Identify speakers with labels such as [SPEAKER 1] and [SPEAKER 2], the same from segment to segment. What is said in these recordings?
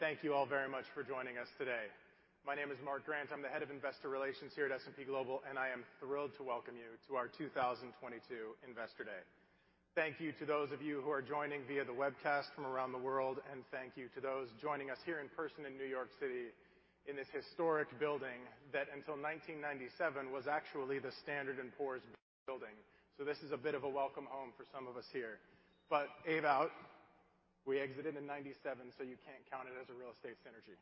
[SPEAKER 1] Thank you all very much for joining us today. My name is Mark Grant. I'm the Head of Investor Relations here at S&P Global, and I am thrilled to welcome you to our 2022 Investor Day. Thank you to those of you who are joining via the webcast from around the world. Thank you to those joining us here in person in New York City in this historic building that, until 1997, was actually the Standard & Poor's building. This is a bit of a welcome home for some of us here. Ewa, we exited in 97, so you can't count it as a real estate synergy.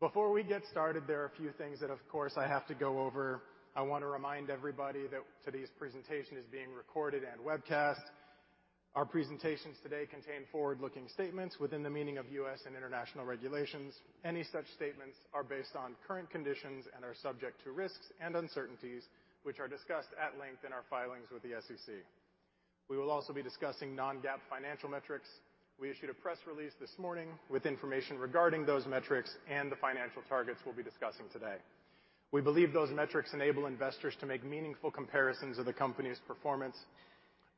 [SPEAKER 1] Before we get started, there are a few things that, of course, I have to go over. I want to remind everybody that today's presentation is being recorded and webcast. Our presentations today contain forward-looking statements within the meaning of U.S. and international regulations. Any such statements are based on current conditions and are subject to risks and uncertainties, which are discussed at length in our filings with the SEC. We will also be discussing non-GAAP financial metrics. We issued a press release this morning with information regarding those metrics and the financial targets we'll be discussing today. We believe those metrics enable investors to make meaningful comparisons of the company's performance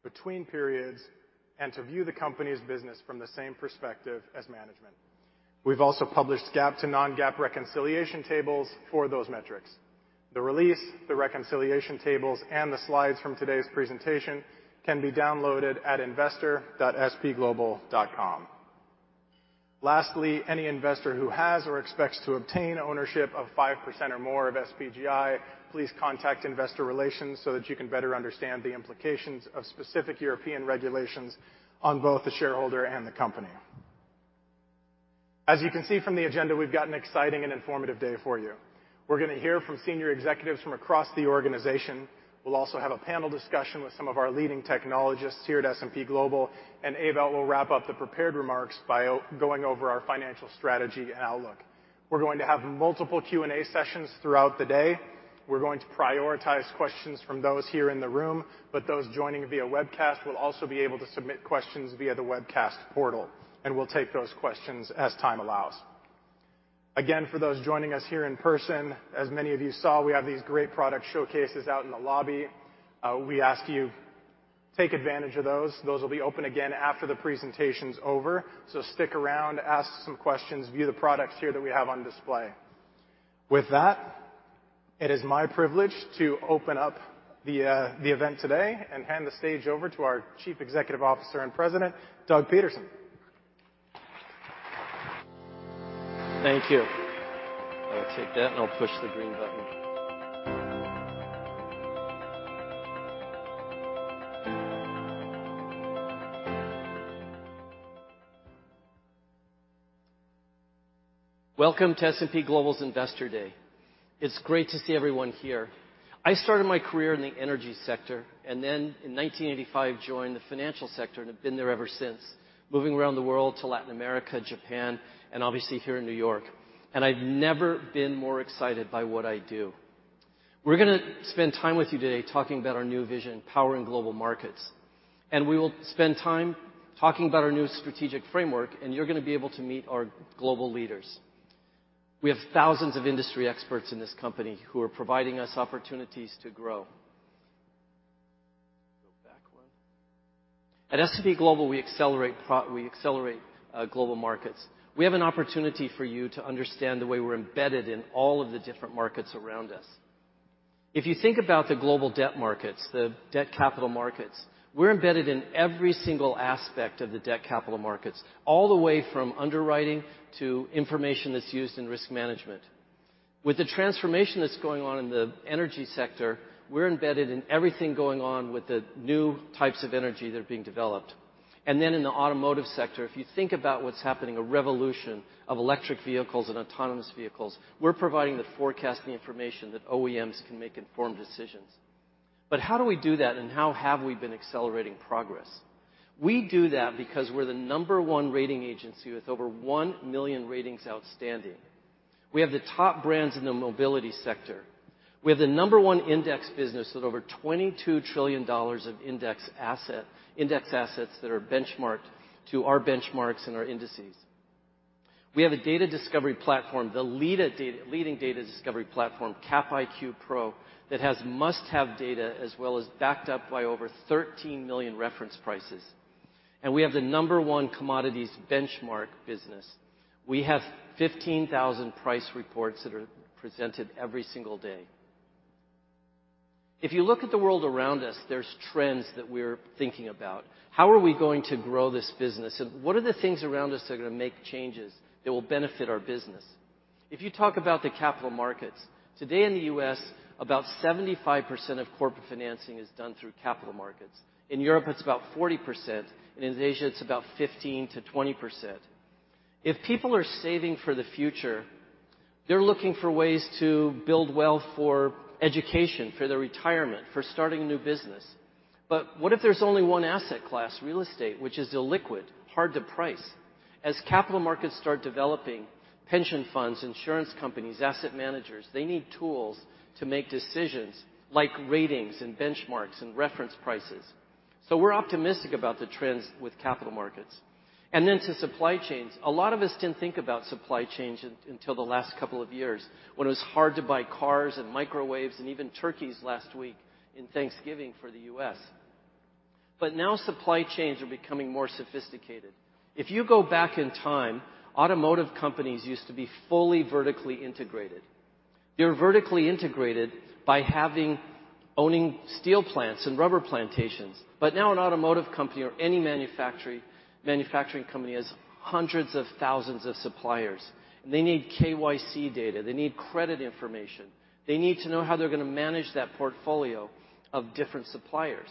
[SPEAKER 1] between periods and to view the company's business from the same perspective as management. We've also published GAAP to non-GAAP reconciliation tables for those metrics. The release, the reconciliation tables, and the slides from today's presentation can be downloaded at investor.spglobal.com. Lastly, any investor who has or expects to obtain ownership of 5% or more of SPGI, please contact Investor Relations so that you can better understand the implications of specific European regulations on both the shareholder and the company. As you can see from the agenda, we've got an exciting and informative day for you. We're gonna hear from senior executives from across the organization. We'll also have a panel discussion with some of our leading technologists here at S&P Global. Ewa will wrap up the prepared remarks by going over our financial strategy and outlook. We're going to have multiple Q&A sessions throughout the day. We're going to prioritize questions from those here in the room, but those joining via webcast will also be able to submit questions via the webcast portal, and we'll take those questions as time allows. Again, for those joining us here in person, as many of you saw, we have these great product showcases out in the lobby. We ask you take advantage of those. Those will be open again after the presentation's over. Stick around, ask some questions, view the products here that we have on display. With that, it is my privilege to open up the event today and hand the stage over to our Chief Executive Officer and President, Doug Peterson.
[SPEAKER 2] Thank you. I will take that, and I'll push the green button. Welcome to S&P Global's Investor Day. It's great to see everyone here. I started my career in the energy sector, and then in 1985, joined the financial sector, and have been there ever since. Moving around the world to Latin America, Japan, and obviously here in New York, and I've never been more excited by what I do. We're gonna spend time with you today talking about our new vision, powering global markets. We will spend time talking about our new strategic framework, and you're gonna be able to meet our global leaders. We have thousands of industry experts in this company who are providing us opportunities to grow. Go back one. At S&P Global, we accelerate global markets. We have an opportunity for you to understand the way we're embedded in all of the different markets around us. If you think about the global debt markets, the debt capital markets, we're embedded in every single aspect of the debt capital markets, all the way from underwriting to information that's used in risk management. With the transformation that's going on in the energy sector, we're embedded in everything going on with the new types of energy that are being developed. Then in the automotive sector, if you think about what's happening, a revolution of electric vehicles and autonomous vehicles, we're providing the forecasting information that OEMs can make informed decisions. How do we do that, and how have we been accelerating progress? We do that because we're the number 1 rating agency with over 1 million ratings outstanding. We have the top brands in the mobility sector. We have the number one index business with over $22 trillion of index assets that are benchmarked to our benchmarks and our indices. We have a data discovery platform, the leading data discovery platform, Capital IQ Pro, that has must-have data as well as backed up by over 13 million reference prices. We have the number one commodities benchmark business. We have 15,000 price reports that are presented every single day. If you look at the world around us, there's trends that we're thinking about. How are we going to grow this business, and what are the things around us that are gonna make changes that will benefit our business? If you talk about the capital markets, today in the US, about 75% of corporate financing is done through capital markets. In Europe, it's about 40%. In Asia, it's about 15%-20%. If people are saving for the future, they're looking for ways to build wealth for education, for their retirement, for starting a new business. What if there's only one asset class, real estate, which is illiquid, hard to price? As capital markets start developing pension funds, insurance companies, asset managers, they need tools to make decisions like ratings and benchmarks and reference prices. We're optimistic about the trends with capital markets. Then to supply chains, a lot of us didn't think about supply chains until the last couple of years, when it was hard to buy cars and microwaves, and even turkeys last week in Thanksgiving for the U.S. Now supply chains are becoming more sophisticated. If you go back in time, automotive companies used to be fully vertically integrated. They're vertically integrated by owning steel plants and rubber plantations. Now an automotive company or any manufacturing company has hundreds of thousands of suppliers, they need KYC data. They need credit information. They need to know how they're gonna manage that portfolio of different suppliers.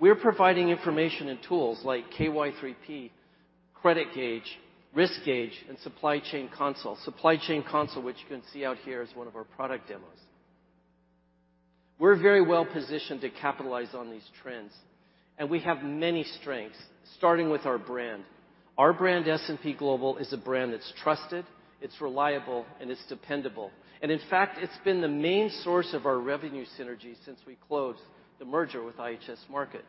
[SPEAKER 2] We're providing information and tools like KY3P, Credit Gauge, RiskGauge, and Supply Chain Console. Supply Chain Console, which you can see out here, is one of our product demos. We're very well-positioned to capitalize on these trends, and we have many strengths, starting with our brand. Our brand, S&P Global, is a brand that's trusted, it's reliable, and it's dependable. In fact, it's been the main source of our revenue synergy since we closed the merger with IHS Markit.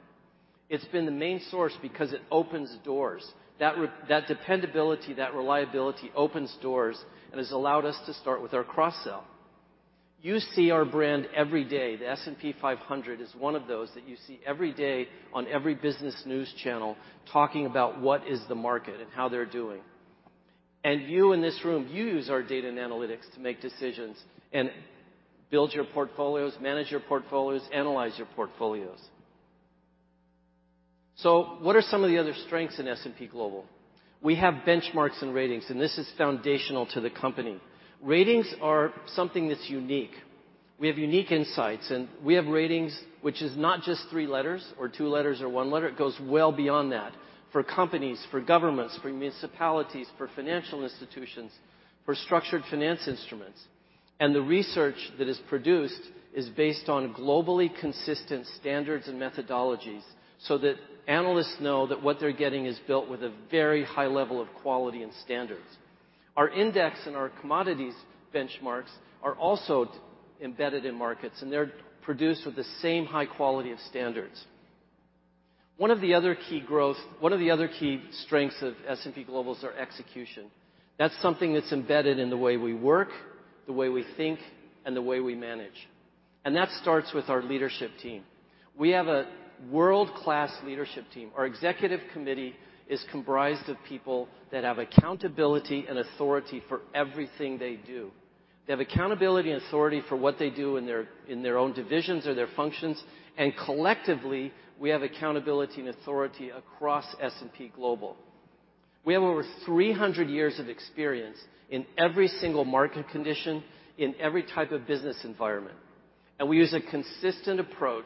[SPEAKER 2] It's been the main source because it opens doors. That dependability, that reliability opens doors and has allowed us to start with our cross-sell. You see our brand every day. The S&P 500 is one of those that you see every day on every business news channel talking about what is the market and how they're doing. You in this room, you use our data and analytics to make decisions and build your portfolios, manage your portfolios, analyze your portfolios. What are some of the other strengths in S&P Global? We have benchmarks and ratings, and this is foundational to the company. Ratings are something that's unique. We have unique insights, and we have ratings which is not just 3 letters or 2 letters or 1 letter. It goes well beyond that, for companies, for governments, for municipalities, for financial institutions, for structured finance instruments. The research that is produced is based on globally consistent standards and methodologies, so that analysts know that what they're getting is built with a very high level of quality and standards. Our index and our commodities benchmarks are also embedded in markets, and they're produced with the same high quality of standards. One of the other key strengths of S&P Global is our execution. That's something that's embedded in the way we work, the way we think, and the way we manage, and that starts with our leadership team. We have a world-class leadership team. Our executive committee is comprised of people that have accountability and authority for everything they do. They have accountability and authority for what they do in their own divisions or their functions, and collectively, we have accountability and authority across S&P Global. We have over 300 years of experience in every single market condition, in every type of business environment, and we use a consistent approach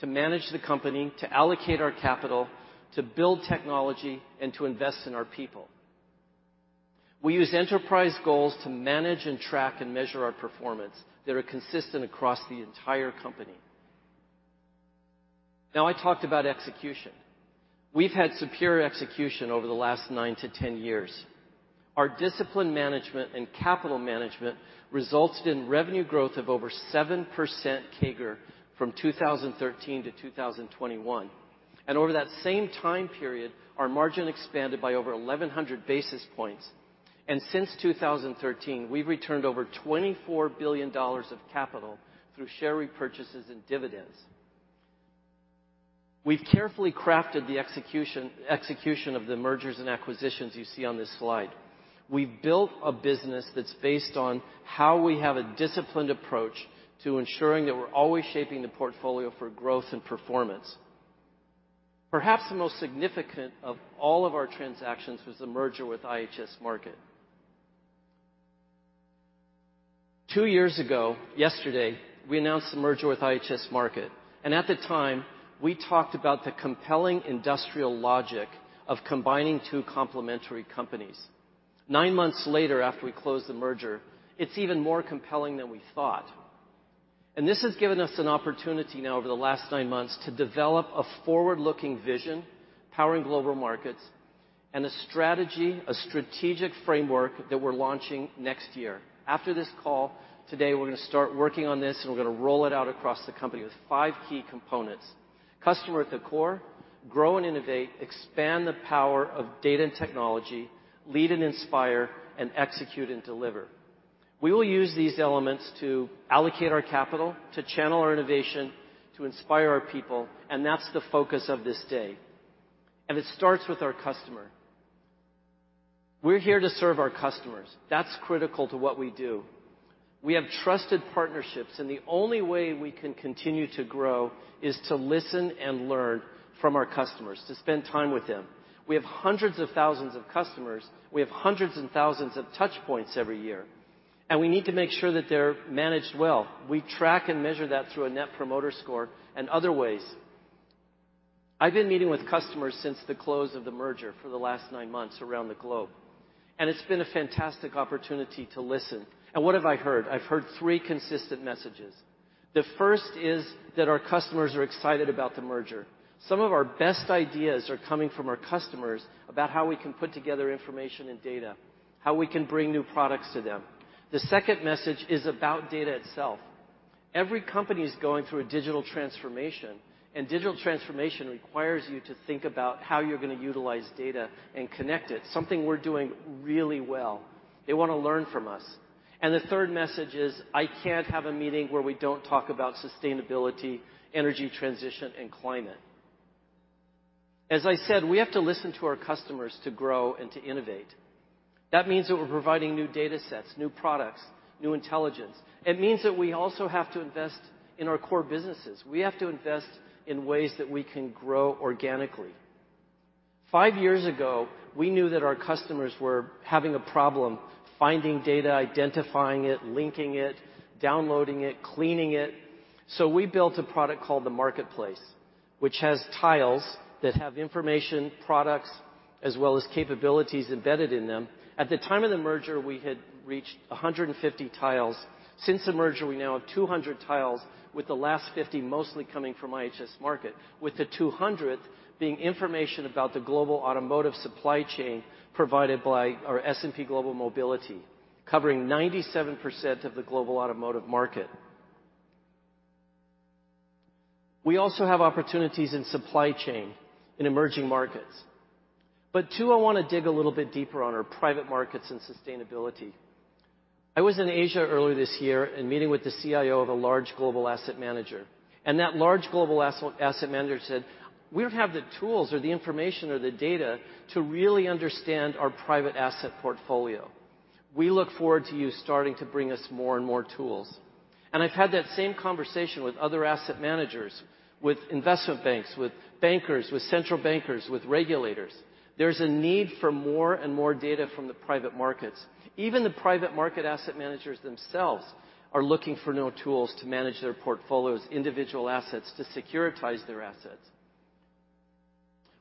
[SPEAKER 2] to manage the company, to allocate our capital, to build technology, and to invest in our people. We use enterprise goals to manage and track and measure our performance that are consistent across the entire company. I talked about execution. We've had superior execution over the last 9-10 years. Our discipline management and capital management resulted in revenue growth of over 7% CAGR from 2013 to 2021. Over that same time period, our margin expanded by over 1,100 basis points. Since 2013, we've returned over $24 billion of capital through share repurchases and dividends. We've carefully crafted the execution of the mergers and acquisitions you see on this slide. We've built a business that's based on how we have a disciplined approach to ensuring that we're always shaping the portfolio for growth and performance. Perhaps the most significant of all of our transactions was the merger with IHS Markit. Two years ago yesterday, we announced the merger with IHS Markit, and at the time, we talked about the compelling industrial logic of combining two complementary companies. 9 months later, after we closed the merger, it's even more compelling than we thought. This has given us an opportunity now over the last 9 months to develop a forward-looking vision, powering global markets, and a strategy, a strategic framework that we're launching next year. After this call today, we're gonna start working on this. We're gonna roll it out across the company with five key components: customer at the core, grow and innovate, expand the power of data and technology, lead and inspire, and execute and deliver. We will use these elements to allocate our capital, to channel our innovation, to inspire our people. That's the focus of this day. It starts with our customer. We're here to serve our customers. That's critical to what we do. We have trusted partnerships. The only way we can continue to grow is to listen and learn from our customers, to spend time with them. We have hundreds of thousands of customers. We have hundreds and thousands of touchpoints every year. We need to make sure that they're managed well. We track and measure that through a Net Promoter Score and other ways. I've been meeting with customers since the close of the merger for the last 9 months around the globe, and it's been a fantastic opportunity to listen. What have I heard? I've heard three consistent messages. The first is that our customers are excited about the merger. Some of our best ideas are coming from our customers about how we can put together information and data, how we can bring new products to them. The second message is about data itself. Every company is going through a digital transformation, and digital transformation requires you to think about how you're going to utilize data and connect it, something we're doing really well. They want to learn from us. The third message is, I can't have a meeting where we don't talk about sustainability, energy transition, and climate. As I said, we have to listen to our customers to grow and to innovate. means that we're providing new data sets, new products, new intelligence. It means that we also have to invest in our core businesses. We have to invest in ways that we can grow organically. Five years ago, we knew that our customers were having a problem finding data, identifying it, linking it, downloading it, cleaning it. we built a product called The Marketplace, which has tiles that have information, products, as well as capabilities embedded in them. At the time of the merger, we had reached 150 tiles. Since the merger, we now have 200 tiles, with the last 50 mostly coming from IHS Markit, with the 200th being information about the global automotive supply chain provided by our S&P Global Mobility, covering 97% of the global automotive market. We also have opportunities in supply chain in emerging markets. Two, I want to dig a little bit deeper on are private markets and sustainability. I was in Asia earlier this year and meeting with the CIO of a large global asset manager, and that large global asset manager said, "We don't have the tools or the information or the data to really understand our private asset portfolio. We look forward to you starting to bring us more and more tools." I've had that same conversation with other asset managers, with investment banks, with bankers, with central bankers, with regulators. There's a need for more and more data from the private markets. Even the private market asset managers themselves are looking for new tools to manage their portfolios, individual assets, to securitize their assets.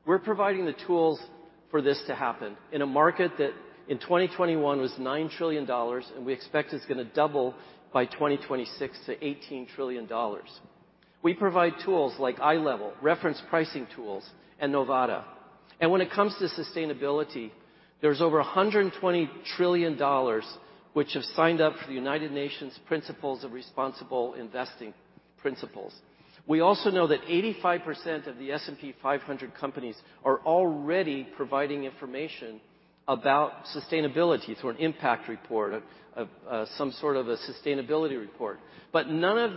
[SPEAKER 2] We're providing the tools for this to happen in a market that in 2021 was $9 trillion, and we expect it's gonna double by 2026 to $18 trillion. We provide tools like iLEVEL, reference pricing tools, and Novada. When it comes to sustainability, there's over $120 trillion which have signed up for the United Nations Principles for Responsible Investment principles. We also know that 85% of the S&P 500 companies are already providing information about sustainability through an impact report of some sort of a sustainability report. None of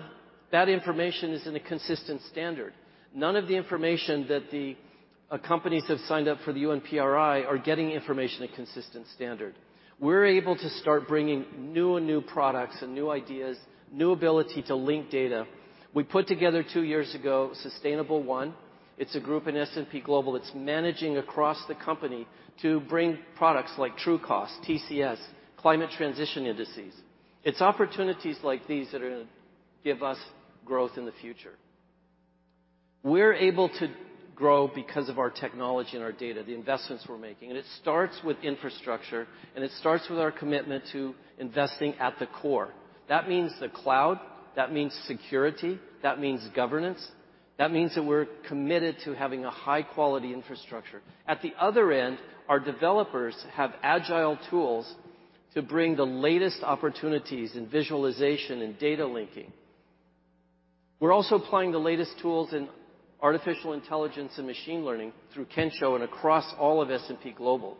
[SPEAKER 2] that information is in a consistent standard. None of the information that the companies have signed up for the UNPRI are getting information in a consistent standard. We're able to start bringing new and new products and new ideas, new ability to link data. We put together two years ago Sustainable1. It's a group in S&P Global that's managing across the company to bring products like Trucost, TCS, Climate Transition Indices. It's opportunities like these that are gonna give us growth in the future. We're able to grow because of our technology and our data, the investments we're making. It starts with infrastructure. It starts with our commitment to investing at the core. That means the cloud. That means security. That means governance. That means that we're committed to having a high-quality infrastructure. At the other end, our developers have agile tools to bring the latest opportunities in visualization and data linking. We're also applying the latest tools in artificial intelligence and machine learning through Kensho and across all of S&P Global.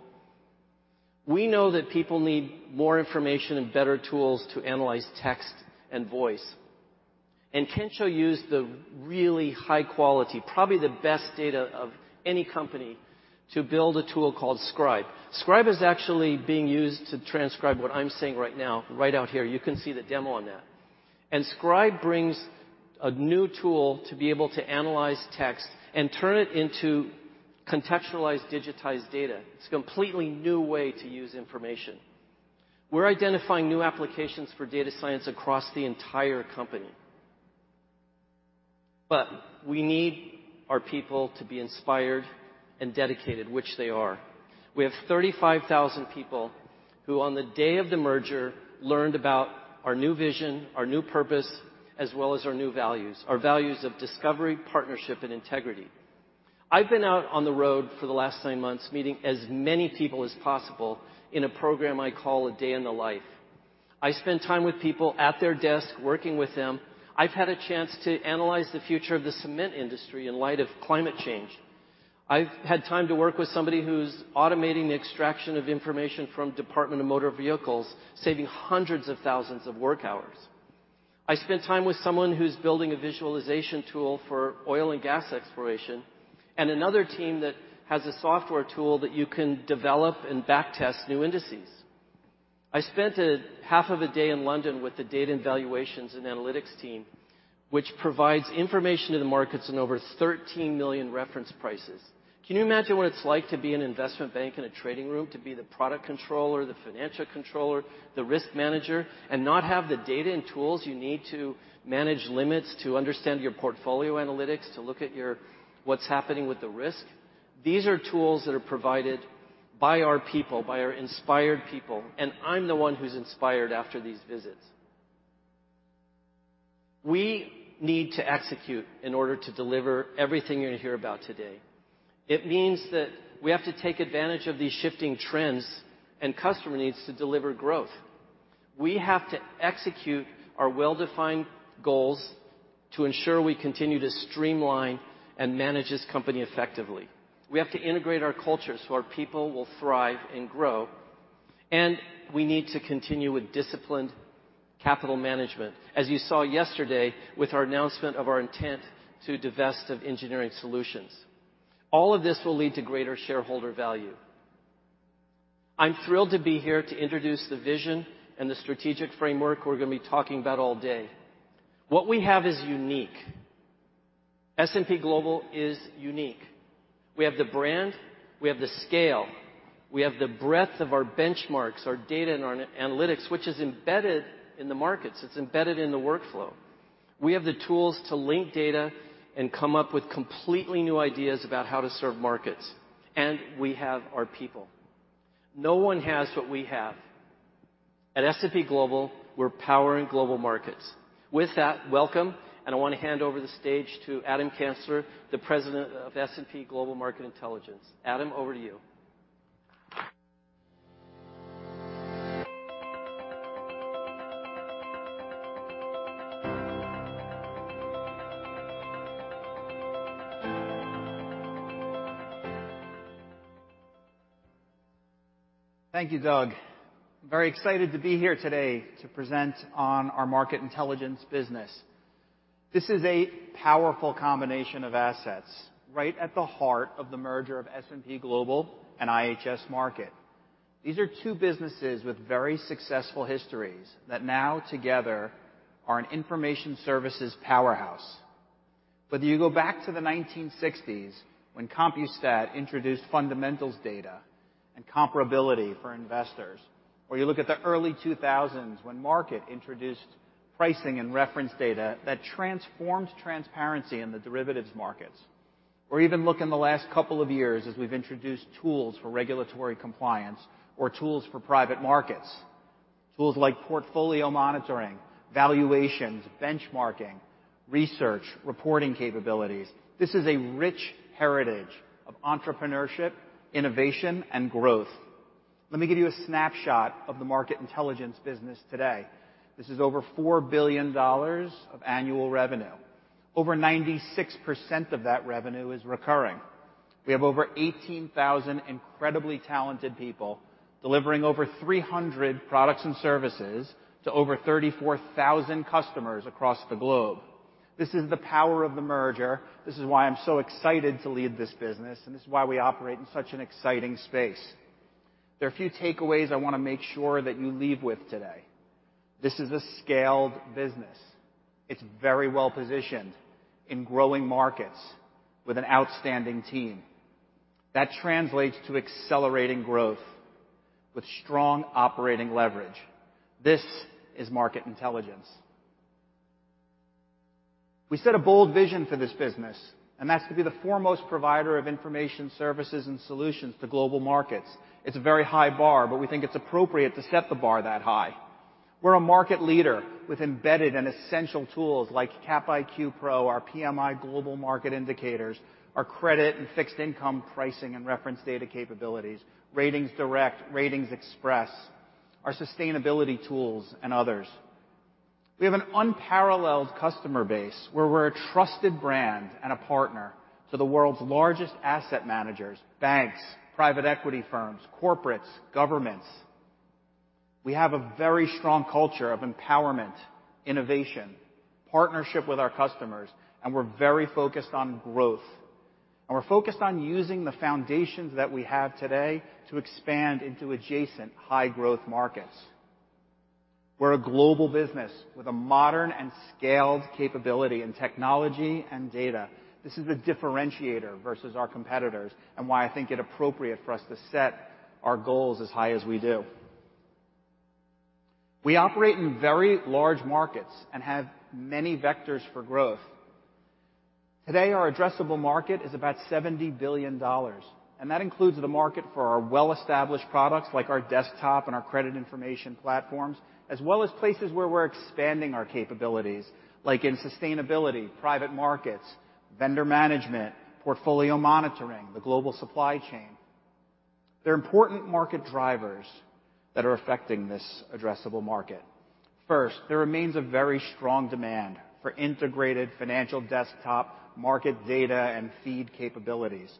[SPEAKER 2] We know that people need more information and better tools to analyze text and voice. Kensho used the really high quality, probably the best data of any company, to build a tool called Scribe. Scribe is actually being used to transcribe what I'm saying right now, right out here. You can see the demo on that. Scribe brings a new tool to be able to analyze text and turn it into contextualized, digitized data. It's a completely new way to use information. We're identifying new applications for data science across the entire company. We need our people to be inspired and dedicated, which they are. We have 35,000 people who, on the day of the merger, learned about our new vision, our new purpose, as well as our new values, our values of discovery, partnership, and integrity. I've been out on the road for the last 9 months, meeting as many people as possible in a program I call A Day in the Life. I spend time with people at their desk, working with them. I've had a chance to analyze the future of the cement industry in light of climate change. I've had time to work with somebody who's automating the extraction of information from Department of Motor Vehicles, saving hundreds of thousands of work hours. I spent time with someone who's building a visualization tool for oil and gas exploration, and another team that has a software tool that you can develop and back-test new indices. I spent a half of a day in London with the data and valuations and analytics team, which provides information to the markets in over 13 million reference prices. Can you imagine what it's like to be an investment bank in a trading room, to be the product controller, the financial controller, the risk manager, and not have the data and tools you need to manage limits, to understand your portfolio analytics, to look at what's happening with the risk? These are tools that are provided by our people, by our inspired people, and I'm the one who's inspired after these visits. We need to execute in order to deliver everything you're gonna hear about today. It means that we have to take advantage of these shifting trends and customer needs to deliver growth. We have to execute our well-defined goals to ensure we continue to streamline and manage this company effectively. We have to integrate our culture so our people will thrive and grow. We need to continue with disciplined capital management, as you saw yesterday with our announcement of our intent to divest of Engineering Solutions. All of this will lead to greater shareholder value. I'm thrilled to be here to introduce the vision and the strategic framework we're gonna be talking about all day. What we have is unique. S&P Global is unique. We have the brand, we have the scale, we have the breadth of our benchmarks, our data, and our analytics, which is embedded in the markets. It's embedded in the workflow. We have the tools to link data and come up with completely new ideas about how to serve markets. We have our people. No one has what we have. At S&P Global, we're powering global markets. With that, welcome, and I want to hand over the stage to Adam Kansler, the President of S&P Global Market Intelligence. Adam, over to you.
[SPEAKER 3] Thank you, Doug. Very excited to be here today to present on our Market Intelligence business. This is a powerful combination of assets right at the heart of the merger of S&P Global and IHS Markit. These are two businesses with very successful histories that now together are an information services powerhouse. Whether you go back to the 1960s when Compustat introduced fundamentals data and comparability for investors, or you look at the early 2000s when Markit introduced pricing and reference data that transformed transparency in the derivatives markets, or even look in the last couple of years as we've introduced tools for regulatory compliance or tools for private markets. Tools like portfolio monitoring, valuations, benchmarking, research, reporting capabilities. This is a rich heritage of entrepreneurship, innovation, and growth. Let me give you a snapshot of the Market Intelligence business today. This is over $4 billion of annual revenue. Over 96% of that revenue is recurring. We have over 18,000 incredibly talented people delivering over 300 products and services to over 34,000 customers across the globe. This is the power of the merger. This is why I'm so excited to lead this business. This is why we operate in such an exciting space. There are a few takeaways I wanna make sure that you leave with today. This is a scaled business. It's very well-positioned in growing markets with an outstanding team. That translates to accelerating growth with strong operating leverage. This is market intelligence. We set a bold vision for this business, and that's to be the foremost provider of information, services, and solutions to global markets. It's a very high bar, but we think it's appropriate to set the bar that high. We're a market leader with embedded and essential tools like CapIQ Pro, our PMI Global Market Indicators, our credit and fixed income pricing and reference data capabilities, RatingsDirect, RatingsXpress, our sustainability tools, and others. We have an unparalleled customer base where we're a trusted brand and a partner to the world's largest asset managers, banks, private equity firms, corporates, governments. We have a very strong culture of empowerment, innovation, partnership with our customers, and we're very focused on growth, and we're focused on using the foundations that we have today to expand into adjacent high-growth markets. We're a global business with a modern and scaled capability in technology and data. This is the differentiator versus our competitors and why I think it appropriate for us to set our goals as high as we do. We operate in very large markets and have many vectors for growth. Today, our addressable market is about $70 billion, and that includes the market for our well-established products like our desktop and our credit information platforms, as well as places where we're expanding our capabilities, like in sustainability, private markets, vendor management, portfolio monitoring, the global supply chain. There are important market drivers that are affecting this addressable market. First, there remains a very strong demand for integrated financial desktop market data and feed capabilities.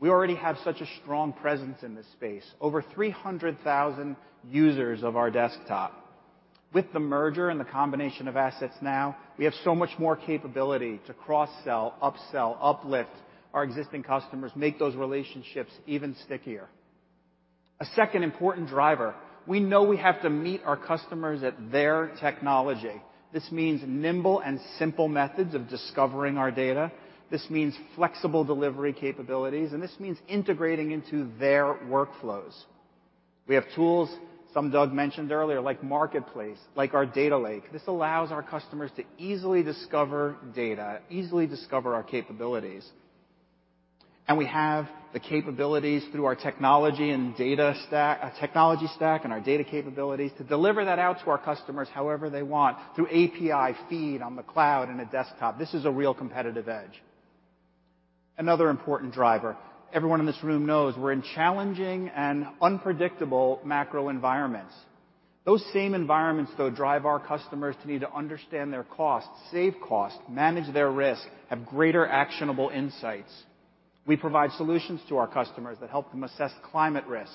[SPEAKER 3] We already have such a strong presence in this space. Over 300,000 users of our desktop. With the merger and the combination of assets now, we have so much more capability to cross-sell, upsell, uplift our existing customers, make those relationships even stickier. A second important driver, we know we have to meet our customers at their technology. This means nimble and simple methods of discovering our data. This means flexible delivery capabilities, this means integrating into their workflows. We have tools, some Doug mentioned earlier, like Marketplace, like our Data Lake. This allows our customers to easily discover data, easily discover our capabilities. We have the capabilities through our technology stack and our data capabilities to deliver that out to our customers however they want through API feed on the cloud in a desktop. This is a real competitive edge. Another important driver. Everyone in this room knows we're in challenging and unpredictable macro environments. Those same environments, though, drive our customers to need to understand their costs, save costs, manage their risks, have greater actionable insights. We provide solutions to our customers that help them assess climate risk,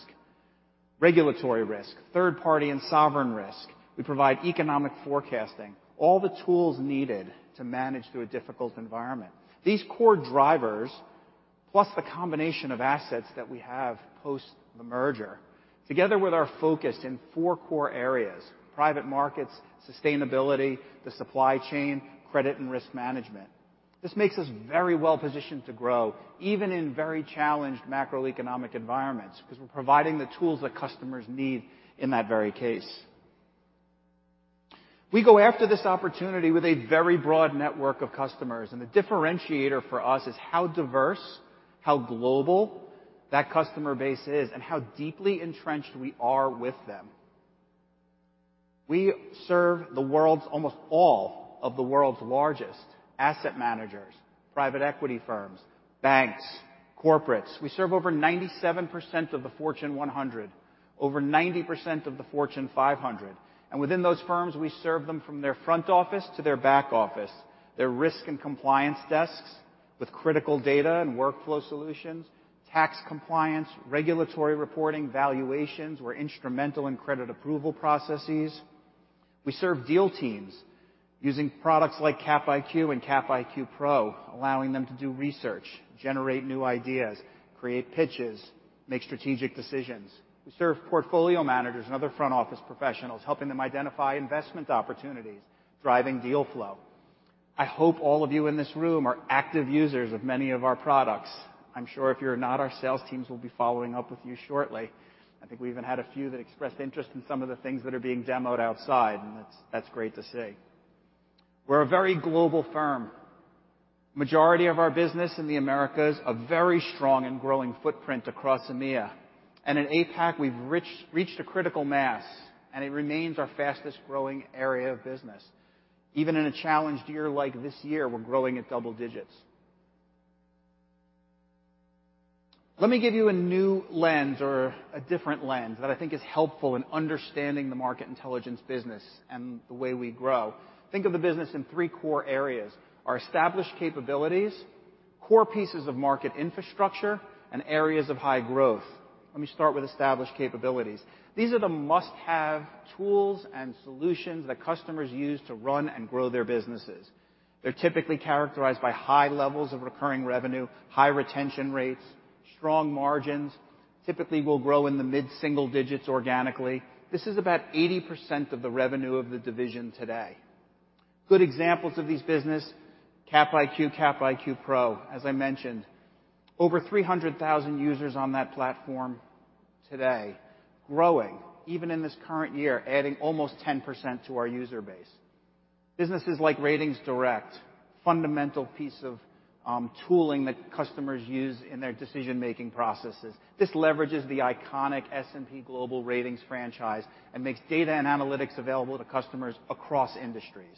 [SPEAKER 3] regulatory risk, third-party and sovereign risk. We provide economic forecasting, all the tools needed to manage through a difficult environment. These core drivers, plus the combination of assets that we have post the merger, together with our focus in 4 core areas: private markets, sustainability, the supply chain, credit and risk management. This makes us very well positioned to grow, even in very challenged macroeconomic environments, 'cause we're providing the tools that customers need in that very case. We go after this opportunity with a very broad network of customers, and the differentiator for us is how diverse, how global that customer base is and how deeply entrenched we are with them. We serve almost all of the world's largest asset managers, private equity firms, banks, corporates. We serve over 97% of the Fortune 100, over 90% of the Fortune 500, and within those firms, we serve them from their front office to their back office, their risk and compliance desks with critical data and workflow solutions, tax compliance, regulatory reporting, valuations. We're instrumental in credit approval processes. We serve deal teams using products like CapIQ and CapIQ Pro, allowing them to do research, generate new ideas, create pitches, make strategic decisions. We serve portfolio managers and other front office professionals, helping them identify investment opportunities, driving deal flow. I hope all of you in this room are active users of many of our products. I'm sure if you're not, our sales teams will be following up with you shortly. I think we even had a few that expressed interest in some of the things that are being demoed outside, and that's great to see. We're a very global firm. Majority of our business in the Americas, a very strong and growing footprint across EMEA. In APAC, we've reached a critical mass, and it remains our fastest-growing area of business. Even in a challenged year like this year, we're growing at double digits. Let me give you a new lens or a different lens that I think is helpful in understanding the Market Intelligence business and the way we grow. Think of the business in three core areas: our established capabilities, core pieces of market infrastructure, and areas of high growth. Let me start with established capabilities. These are the must-have tools and solutions that customers use to run and grow their businesses. They're typically characterized by high levels of recurring revenue, high retention rates, strong margins. Typically will grow in the mid-single digits organically. This is about 80% of the revenue of the division today. Good examples of these business, CapIQ Pro. As I mentioned, over 300,000 users on that platform today, growing even in this current year, adding almost 10% to our user base. Businesses like RatingsDirect, fundamental piece of tooling that customers use in their decision-making processes. This leverages the iconic S&P Global Ratings franchise and makes data and analytics available to customers across industries.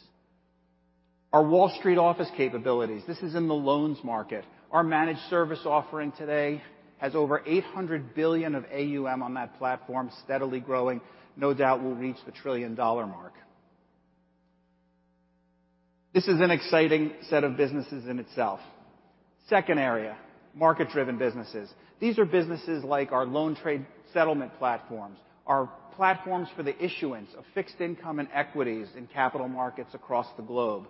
[SPEAKER 3] Our Wall Street Office capabilities, this is in the loans market. Our managed service offering today has over $800 billion of AUM on that platform, steadily growing. No doubt we'll reach the trillion-dollar mark. This is an exciting set of businesses in itself. Second area, market-driven businesses. These are businesses like our loan trade settlement platforms, our platforms for the issuance of fixed income and equities in capital markets across the globe.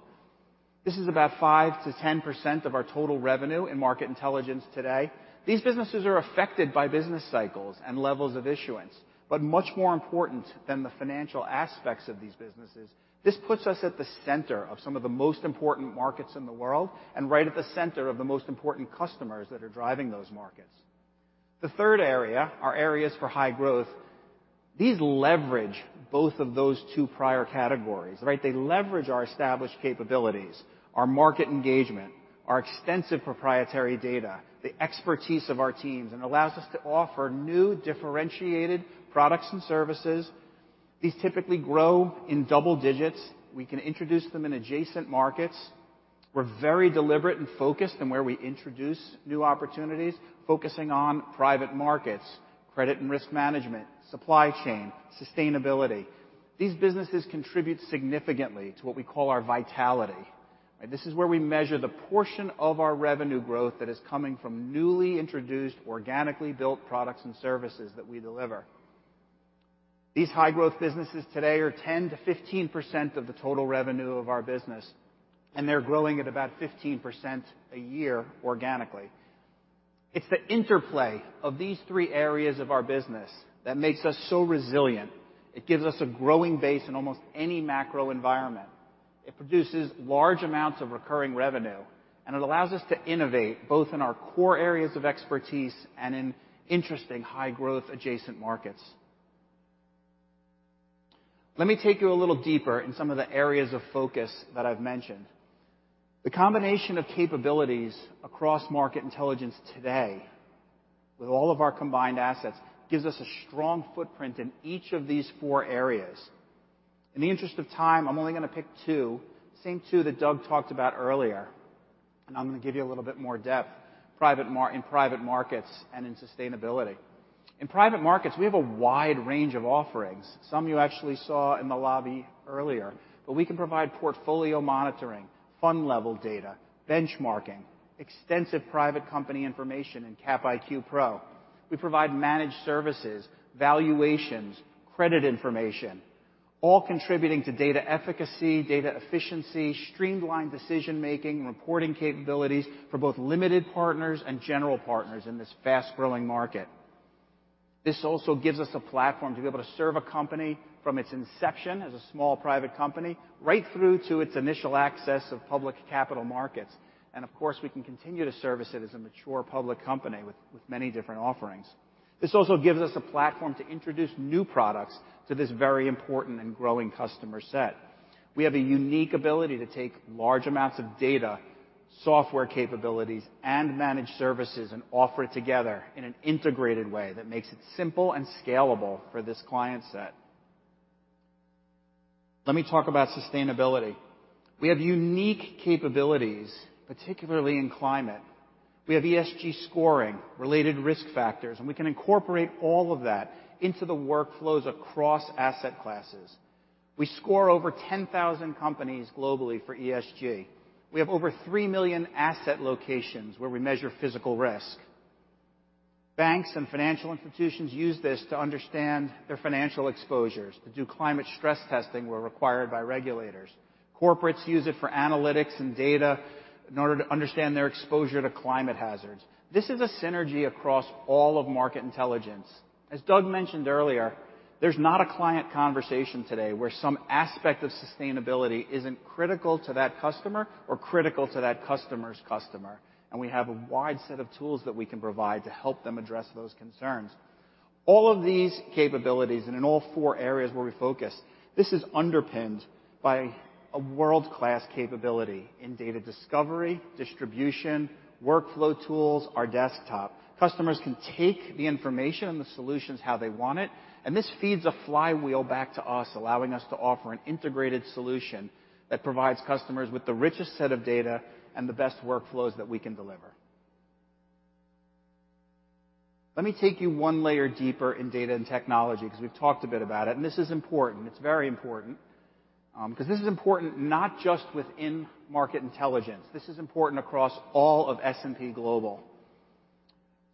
[SPEAKER 3] This is about 5%-10% of our total revenue in Market Intelligence today. These businesses are affected by business cycles and levels of issuance. Much more important than the financial aspects of these businesses, this puts us at the center of some of the most important markets in the world and right at the center of the most important customers that are driving those markets. The third area are areas for high growth. These leverage both of those two prior categories, right? They leverage our established capabilities, our market engagement, our extensive proprietary data, the expertise of our teams, and allows us to offer new differentiated products and services. These typically grow in double digits. We can introduce them in adjacent markets. We're very deliberate and focused in where we introduce new opportunities, focusing on private markets, credit and risk management, supply chain, sustainability. These businesses contribute significantly to what we call our Vitality. This is where we measure the portion of our revenue growth that is coming from newly introduced, organically built products and services that we deliver. These high-growth businesses today are 10%-15% of the total revenue of our business, and they're growing at about 15% a year organically. It's the interplay of these three areas of our business that makes us so resilient. It gives us a growing base in almost any macro environment. It produces large amounts of recurring revenue, and it allows us to innovate both in our core areas of expertise and in interesting high-growth adjacent markets. Let me take you a little deeper in some of the areas of focus that I've mentioned. The combination of capabilities across Market Intelligence today. With all of our combined assets gives us a strong footprint in each of these four areas. In the interest of time, I'm only going to pick two, same two that Doug talked about earlier, and I'm going to give you a little bit more depth in private markets and in sustainability. In private markets, we have a wide range of offerings. Some you actually saw in the lobby earlier. We can provide portfolio monitoring, fund level data, benchmarking, extensive private company information in CapIQ Pro. We provide managed services, valuations, credit information, all contributing to data efficacy, data efficiency, streamlined decision-making, reporting capabilities for both limited partners and general partners in this fast-growing market. This also gives us a platform to be able to serve a company from its inception as a small private company right through to its initial access of public capital markets. Of course, we can continue to service it as a mature public company with many different offerings. This also gives us a platform to introduce new products to this very important and growing customer set. We have a unique ability to take large amounts of data, software capabilities, and managed services and offer it together in an integrated way that makes it simple and scalable for this client set. Let me talk about sustainability. We have unique capabilities, particularly in climate. We have ESG scoring, related risk factors, and we can incorporate all of that into the workflows across asset classes. We score over 10,000 companies globally for ESG. We have over 3 million asset locations where we measure physical risk. Banks and financial institutions use this to understand their financial exposures, to do climate stress testing where required by regulators. Corporates use it for analytics and data in order to understand their exposure to climate hazards. This is a synergy across all of Market Intelligence. As Doug mentioned earlier, there's not a client conversation today where some aspect of sustainability isn't critical to that customer or critical to that customer's customer, and we have a wide set of tools that we can provide to help them address those concerns. All of these capabilities, and in all four areas where we focus, this is underpinned by a world-class capability in data discovery, distribution, workflow tools, our desktop. Customers can take the information and the solutions how they want it, this feeds a flywheel back to us, allowing us to offer an integrated solution that provides customers with the richest set of data and the best workflows that we can deliver. Let me take you one layer deeper in data and technology because we've talked a bit about it, this is important. It's very important, because this is important not just within Market Intelligence. This is important across all of S&P Global.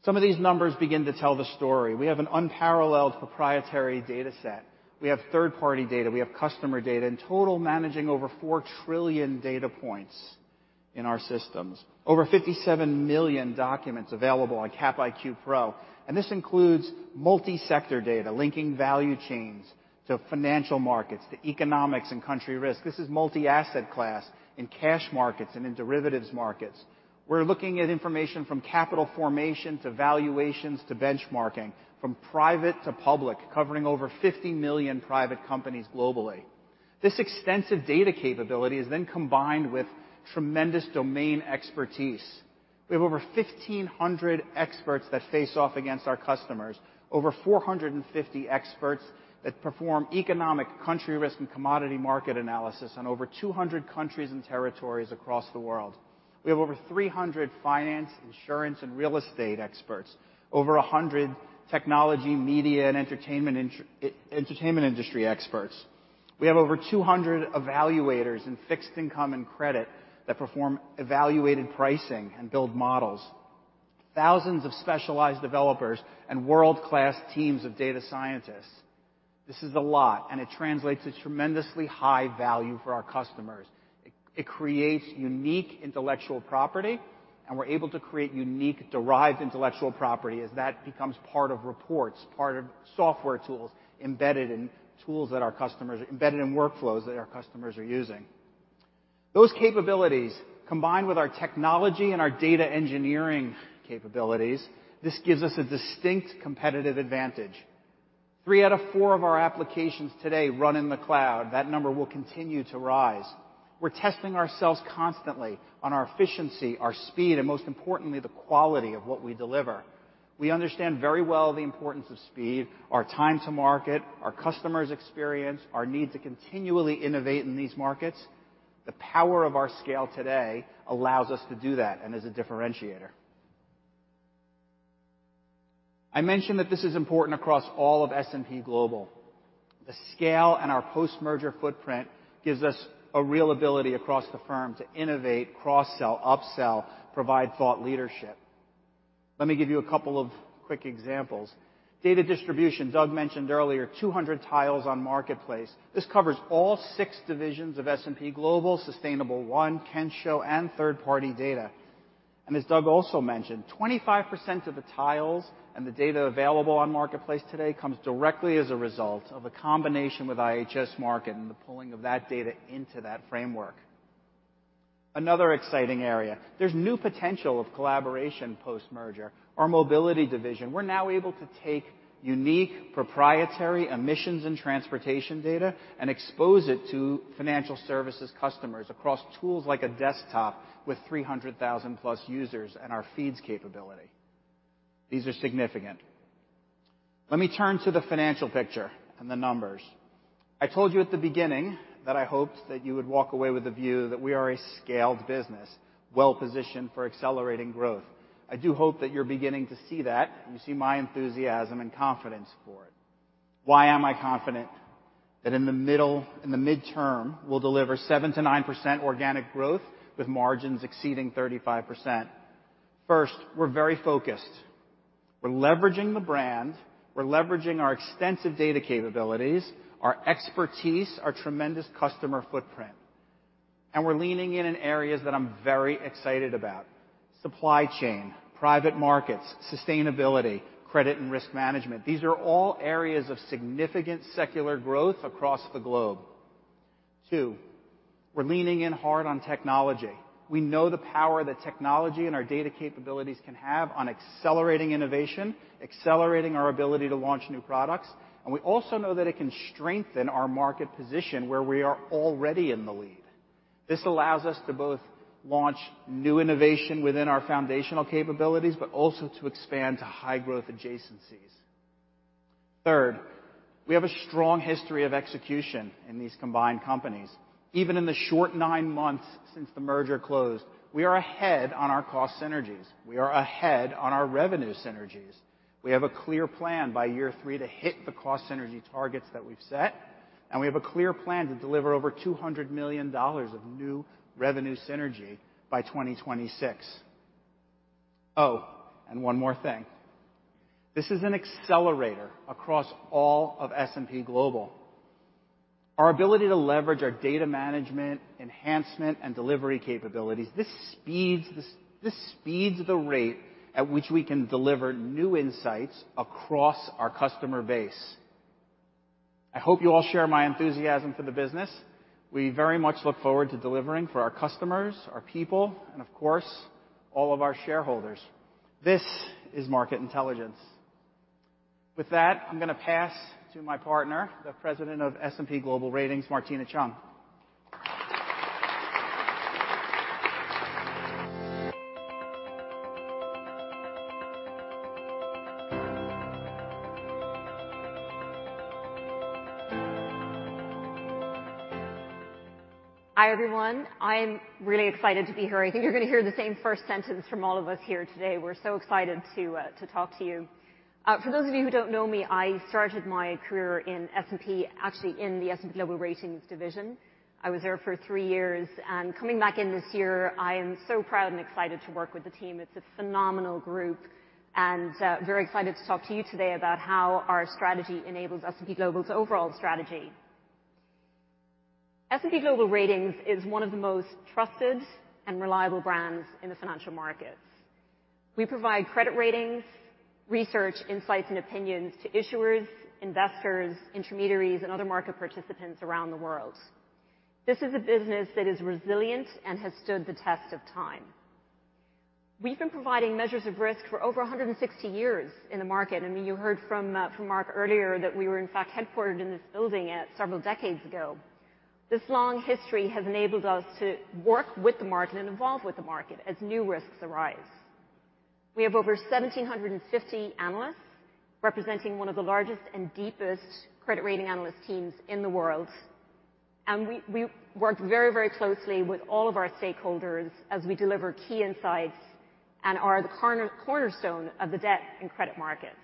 [SPEAKER 3] Some of these numbers begin to tell the story. We have an unparalleled proprietary data set. We have third-party data. We have customer data. In total, managing over 4 trillion data points in our systems. Over 57 million documents available on CapIQ Pro, this includes multi-sector data, linking value chains to financial markets, to economics and country risk. This is multi-asset class in cash markets and in derivatives markets. We're looking at information from capital formation to valuations to benchmarking, from private to public, covering over 50 million private companies globally. This extensive data capability is then combined with tremendous domain expertise. We have over 1,500 experts that face off against our customers. Over 450 experts that perform economic, country risk, and commodity market analysis in over 200 countries and territories across the world. We have over 300 finance, insurance, and real estate experts. Over 100 technology, media, and entertainment industry experts. We have over 200 evaluators in fixed income and credit that perform evaluated pricing and build models. Thousands of specialized developers and world-class teams of data scientists. This is a lot, and it translates to tremendously high value for our customers. It creates unique intellectual property, and we're able to create unique derived intellectual property as that becomes part of reports, part of software tools, embedded in tools that our customers, embedded in workflows that our customers are using. Those capabilities, combined with our technology and our data engineering capabilities, this gives us a distinct competitive advantage. Three out of four of our applications today run in the cloud. That number will continue to rise. We're testing ourselves constantly on our efficiency, our speed, and most importantly, the quality of what we deliver. We understand very well the importance of speed, our time to market, our customers' experience, our need to continually innovate in these markets. The power of our scale today allows us to do that and is a differentiator. I mentioned that this is important across all of S&P Global. The scale and our post-merger footprint gives us a real ability across the firm to innovate, cross-sell, upsell, provide thought leadership. Let me give you a couple of quick examples. Data distribution. Doug mentioned earlier 200 tiles on Marketplace. This covers all six divisions of S&P Global, Sustainable One, Kensho, and third-party data. As Doug also mentioned, 25% of the tiles and the data available on Marketplace today comes directly as a result of a combination with IHS Markit and the pulling of that data into that framework. Another exciting area. There's new potential of collaboration post-merger. Our Mobility division, we're now able to take unique proprietary emissions and transportation data and expose it to financial services customers across tools like a desktop with 300,000+ users and our feeds capability. These are significant. Let me turn to the financial picture and the numbers. I told you at the beginning that I hoped that you would walk away with the view that we are a scaled business, well-positioned for accelerating growth. I do hope that you're beginning to see that, and you see my enthusiasm and confidence for it. Why am I confident that in the midterm, we'll deliver 7%-9% organic growth with margins exceeding 35%? First, we're very focused. We're leveraging the brand. We're leveraging our extensive data capabilities, our expertise, our tremendous customer footprint, and we're leaning in in areas that I'm very excited about. Supply chain, private markets, sustainability, credit, and risk management. These are all areas of significant secular growth across the globe. 2, we're leaning in hard on technology. We know the power that technology and our data capabilities can have on accelerating innovation, accelerating our ability to launch new products. We also know that it can strengthen our market position where we are already in the lead. This allows us to both launch new innovation within our foundational capabilities, but also to expand to high growth adjacencies. Third, we have a strong history of execution in these combined companies. Even in the short nine months since the merger closed, we are ahead on our cost synergies. We are ahead on our revenue synergies. We have a clear plan by year three to hit the cost synergy targets that we've set. We have a clear plan to deliver over $200 million of new revenue synergy by 2026. One more thing. This is an accelerator across all of S&P Global. Our ability to leverage our data management, enhancement, and delivery capabilities, this speeds the rate at which we can deliver new insights across our customer base. I hope you all share my enthusiasm for the business. We very much look forward to delivering for our customers, our people, and of course, all of our shareholders. This is market intelligence. With that, I'm gonna pass to my partner, the President of S&P Global Ratings, Martina L. Cheung.
[SPEAKER 4] Hi, everyone. I'm really excited to be here. I think you're gonna hear the same first sentence from all of us here today. We're so excited to talk to you. For those of you who don't know me, I started my career in S&P, actually in the S&P Global Ratings division. I was there for three years, and coming back in this year, I am so proud and excited to work with the team. It's a phenomenal group, and very excited to talk to you today about how our strategy enables S&P Global's overall strategy. S&P Global Ratings is one of the most trusted and reliable brands in the financial markets. We provide credit ratings, research, insights, and opinions to issuers, investors, intermediaries, and other market participants around the world. This is a business that is resilient and has stood the test of time. We've been providing measures of risk for over 160 years in the market. I mean, you heard from Mark Grant earlier that we were in fact headquartered in this building several decades ago. This long history has enabled us to work with the market and evolve with the market as new risks arise. We have over 1,750 analysts, representing one of the largest and deepest credit rating analyst teams in the world. We work very, very closely with all of our stakeholders as we deliver key insights and are the cornerstone of the debt and credit markets.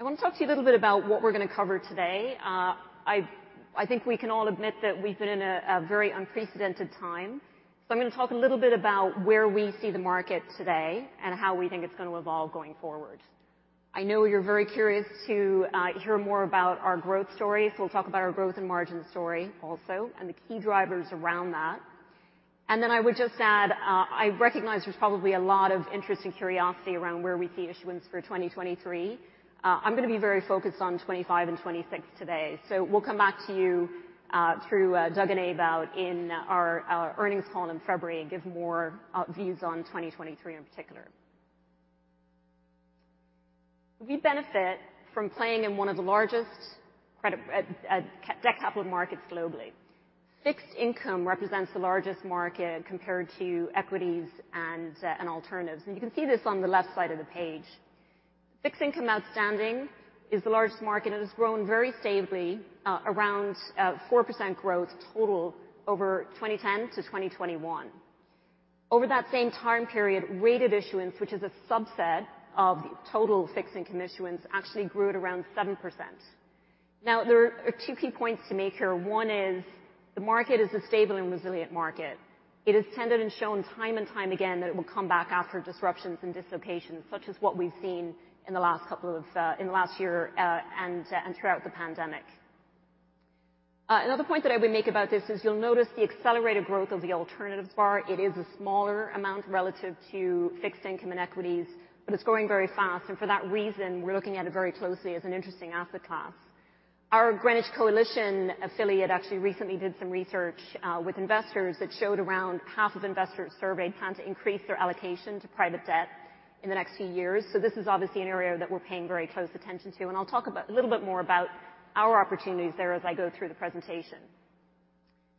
[SPEAKER 4] I want to talk to you a little bit about what we're gonna cover today. I think we can all admit that we've been in a very unprecedented time. I'm gonna talk a little bit about where we see the market today and how we think it's gonna evolve going forward. I know you're very curious to hear more about our growth story. We'll talk about our growth and margin story also, and the key drivers around that. Then I would just add, I recognize there's probably a lot of interest and curiosity around where we see issuance for 2023. I'm gonna be very focused on 25 and 2026 today. We'll come back to you through Doug and Ewout in our earnings call in February and give more views on 2023 in particular. We benefit from playing in one of the largest credit, debt capital markets globally. Fixed income represents the largest market compared to equities and alternatives. You can see this on the left side of the page. Fixed income outstanding is the largest market. It has grown very stably, around 4% growth total over 2010 to 2021. Over that same time period, rated issuance, which is a subset of total fixed income issuance, actually grew at around 7%. Now, there are two key points to make here. One is the market is a stable and resilient market. It has tended and shown time and time again that it will come back after disruptions and dislocations, such as what we've seen in the last couple of, in the last year, and throughout the pandemic. Another point that I would make about this is you'll notice the accelerated growth of the alternatives bar. It is a smaller amount relative to fixed income and equities, but it's growing very fast. For that reason, we're looking at it very closely as an interesting asset class. Our Greenwich Coalition affiliate actually recently did some research with investors that showed around half of investors surveyed plan to increase their allocation to private debt in the next few years. This is obviously an area that we're paying very close attention to, and I'll talk a little bit more about our opportunities there as I go through the presentation.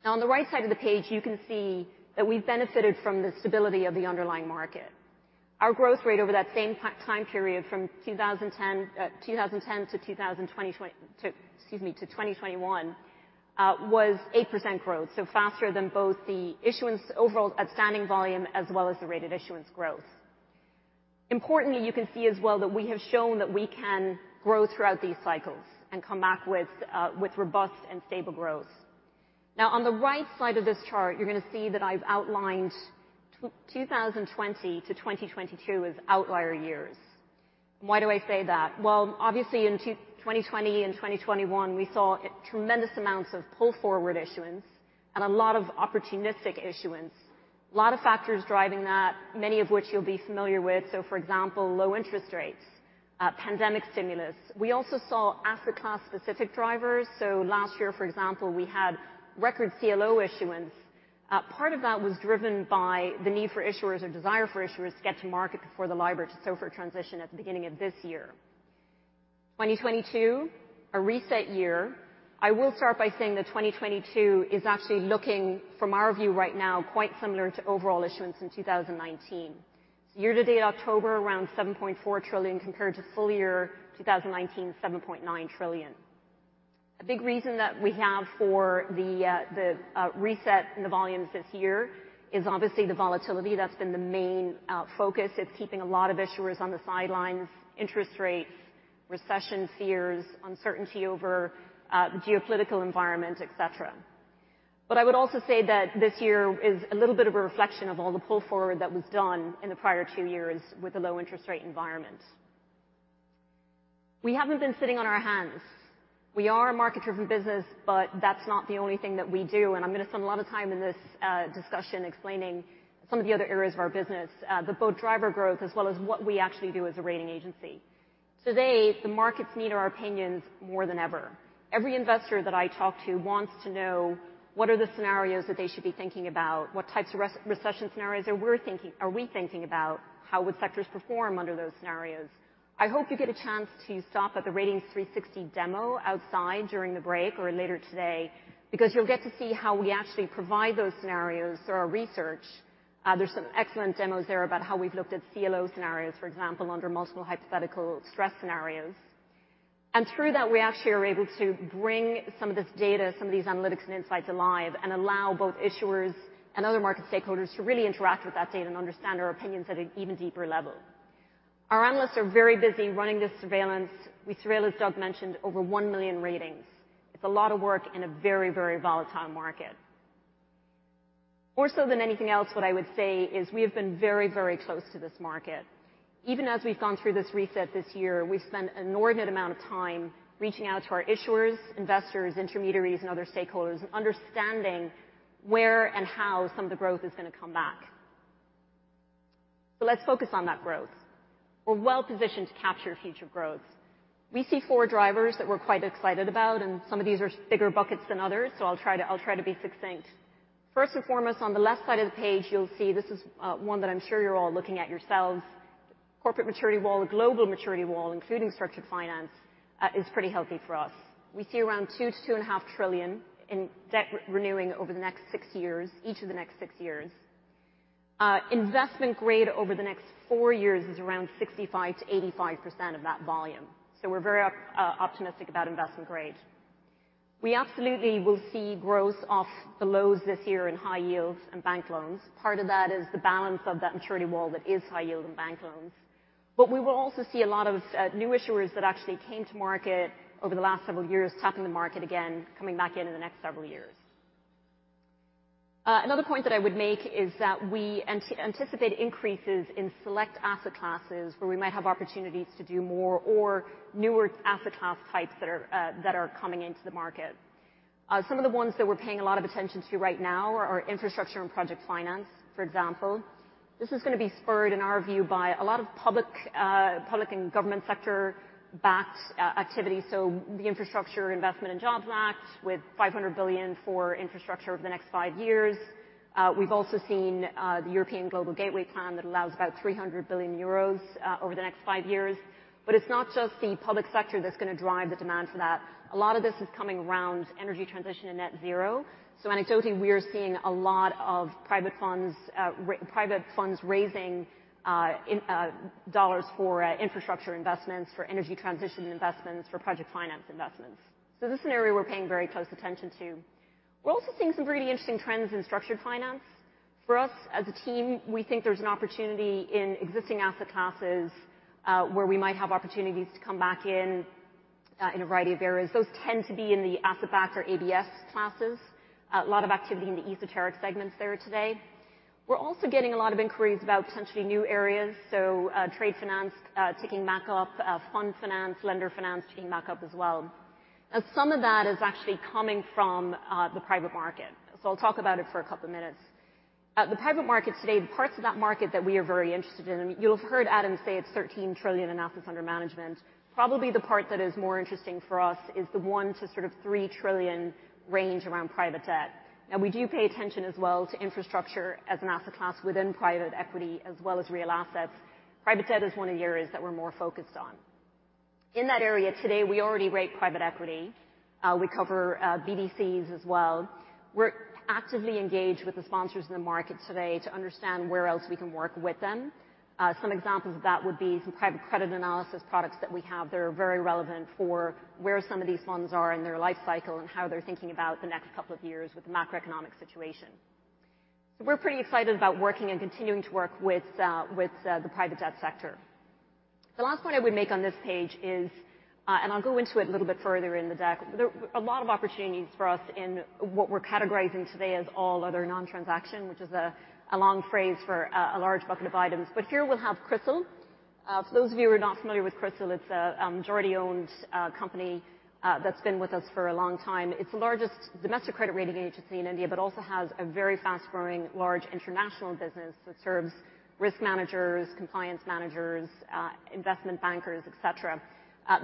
[SPEAKER 4] Now on the right side of the page, you can see that we've benefited from the stability of the underlying market. Our growth rate over that same time period from 2010 to, excuse me, to 2021, was 8% growth, so faster than both the issuance overall outstanding volume as well as the rated issuance growth. Importantly, you can see as well that we have shown that we can grow throughout these cycles and come back with robust and stable growth. On the right side of this chart, you're gonna see that I've outlined 2020 to 2022 as outlier years. Why do I say that? Well, obviously in 2020 and 2021, we saw tremendous amounts of pull-forward issuance and a lot of opportunistic issuance. Lot of factors driving that, many of which you'll be familiar with. For example, low interest rates, pandemic stimulus. We also saw asset class specific drivers. Last year, for example, we had record CLO issuance. Part of that was driven by the need for issuers or desire for issuers to get to market before the LIBOR to SOFR transition at the beginning of this year. 2022, a reset year. I will start by saying that 2022 is actually looking, from our view right now, quite similar to overall issuance in 2019. Year-to-date October, around $7.4 trillion, compared to full year 2019, $7.9 trillion. A big reason that we have for the reset in the volumes this year is obviously the volatility that's been the main focus. It's keeping a lot of issuers on the sidelines, interest rates, recession fears, uncertainty over the geopolitical environment, et cetera. I would also say that this year is a little bit of a reflection of all the pull forward that was done in the prior two years with the low interest rate environment. We haven't been sitting on our hands. We are a market-driven business, but that's not the only thing that we do, and I'm gonna spend a lot of time in this discussion explaining some of the other areas of our business that both drive our growth as well as what we actually do as a rating agency. Today, the markets need our opinions more than ever. Every investor that I talk to wants to know what are the scenarios that they should be thinking about? What types of recession scenarios are we thinking about? How would sectors perform under those scenarios? I hope you get a chance to stop at the Ratings 360 demo outside during the break or later today because you'll get to see how we actually provide those scenarios through our research. There's some excellent demos there about how we've looked at CLO scenarios, for example, under multiple hypothetical stress scenarios. Through that, we actually are able to bring some of this data, some of these analytics and insights alive and allow both issuers and other market stakeholders to really interact with that data and understand our opinions at an even deeper level. Our analysts are very busy running the surveillance. We surveil, as Doug mentioned, over 1 million ratings. It's a lot of work in a very, very volatile market. More so than anything else, what I would say is we have been very, very close to this market. Even as we've gone through this reset this year, we've spent an inordinate amount of time reaching out to our issuers, investors, intermediaries and other stakeholders and understanding where and how some of the growth is gonna come back. Let's focus on that growth. We're well-positioned to capture future growth. We see four drivers that we're quite excited about, and some of these are bigger buckets than others, so I'll try to be succinct. First and foremost, on the left side of the page, you'll see this is one that I'm sure you're all looking at yourselves. Corporate maturity wall, the global maturity wall, including structured finance, is pretty healthy for us. We see around $2 trillion-$2.5 trillion in debt renewing over the next six years, each of the next six years. Investment grade over the next four years is around 65%-85% of that volume. We're very optimistic about investment grade. We absolutely will see growth off the lows this year in high yields and bank loans. Part of that is the balance of that maturity wall that is high yield and bank loans. We will also see a lot of new issuers that actually came to market over the last several years, tapping the market again, coming back in in the next several years. Another point that I would make is that we anticipate increases in select asset classes where we might have opportunities to do more or newer asset class types that are coming into the market. Some of the ones that we're paying a lot of attention to right now are infrastructure and project finance, for example. This is gonna be spurred, in our view, by a lot of public and government sector-backed activity, the Infrastructure Investment and Jobs Act with $500 billion for infrastructure over the next 5 years. We've also seen the European Global Gateway plan that allows about 300 billion euros over the next 5 years. It's not just the public sector that's gonna drive the demand for that. A lot of this is coming around energy transition and net zero. Anecdotally, we are seeing a lot of private funds raising in dollars for infrastructure investments, for energy transition investments, for project finance investments. This is an area we're paying very close attention to. We're also seeing some really interesting trends in structured finance. For us, as a team, we think there's an opportunity in existing asset classes, where we might have opportunities to come back in a variety of areas. Those tend to be in the asset-backed or ABS classes. A lot of activity in the esoteric segments there today. We're also getting a lot of inquiries about potentially new areas, so, trade finance, ticking back up, fund finance, lender finance ticking back up as well. Some of that is actually coming from the private market. I'll talk about it for a couple minutes. The private market today, the parts of that market that we are very interested in, I mean, you'll have heard Adam say it's $13 trillion in assets under management. Probably the part that is more interesting for us is the $1 trillion-$3 trillion range around private debt. We do pay attention as well to infrastructure as an asset class within private equity as well as real assets. Private debt is one of the areas that we're more focused on. In that area today, we already rate private equity. We cover BDCs as well. We're actively engaged with the sponsors in the market today to understand where else we can work with them. Some examples of that would be some private credit analysis products that we have that are very relevant for where some of these funds are in their lifecycle and how they're thinking about the next couple of years with the macroeconomic situation. We're pretty excited about working and continuing to work with the private debt sector. The last point I would make on this page is, and I'll go into it a little bit further in the deck. There are a lot of opportunities for us in what we're categorizing today as all other non-transaction, which is a long phrase for a large bucket of items. Here we'll have Crisil. For those of you who are not familiar with Crisil, it's a majority-owned company that's been with us for a long time. It's the largest domestic credit rating agency in India, but also has a very fast-growing, large international business that serves risk managers, compliance managers, investment bankers, et cetera.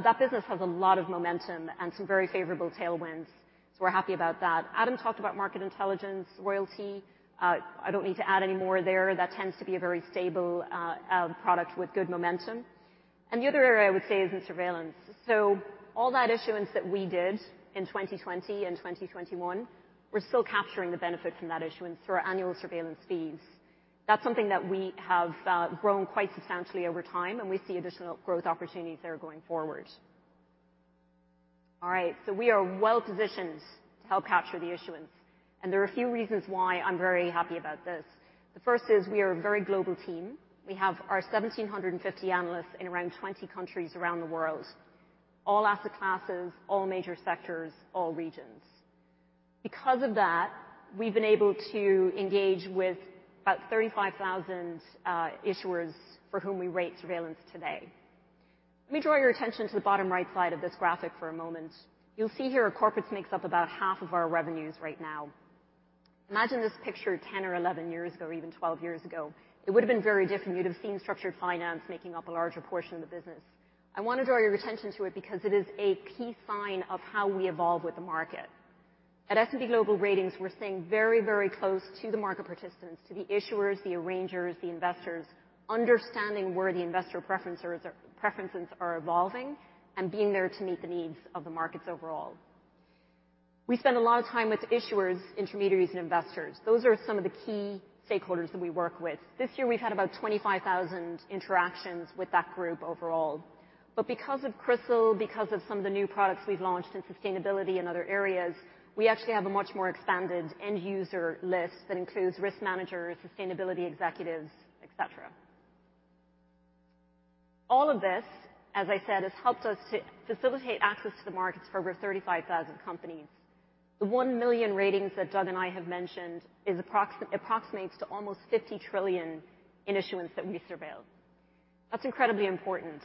[SPEAKER 4] That business has a lot of momentum and some very favorable tailwinds. We're happy about that. Adam Kansler talked about Market Intelligence royalty. I don't need to add any more there. That tends to be a very stable product with good momentum. The other area I would say is in surveillance. All that issuance that we did in 2020 and 2021, we're still capturing the benefit from that issuance through our annual surveillance fees. That's something that we have grown quite substantially over time, and we see additional growth opportunities there going forward. All right. We are well positioned to help capture the issuance. There are a few reasons why I'm very happy about this. The first is we are a very global team. We have our 1,750 analysts in around 20 countries around the world. All asset classes, all major sectors, all regions. Because of that, we've been able to engage with about 35,000 issuers for whom we rate surveillance today. Let me draw your attention to the bottom right side of this graphic for a moment. You'll see here corporates makes up about half of our revenues right now. Imagine this picture 10 or 11 years ago, or even 12 years ago, it would've been very different. You'd have seen structured finance making up a larger portion of the business. I wanna draw your attention to it because it is a key sign of how we evolve with the market. At S&P Global Ratings, we're staying very, very close to the market participants, to the issuers, the arrangers, the investors, understanding where the investor preference or, preferences are evolving, and being there to meet the needs of the markets overall. We spend a lot of time with issuers, intermediaries, and investors. Those are some of the key stakeholders that we work with. This year we've had about 25,000 interactions with that group overall. Because of Crisil, because of some of the new products we've launched in sustainability and other areas, we actually have a much more expanded end user list that includes risk managers, sustainability executives, et cetera. All of this, as I said, has helped us to facilitate access to the markets for over 35,000 companies. The 1 million ratings that Doug and I have mentioned approximates to almost $50 trillion in issuance that we surveil. That's incredibly important.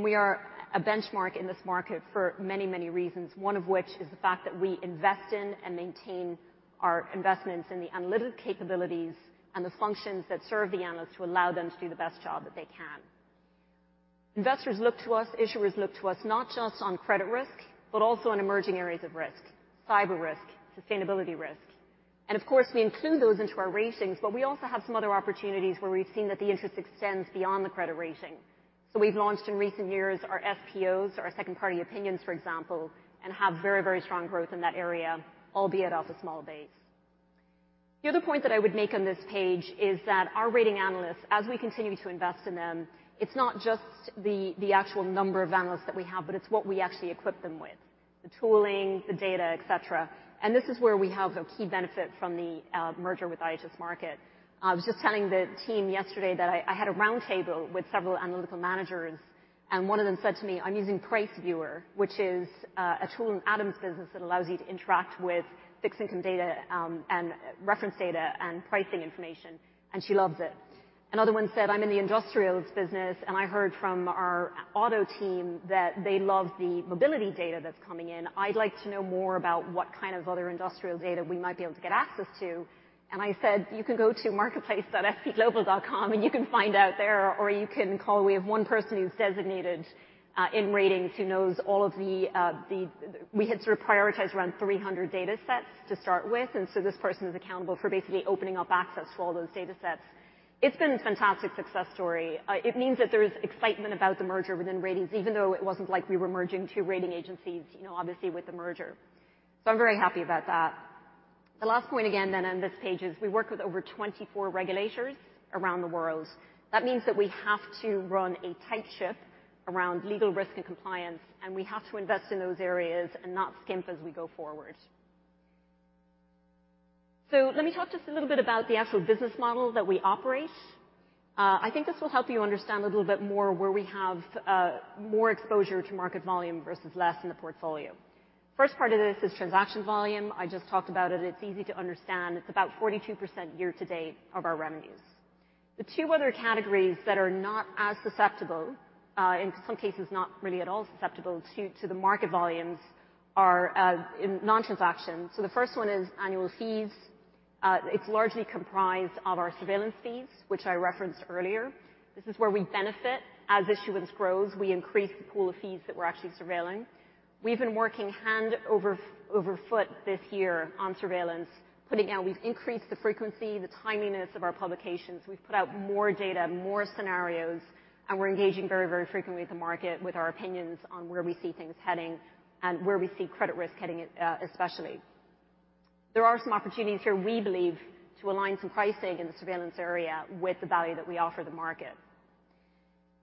[SPEAKER 4] We are a benchmark in this market for many, many reasons, one of which is the fact that we invest in and maintain our investments in the analytic capabilities and the functions that serve the analysts to allow them to do the best job that they can. Investors look to us, issuers look to us not just on credit risk, but also on emerging areas of risk, cyber risk, sustainability risk. Of course, we include those into our Ratings, but we also have some other opportunities where we've seen that the interest extends beyond the credit rating. We've launched in recent years our FPOs, our Second Party Opinions, for example, and have very, very strong growth in that area, albeit off a small base. The other point that I would make on this page is that our Ratings analysts, as we continue to invest in them, it's not just the actual number of analysts that we have, but it's what we actually equip them with. The tooling, the data, et cetera. This is where we have a key benefit from the merger with IHS Markit. I was just telling the team yesterday that I had a roundtable with several analytical managers, and one of them said to me, "I'm using Price Viewer," which is a tool in Adam's business that allows you to interact with fixed income data, and reference data and pricing information, and she loves it. Another one said, "I'm in the industrials business, and I heard from our auto team that they love the mobility data that's coming in. I'd like to know more about what kind of other industrial data we might be able to get access to." I said, "You can go to marketplace.spglobal.com and you can find out there, or you can call. We have one person who's designated in ratings who knows all of the. We had sort of prioritized around 300 data sets to start with, this person is accountable for basically opening up access to all those data sets. It's been a fantastic success story. It means that there's excitement about the merger within ratings, even though it wasn't like we were merging two rating agencies, you know, obviously with the merger. I'm very happy about that. The last point again then on this page is we work with over 24 regulators around the world. That means that we have to run a tight ship around legal risk and compliance, and we have to invest in those areas and not skimp as we go forward. Let me talk just a little bit about the actual business model that we operate. I think this will help you understand a little bit more where we have more exposure to market volume versus less in the portfolio. First part of this is transaction volume. I just talked about it. It's easy to understand. It's about 42% year to date of our revenues. The two other categories that are not as susceptible, in some cases not really at all susceptible to the market volumes are in non-transaction. The first one is annual fees. It's largely comprised of our surveillance fees, which I referenced earlier. This is where we benefit. As issuance grows, we increase the pool of fees that we're actually surveilling. We've been working hand over foot this year on surveillance. We've increased the frequency, the timeliness of our publications. We've put out more data, more scenarios, and we're engaging very, very frequently with the market with our opinions on where we see things heading and where we see credit risk heading, especially. There are some opportunities here, we believe, to align some pricing in the surveillance area with the value that we offer the market.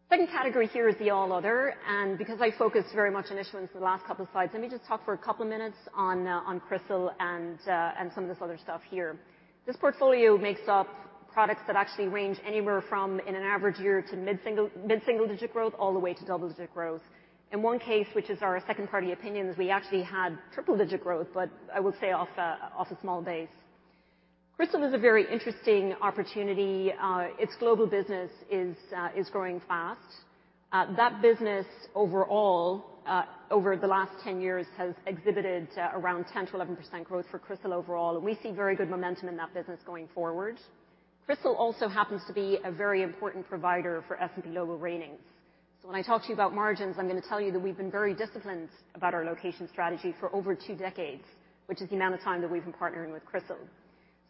[SPEAKER 4] Second category here is the all other, and because I focused very much on issuance the last couple slides, let me just talk for a couple minutes on Crisil and some of this other stuff here. This portfolio makes up products that actually range anywhere from in an average year to mid-single digit growth all the way to double digit growth. In 1 case, which is our Second Party Opinions, we actually had triple digit growth, but I will say off a small base. Crystal is a very interesting opportunity. its global business is growing fast. that business overall, over the last 10 years has exhibited, around 10%-11% growth for Crystal overall, and we see very good momentum in that business going forward. Crystal also happens to be a very important provider for S&P Global Ratings. When I talk to you about margins, I'm gonna tell you that we've been very disciplined about our location strategy for over two decades, which is the amount of time that we've been partnering with Crystal.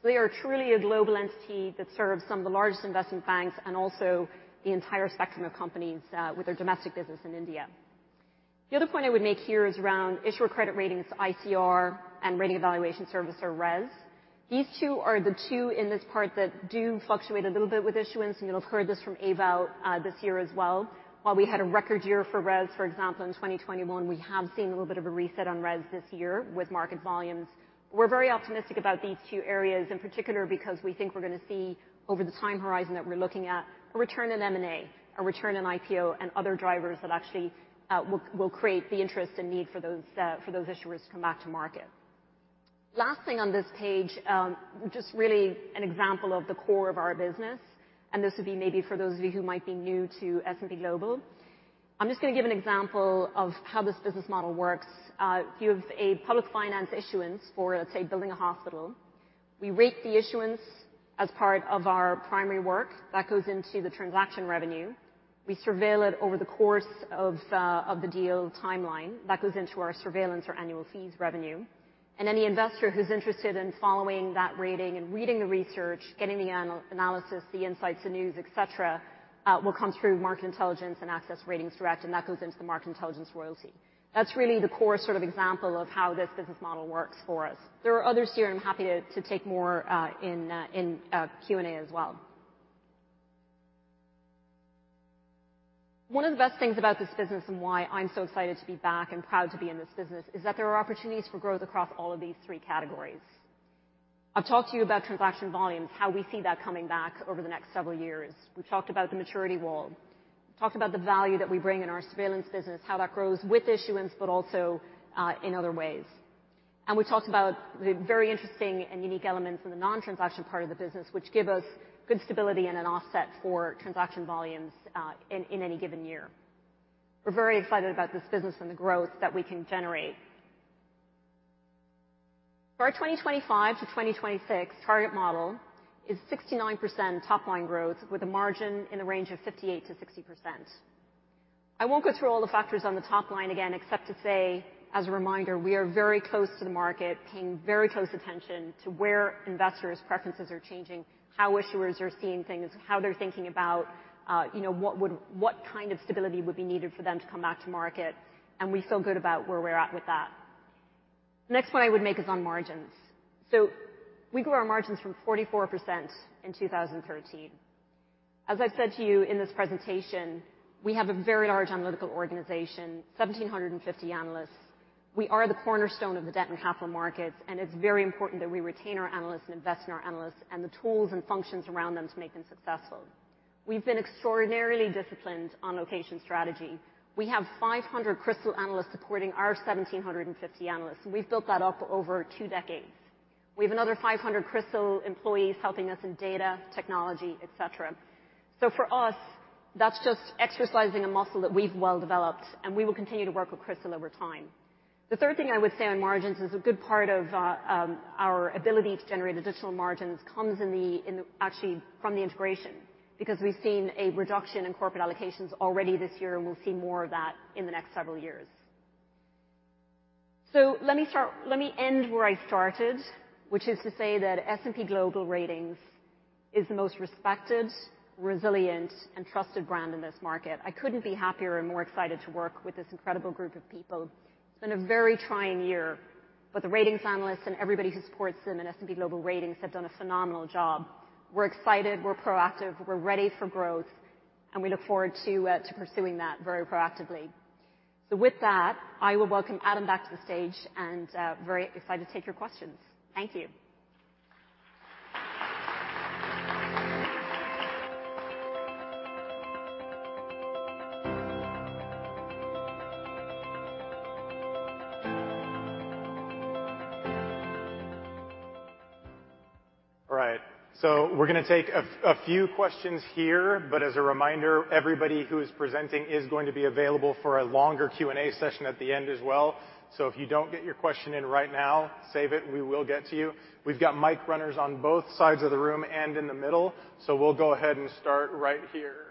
[SPEAKER 4] They are truly a global entity that serves some of the largest investment banks and also the entire spectrum of companies, with their domestic business in India. The other point I would make here is around issuer credit ratings, ICR and Rating Evaluation Service, RES. These two are the two in this part that do fluctuate a little bit with issuance, and you'll have heard this from AVAL this year as well. While we had a record year for RES, for example, in 2021, we have seen a little bit of a reset on RES this year with market volumes. We're very optimistic about these two areas in particular because we think we're gonna see over the time horizon that we're looking at, a return in M&A, a return in IPO, and other drivers that actually will create the interest and need for those, for those issuers to come back to market. Last thing on this page, just really an example of the core of our business, and this would be maybe for those of you who might be new to S&P Global. I'm just gonna give an example of how this business model works. If you have a public finance issuance for, let's say, building a hospital, we rate the issuance as part of our primary work. That goes into the transaction revenue. We surveil it over the course of the deal timeline. That goes into our surveillance or annual fees revenue. Any investor who's interested in following that rating and reading the research, getting the analysis, the insights, the news, et cetera, will come through Market Intelligence and Access RatingsDirect, and that goes into the Market Intelligence royalty. That's really the core sort of example of how this business model works for us. There are others here, and I'm happy to take more in Q&A as well. One of the best things about this business and why I'm so excited to be back and proud to be in this business, is that there are opportunities for growth across all of these three categories. I've talked to you about transaction volumes, how we see that coming back over the next several years. We've talked about the maturity wall. We talked about the value that we bring in our surveillance business, how that grows with issuance, but also in other ways. We talked about the very interesting and unique elements in the non-transaction part of the business, which give us good stability and an offset for transaction volumes in any given year. We're very excited about this business and the growth that we can generate. For our 2025 to 2026 target model is 69% top line growth with a margin in the range of 58%-60%. I won't go through all the factors on the top line again, except to say, as a reminder, we are very close to the market, paying very close attention to where investors preferences are changing, how issuers are seeing things, how they're thinking about, you know, what kind of stability would be needed for them to come back to market, and we feel good about where we're at with that. The next point I would make is on margins. We grew our margins from 44% in 2013. As I've said to you in this presentation, we have a very large analytical organization, 1,750 analysts. We are the cornerstone of the debt and capital markets, and it's very important that we retain our analysts and invest in our analysts and the tools and functions around them to make them successful. We've been extraordinarily disciplined on location strategy. We have 500 Crisil analysts supporting our 1,750 analysts, and we've built that up over two decades. We have another 500 Crisil employees helping us in data, technology, et cetera. For us, that's just exercising a muscle that we've well developed, and we will continue to work with Crisil over time. The third thing I would say on margins is a good part of our ability to generate additional margins comes actually from the integration because we've seen a reduction in corporate allocations already this year, and we'll see more of that in the next several years. Let me end where I started, which is to say that S&P Global Ratings is the most respected, resilient, and trusted brand in this market. I couldn't be happier and more excited to work with this incredible group of people. It's been a very trying year, but the ratings analysts and everybody who supports them in S&P Global Ratings have done a phenomenal job. We're excited, we're proactive, we're ready for growth, and we look forward to pursuing that very proactively. With that, I will welcome Adam Kansler back to the stage, and very excited to take your questions. Thank you.
[SPEAKER 3] All right. We're gonna take a few questions here. As a reminder, everybody who is presenting is going to be available for a longer Q&A session at the end as well. If you don't get your question in right now, save it, we will get to you. We've got mic runners on both sides of the room and in the middle, we'll go ahead and start right here.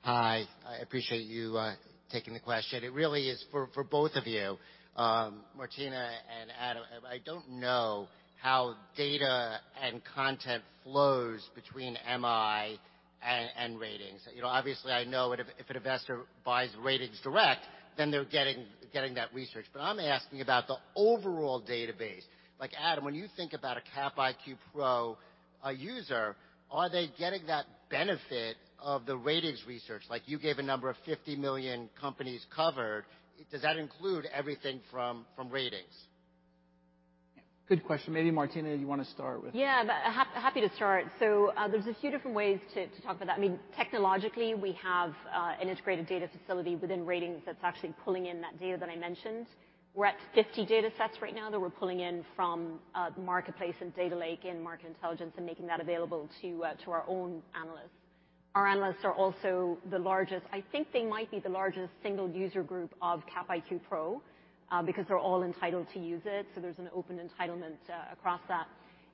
[SPEAKER 5] Hi. I appreciate you, taking the question. It really is for both of you, Martina and Adam. I don't know how data and content flows between MI and ratings. You know, obviously, I know if a, if an investor buys RatingsDirect, then they're getting that research. But I'm asking about the overall database. Like, Adam, when you think about a Capital IQ Pro, user, are they getting that benefit of the ratings research? Like you gave a number of 50 million companies covered. Does that include everything from ratings?
[SPEAKER 3] Good question. Maybe Martina, you wanna start with.
[SPEAKER 4] Happy to start. There's a few different ways to talk about that. I mean, technologically, we have an integrated data facility within Ratings that's actually pulling in that data that I mentioned. We're at 50 datasets right now that we're pulling in from Marketplace and Data Lake and Market Intelligence and making that available to our own analysts. Our analysts are also the largest single user group of Capital IQ Pro because they're all entitled to use it, so there's an open entitlement across that.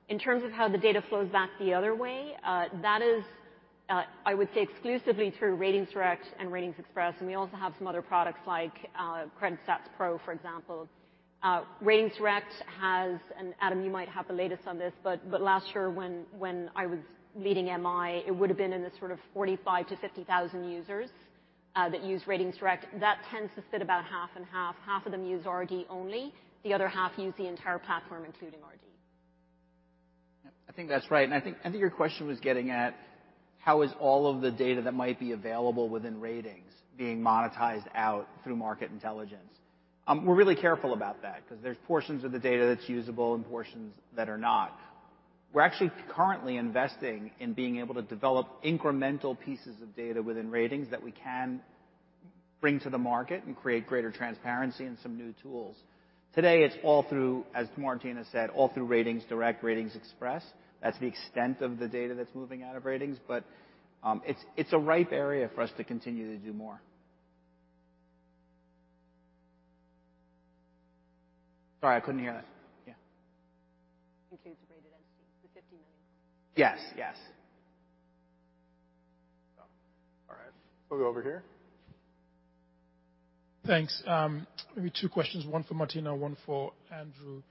[SPEAKER 4] In terms of how the data flows back the other way, that is, I would say exclusively through RatingsDirect and RatingsXpress, and we also have some other products like CreditStats Pro, for example. RatingsDirect has. Adam, you might have the latest on this, but last year when I was leading MI, it would've been in the sort of 45,000-50,000 users that used RatingsDirect. That tends to sit about half and half. Half of them use RD only, the other half use the entire platform, including RD.
[SPEAKER 3] I think your question was getting at how is all of the data that might be available within Ratings being monetized out through Market Intelligence. We're really careful about that 'cause there's portions of the data that's usable and portions that are not. We're actually currently investing in being able to develop incremental pieces of data within Ratings that we can bring to the market and create greater transparency and some new tools. Today, it's all through, as Martina said, all through RatingsDirect, RatingsXpress. That's the extent of the data that's moving out of Ratings, but it's a ripe area for us to continue to do more. Sorry, I couldn't hear that. Yeah.
[SPEAKER 4] Includes rated entities, the $50 million.
[SPEAKER 3] Yes. Yes.
[SPEAKER 1] All right. We'll go over here.
[SPEAKER 5] Thanks. Maybe two questions, one for Martina, one for Andrew.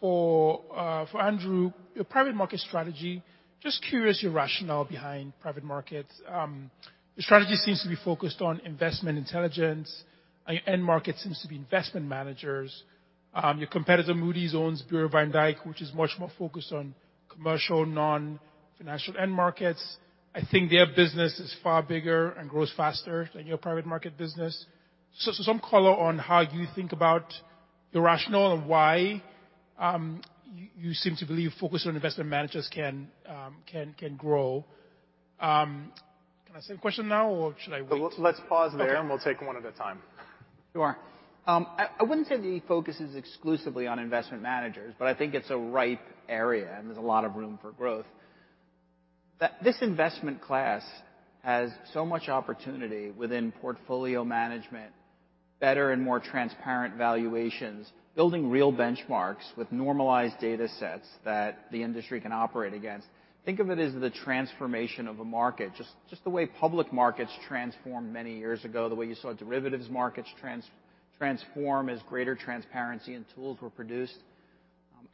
[SPEAKER 5] For Andrew, your private market strategy, just curious your rationale behind private markets? Your strategy seems to be focused on investment intelligence, and your end market seems to be investment managers. Your competitor, Moody's, owns Bureau van Dijk, which is much more focused on commercial, non-financial end markets. I think their business is far bigger and grows faster than your private market business. Some color on how you think about your rationale and why, you seem to believe focusing on investment managers can grow. Can I say the question now, or should I wait?
[SPEAKER 1] Let's pause there.
[SPEAKER 5] Okay.
[SPEAKER 1] We'll take one at a time.
[SPEAKER 3] Sure. I wouldn't say the focus is exclusively on investment managers, but I think it's a ripe area, and there's a lot of room for growth. This investment class has so much opportunity within portfolio management, better and more transparent valuations, building real benchmarks with normalized datasets that the industry can operate against. Think of it as the transformation of a market. Just the way public markets transformed many years ago, the way you saw derivatives markets transform as greater transparency and tools were produced.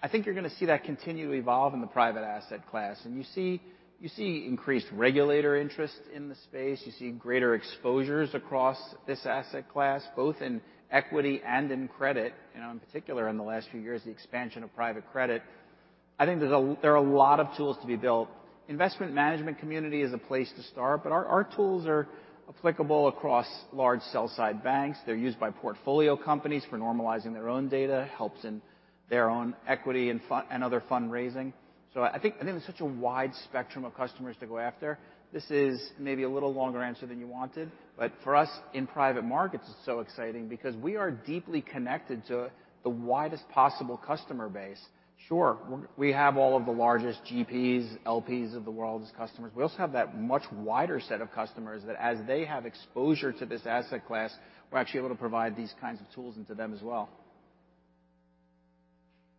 [SPEAKER 3] I think you're gonna see that continue to evolve in the private asset class. You see increased regulator interest in the space. You see greater exposures across this asset class, both in equity and in credit, you know, in particular in the last few years, the expansion of private credit. I think there's a... There are a lot of tools to be built. Investment management community is a place to start. Our tools are applicable across large sell side banks. They're used by portfolio companies for normalizing their own data, helps in their own equity and other fundraising. I think there's such a wide spectrum of customers to go after. This is maybe a little longer answer than you wanted, but for us in private markets, it's so exciting because we are deeply connected to the widest possible customer base. Sure, we have all of the largest GPs, LPs of the world as customers. We also have that much wider set of customers that as they have exposure to this asset class, we're actually able to provide these kinds of tools into them as well.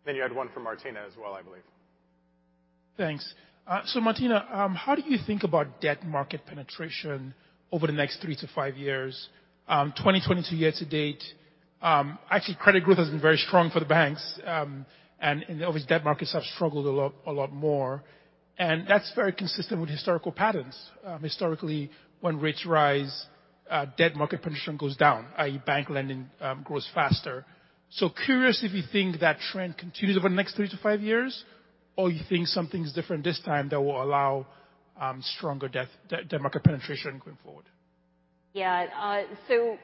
[SPEAKER 1] You had one for Martina as well, I believe.
[SPEAKER 5] Thanks. So Martina, how do you think about debt market penetration over the next three to five years? 2020 to year to date, actually, credit growth has been very strong for the banks. And obviously, debt markets have struggled a lot more. That's very consistent with historical patterns. Historically, when rates rise, debt market penetration goes down, i.e. bank lending, grows faster. Curious if you think that trend continues over the next three to five years, or you think something's different this time that will allow stronger debt market penetration going forward.
[SPEAKER 4] Yeah. So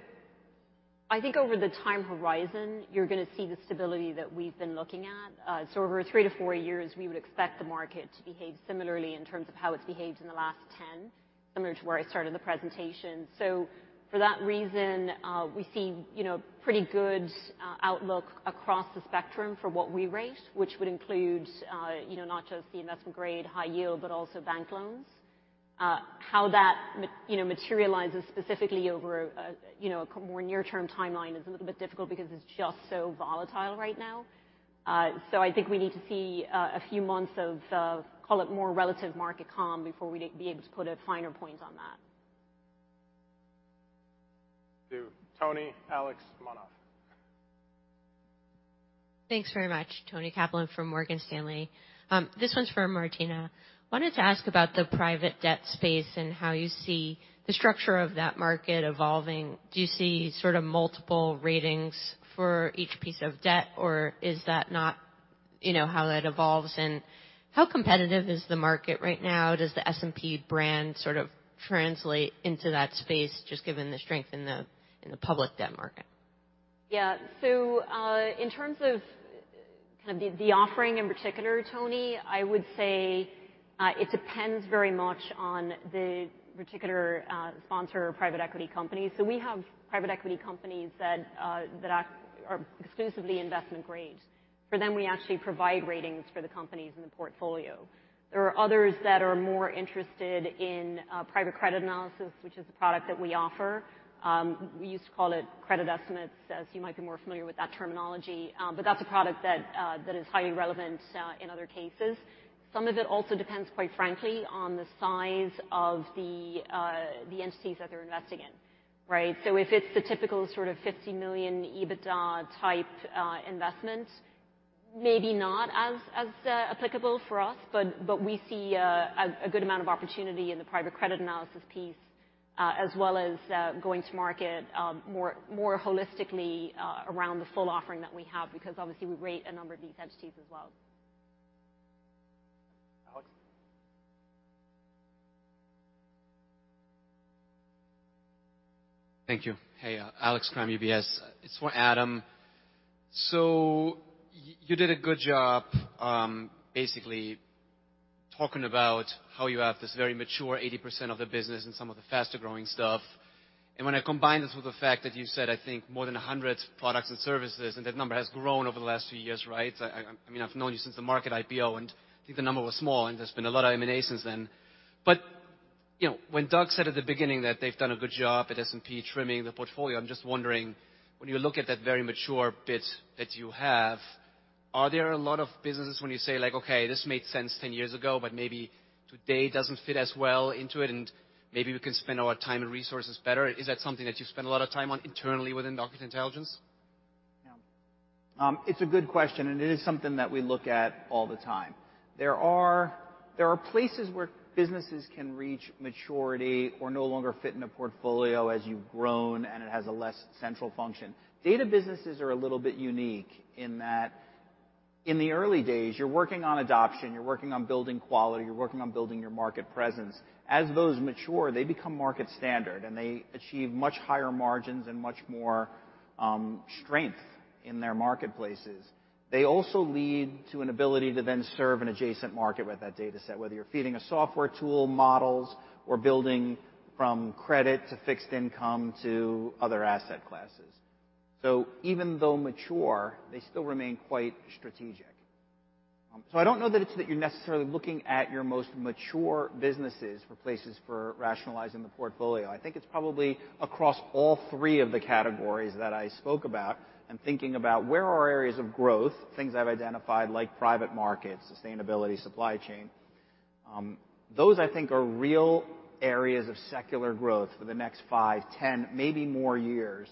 [SPEAKER 4] I think over the time horizon, you're gonna see the stability that we've been looking at. So over three to four years, we would expect the market to behave similarly in terms of how it's behaved in the last 10, similar to where I started the presentation. For that reason, we see, you know, pretty good outlook across the spectrum for what we rate, which would include, you know, not just the investment grade high yield, but also bank loans. How that, you know, materializes specifically over a, you know, a more near-term timeline is a little bit difficult because it's just so volatile right now. I think we need to see a few months of call it more relative market calm before we'd be able to put a finer point on that.
[SPEAKER 1] To Toni, Alex, come on off.
[SPEAKER 6] Thanks very much. Toni Kaplan from Morgan Stanley. This one's for Martina. Wanted to ask about the private debt space and how you see the structure of that market evolving. Do you see sort of multiple ratings for each piece of debt, or is that not, you know, how that evolves? How competitive is the market right now? Does the S&P brand sort of translate into that space, just given the strength in the public debt market?
[SPEAKER 4] In terms of kind of the offering in particular, Toni, I would say, it depends very much on the particular sponsor private equity company. We have private equity companies that are exclusively investment grade. For them, we actually provide ratings for the companies in the portfolio. There are others that are more interested in private credit analysis, which is a product that we offer. We used to call it credit estimates, as you might be more familiar with that terminology. That's a product that is highly relevant in other cases. Some of it also depends, quite frankly, on the size of the entities that they're investing in, right? If it's the typical sort of $50 million EBITDA-type investment, maybe not as applicable for us, but we see a good amount of opportunity in the private credit analysis piece, as well as going to market more holistically around the full offering that we have, because obviously we rate a number of these entities as well.
[SPEAKER 1] Alex.
[SPEAKER 7] Thank you. Hey, Alex Kramm, UBS. It's for Adam. You did a good job, basically talking about how you have this very mature 80% of the business and some of the faster-growing stuff. When I combine this with the fact that you said, I think more than 100 products and services, and that number has grown over the last few years, right? I mean, I've known you since the Market IPO, and I think the number was small, and there's been a lot of M&A since then. You know, when Doug said at the beginning that they've done a good job at S&P trimming the portfolio, I'm just wondering, when you look at that very mature bit that you have, are there a lot of businesses when you say, like, "Okay, this made sense 10 years ago, but maybe today doesn't fit as well into it, and maybe we can spend our time and resources better." Is that something that you spend a lot of time on internally within Market Intelligence?
[SPEAKER 3] Yeah. It's a good question, and it is something that we look at all the time. There are places where businesses can reach maturity or no longer fit in a portfolio as you've grown, and it has a less central function. Data businesses are a little bit unique in that in the early days, you're working on adoption, you're working on building quality, you're working on building your market presence. As those mature, they become market standard, and they achieve much higher margins and much more strength in their marketplaces. They also lead to an ability to then serve an adjacent market with that data set, whether you're feeding a software tool models or building from credit to fixed income to other asset classes. Even though mature, they still remain quite strategic. I don't know that it's that you're necessarily looking at your most mature businesses for places for rationalizing the portfolio. I think it's probably across all three of the categories that I spoke about and thinking about where are areas of growth, things I've identified like private markets, sustainability, supply chain. Those I think are real areas of secular growth for the next 5, 10, maybe more years.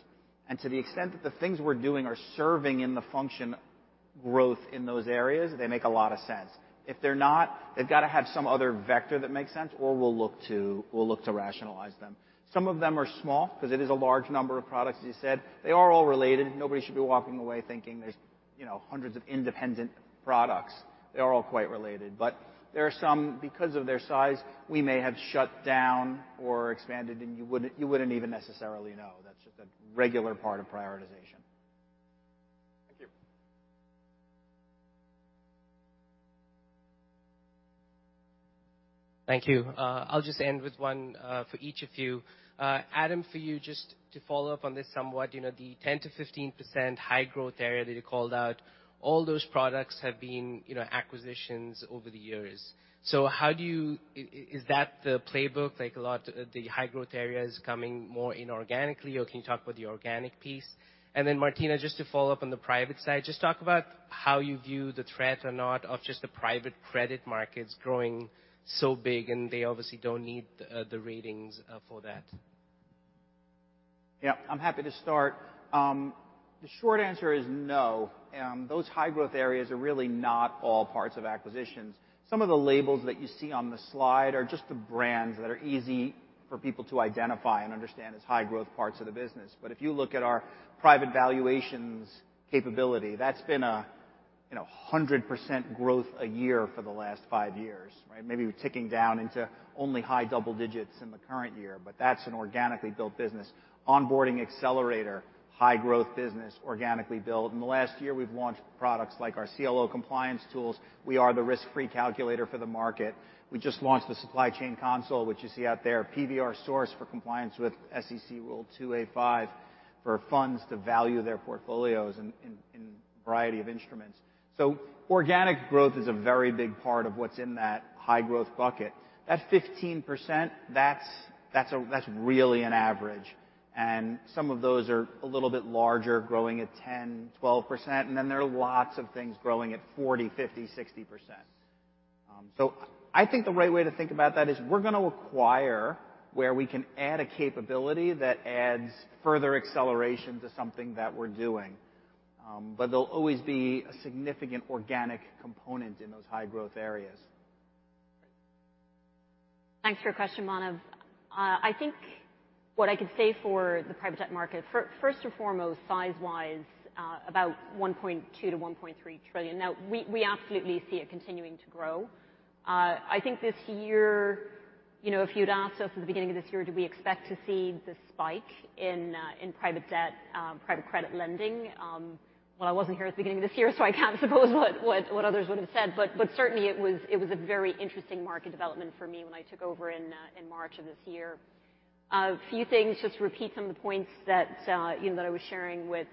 [SPEAKER 3] To the extent that the things we're doing are serving in the function growth in those areas, they make a lot of sense. If they're not, they've got to have some other vector that makes sense or we'll look to rationalize them. Some of them are small because it is a large number of products, as you said. They are all related. Nobody should be walking away thinking there's, you know, hundreds of independent products. They are all quite related. There are some, because of their size, we may have shut down or expanded, and you wouldn't even necessarily know. That's just a regular part of prioritization. Thank you.
[SPEAKER 7] Thank you. I'll just end with one for each of you. Adam, for you, just to follow up on this somewhat, you know, the 10%-15% high growth area that you called out, all those products have been, you know, acquisitions over the years. Is that the playbook, like a lot, the high growth area is coming more inorganically, or can you talk about the organic piece? Martina, just to follow up on the private side, just talk about how you view the threat or not of just the private credit markets growing so big, and they obviously don't need the ratings for that?
[SPEAKER 3] I'm happy to start. The short answer is no. Those high growth areas are really not all parts of acquisitions. Some of the labels that you see on the slide are just the brands that are easy for people to identify and understand as high growth parts of the business. If you look at our private valuations capability, that's been a, you know, 100% growth a year for the last 5 years, right? Maybe we're ticking down into only high double digits in the current year, that's an organically built business. Onboarding Accelerator, high growth business, organically built. In the last year, we've launched products like our CLO compliance tools. We are the Risk-Free Rate Calculator for the market. We just launched the Supply Chain Console, which you see out there, PBR Source for compliance with SEC Rule 2a-5. For funds to value their portfolios in a variety of instruments. Organic growth is a very big part of what's in that high growth bucket. That 15%, that's really an average, and some of those are a little bit larger, growing at 10%, 12%, and then there are lots of things growing at 40%, 50%, 60%. I think the right way to think about that is we're gonna acquire where we can add a capability that adds further acceleration to something that we're doing. There'll always be a significant organic component in those high growth areas.
[SPEAKER 4] Thanks for your question, Manav. I think what I could say for the private debt market, first and foremost, size-wise, about $1.2 trillion-$1.3 trillion. We absolutely see it continuing to grow. I think this year... You know, if you'd asked us at the beginning of this year, do we expect to see the spike in private debt, private credit lending? Well, I wasn't here at the beginning of this year, so I can't suppose what others would have said. Certainly it was a very interesting market development for me when I took over in March of this year. A few things, just to repeat some of the points that, you know, that I was sharing with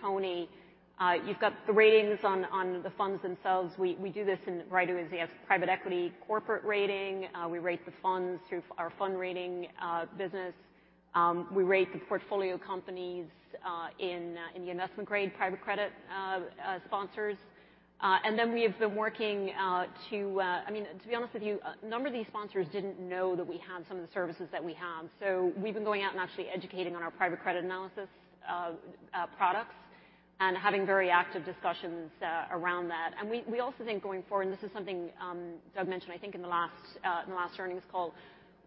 [SPEAKER 4] Tony. You've got the ratings on the funds themselves. We do this in writer as they have private equity corporate rating. We rate the funds through our fund rating business. We rate the portfolio companies in the investment grade, private credit sponsors. And then we have been working to. I mean, to be honest with you, a number of these sponsors didn't know that we had some of the services that we have. We've been going out and actually educating on our private credit analysis products and having very active discussions around that. We also think going forward, this is something Doug mentioned, I think in the last earnings call,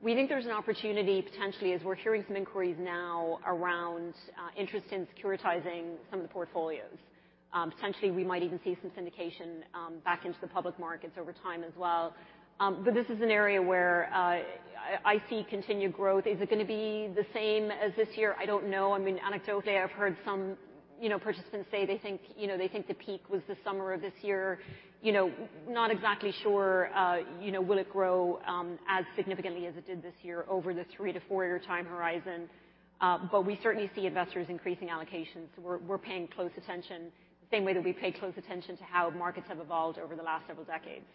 [SPEAKER 4] we think there's an opportunity potentially as we're hearing some inquiries now around interest in securitizing some of the portfolios. Potentially we might even see some syndication back into the public markets over time as well. This is an area where I see continued growth. Is it gonna be the same as this year? I don't know. I mean, anecdotally, I've heard some, you know, participants say they think, you know, they think the peak was the summer of this year. You know, not exactly sure, you know, will it grow as significantly as it did this year over the 3-4-year time horizon. We certainly see investors increasing allocations. We're paying close attention, same way that we pay close attention to how markets have evolved over the last several decades.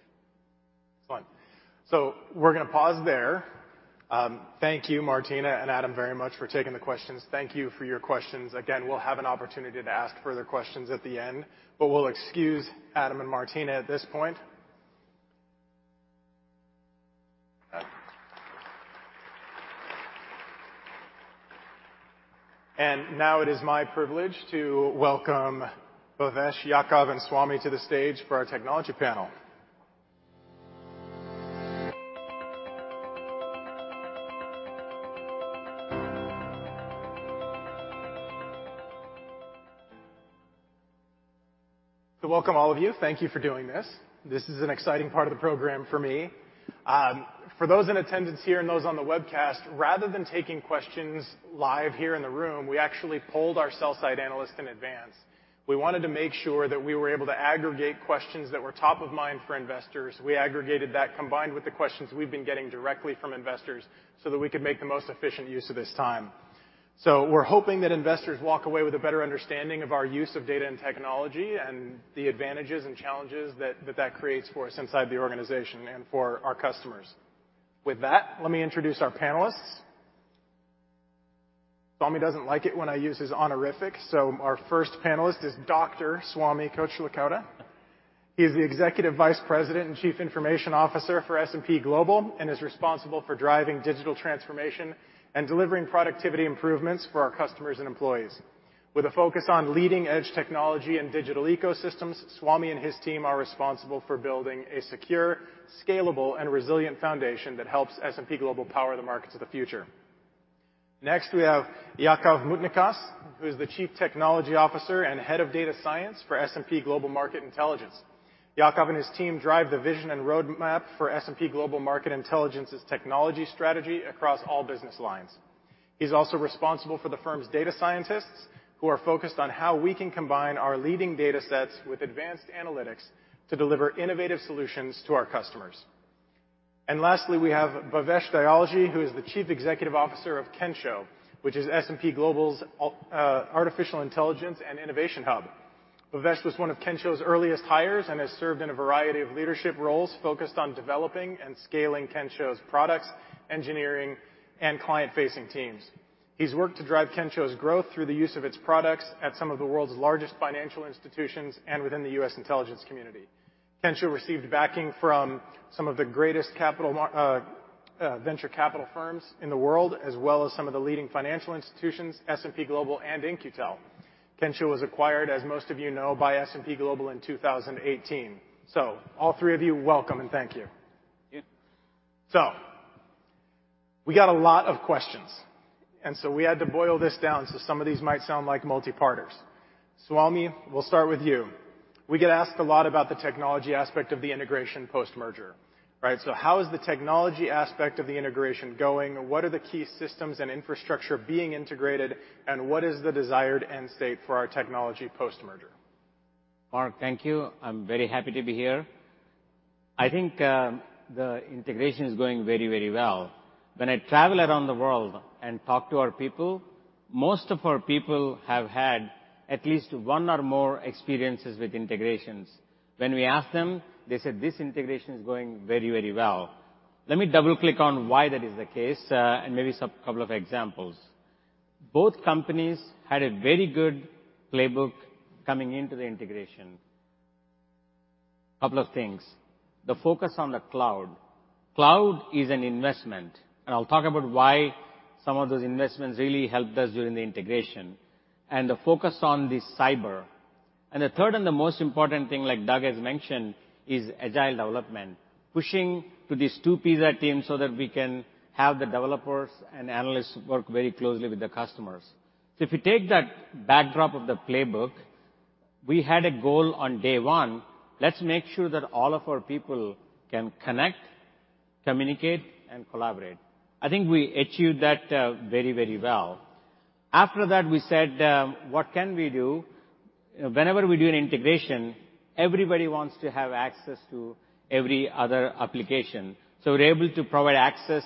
[SPEAKER 1] We're gonna pause there. Thank you, Martina and Adam, very much for taking the questions. Thank you for your questions. Again, we'll have an opportunity to ask further questions at the end, but we'll excuse Adam and Martina at this point. Now it is my privilege to welcome Bhavesh, Yaacov, and Swamy to the stage for our technology panel. Welcome all of you. Thank you for doing this. This is an exciting part of the program for me. For those in attendance here and those on the webcast, rather than taking questions live here in the room, we actually polled our sell-side analysts in advance. We wanted to make sure that we were able to aggregate questions that were top of mind for investors. We aggregated that combined with the questions we've been getting directly from investors so that we could make the most efficient use of this time. We're hoping that investors walk away with a better understanding of our use of data and technology and the advantages and challenges that creates for us inside the organization and for our customers. With that, let me introduce our panelists. Swamy doesn't like it when I use his honorific, so our first panelist is Dr. Swamy Kocherlakota. He is the Executive Vice President and Chief Information Officer for S&P Global, and is responsible for driving digital transformation and delivering productivity improvements for our customers and employees. With a focus on leading-edge technology and digital ecosystems, Swamy and his team are responsible for building a secure, scalable, and resilient foundation that helps S&P Global power the markets of the future. Next, we have Yaacov Mutnikas, who is the Chief Technology Officer and Head of Data Science for S&P Global Market Intelligence. Yaacov and his team drive the vision and roadmap for S&P Global Market Intelligence's technology strategy across all business lines. He's also responsible for the firm's data scientists, who are focused on how we can combine our leading data sets with advanced analytics to deliver innovative solutions to our customers. Lastly, we have Bhavesh Dayalji, who is the Chief Executive Officer of Kensho, which is S&P Global's Artificial Intelligence and Innovation Hub. Bhavesh was one of Kensho's earliest hires and has served in a variety of leadership roles focused on developing and scaling Kensho's products, engineering, and client-facing teams. He's worked to drive Kensho's growth through the use of its products at some of the world's largest financial institutions and within the U.S. intelligence community. Kensho received backing from some of the greatest venture capital firms in the world, as well as some of the leading financial institutions, S&P Global and In-Q-Tel. Kensho was acquired, as most of you know, by S&P Global in 2018. All three of you, welcome and thank you.
[SPEAKER 8] Thank you.
[SPEAKER 1] We got a lot of questions, and so we had to boil this down, so some of these might sound like multi-parters. Swamy, we'll start with you. We get asked a lot about the technology aspect of the integration post-merger, right? How is the technology aspect of the integration going? What are the key systems and infrastructure being integrated, and what is the desired end state for our technology post-merger?
[SPEAKER 8] Mark, thank you. I'm very happy to be here. I think the integration is going very, very well. When I travel around the world and talk to our people, most of our people have had at least one or more experiences with integrations. When we ask them, they said this integration is going very, very well. Let me double-click on why that is the case, and maybe some couple of examples. Both companies had a very good playbook coming into the integration. Couple of things. The focus on the cloud. Cloud is an investment, and I'll talk about why some of those investments really helped us during the integration. The focus on the cyber. The third and the most important thing, like Doug has mentioned, is agile development. Pushing to these two pizza teams so that we can have the developers and analysts work very closely with the customers. If you take that backdrop of the playbook, we had a goal on day one, let's make sure that all of our people can connect, communicate, and collaborate. I think we achieved that very, very well. After that, we said, what can we do? Whenever we do an integration, everybody wants to have access to every other application. We're able to provide access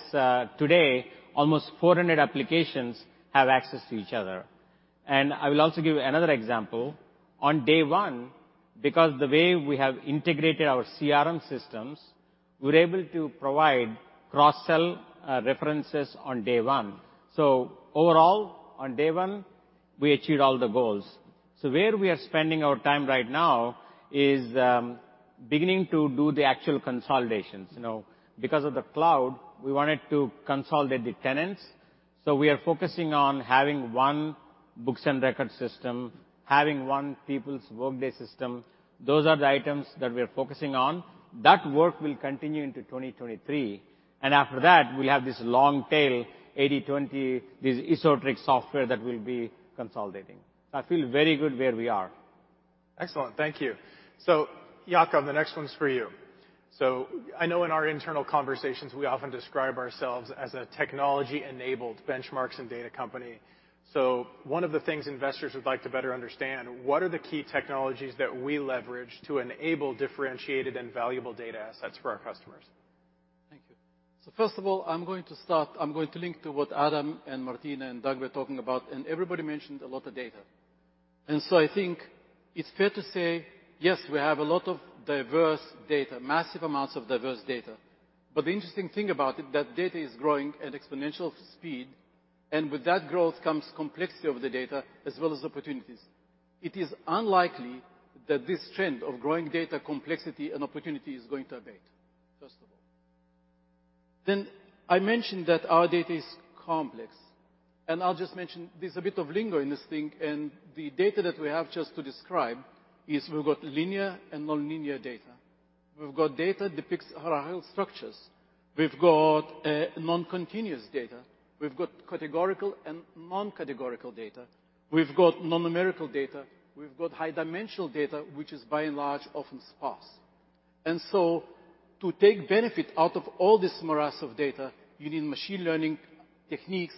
[SPEAKER 8] today, almost 400 applications have access to each other. I will also give you another example. On day one, because the way we have integrated our CRM systems, we're able to provide cross-sell references on day one. Overall, on day one, we achieved all the goals. Where we are spending our time right now is beginning to do the actual consolidations. You know, because of the cloud, we wanted to consolidate the tenants. We are focusing on having one books and records system, having one people's Workday system. Those are the items that we're focusing on. That work will continue into 2023. After that, we'll have this long tail, 80/20, this esoteric software that we'll be consolidating. I feel very good where we are.
[SPEAKER 1] Excellent. Thank you. Jakob, the next one's for you. I know in our internal conversations, we often describe ourselves as a technology-enabled benchmarks and data company. One of the things investors would like to better understand, what are the key technologies that we leverage to enable differentiated and valuable data assets for our customers?
[SPEAKER 9] Thank you. First of all, I'm going to start. I'm going to link to what Adam and Martina and Doug were talking about. Everybody mentioned a lot of data. I think it's fair to say, yes, we have a lot of diverse data, massive amounts of diverse data. The interesting thing about it, that data is growing at exponential speed, and with that growth comes complexity of the data as well as opportunities. It is unlikely that this trend of growing data complexity and opportunity is going to abate, first of all. I mentioned that our data is complex, and I'll just mention there's a bit of lingo in this thing, and the data that we have just to describe is we've got linear and nonlinear data. We've got data depicts hierarchical structures. We've got non-continuous data. We've got categorical and non-categorical data. We've got non-numerical data. We've got high-dimensional data, which is by and large, often sparse. To take benefit out of all this morass of data, you need machine learning techniques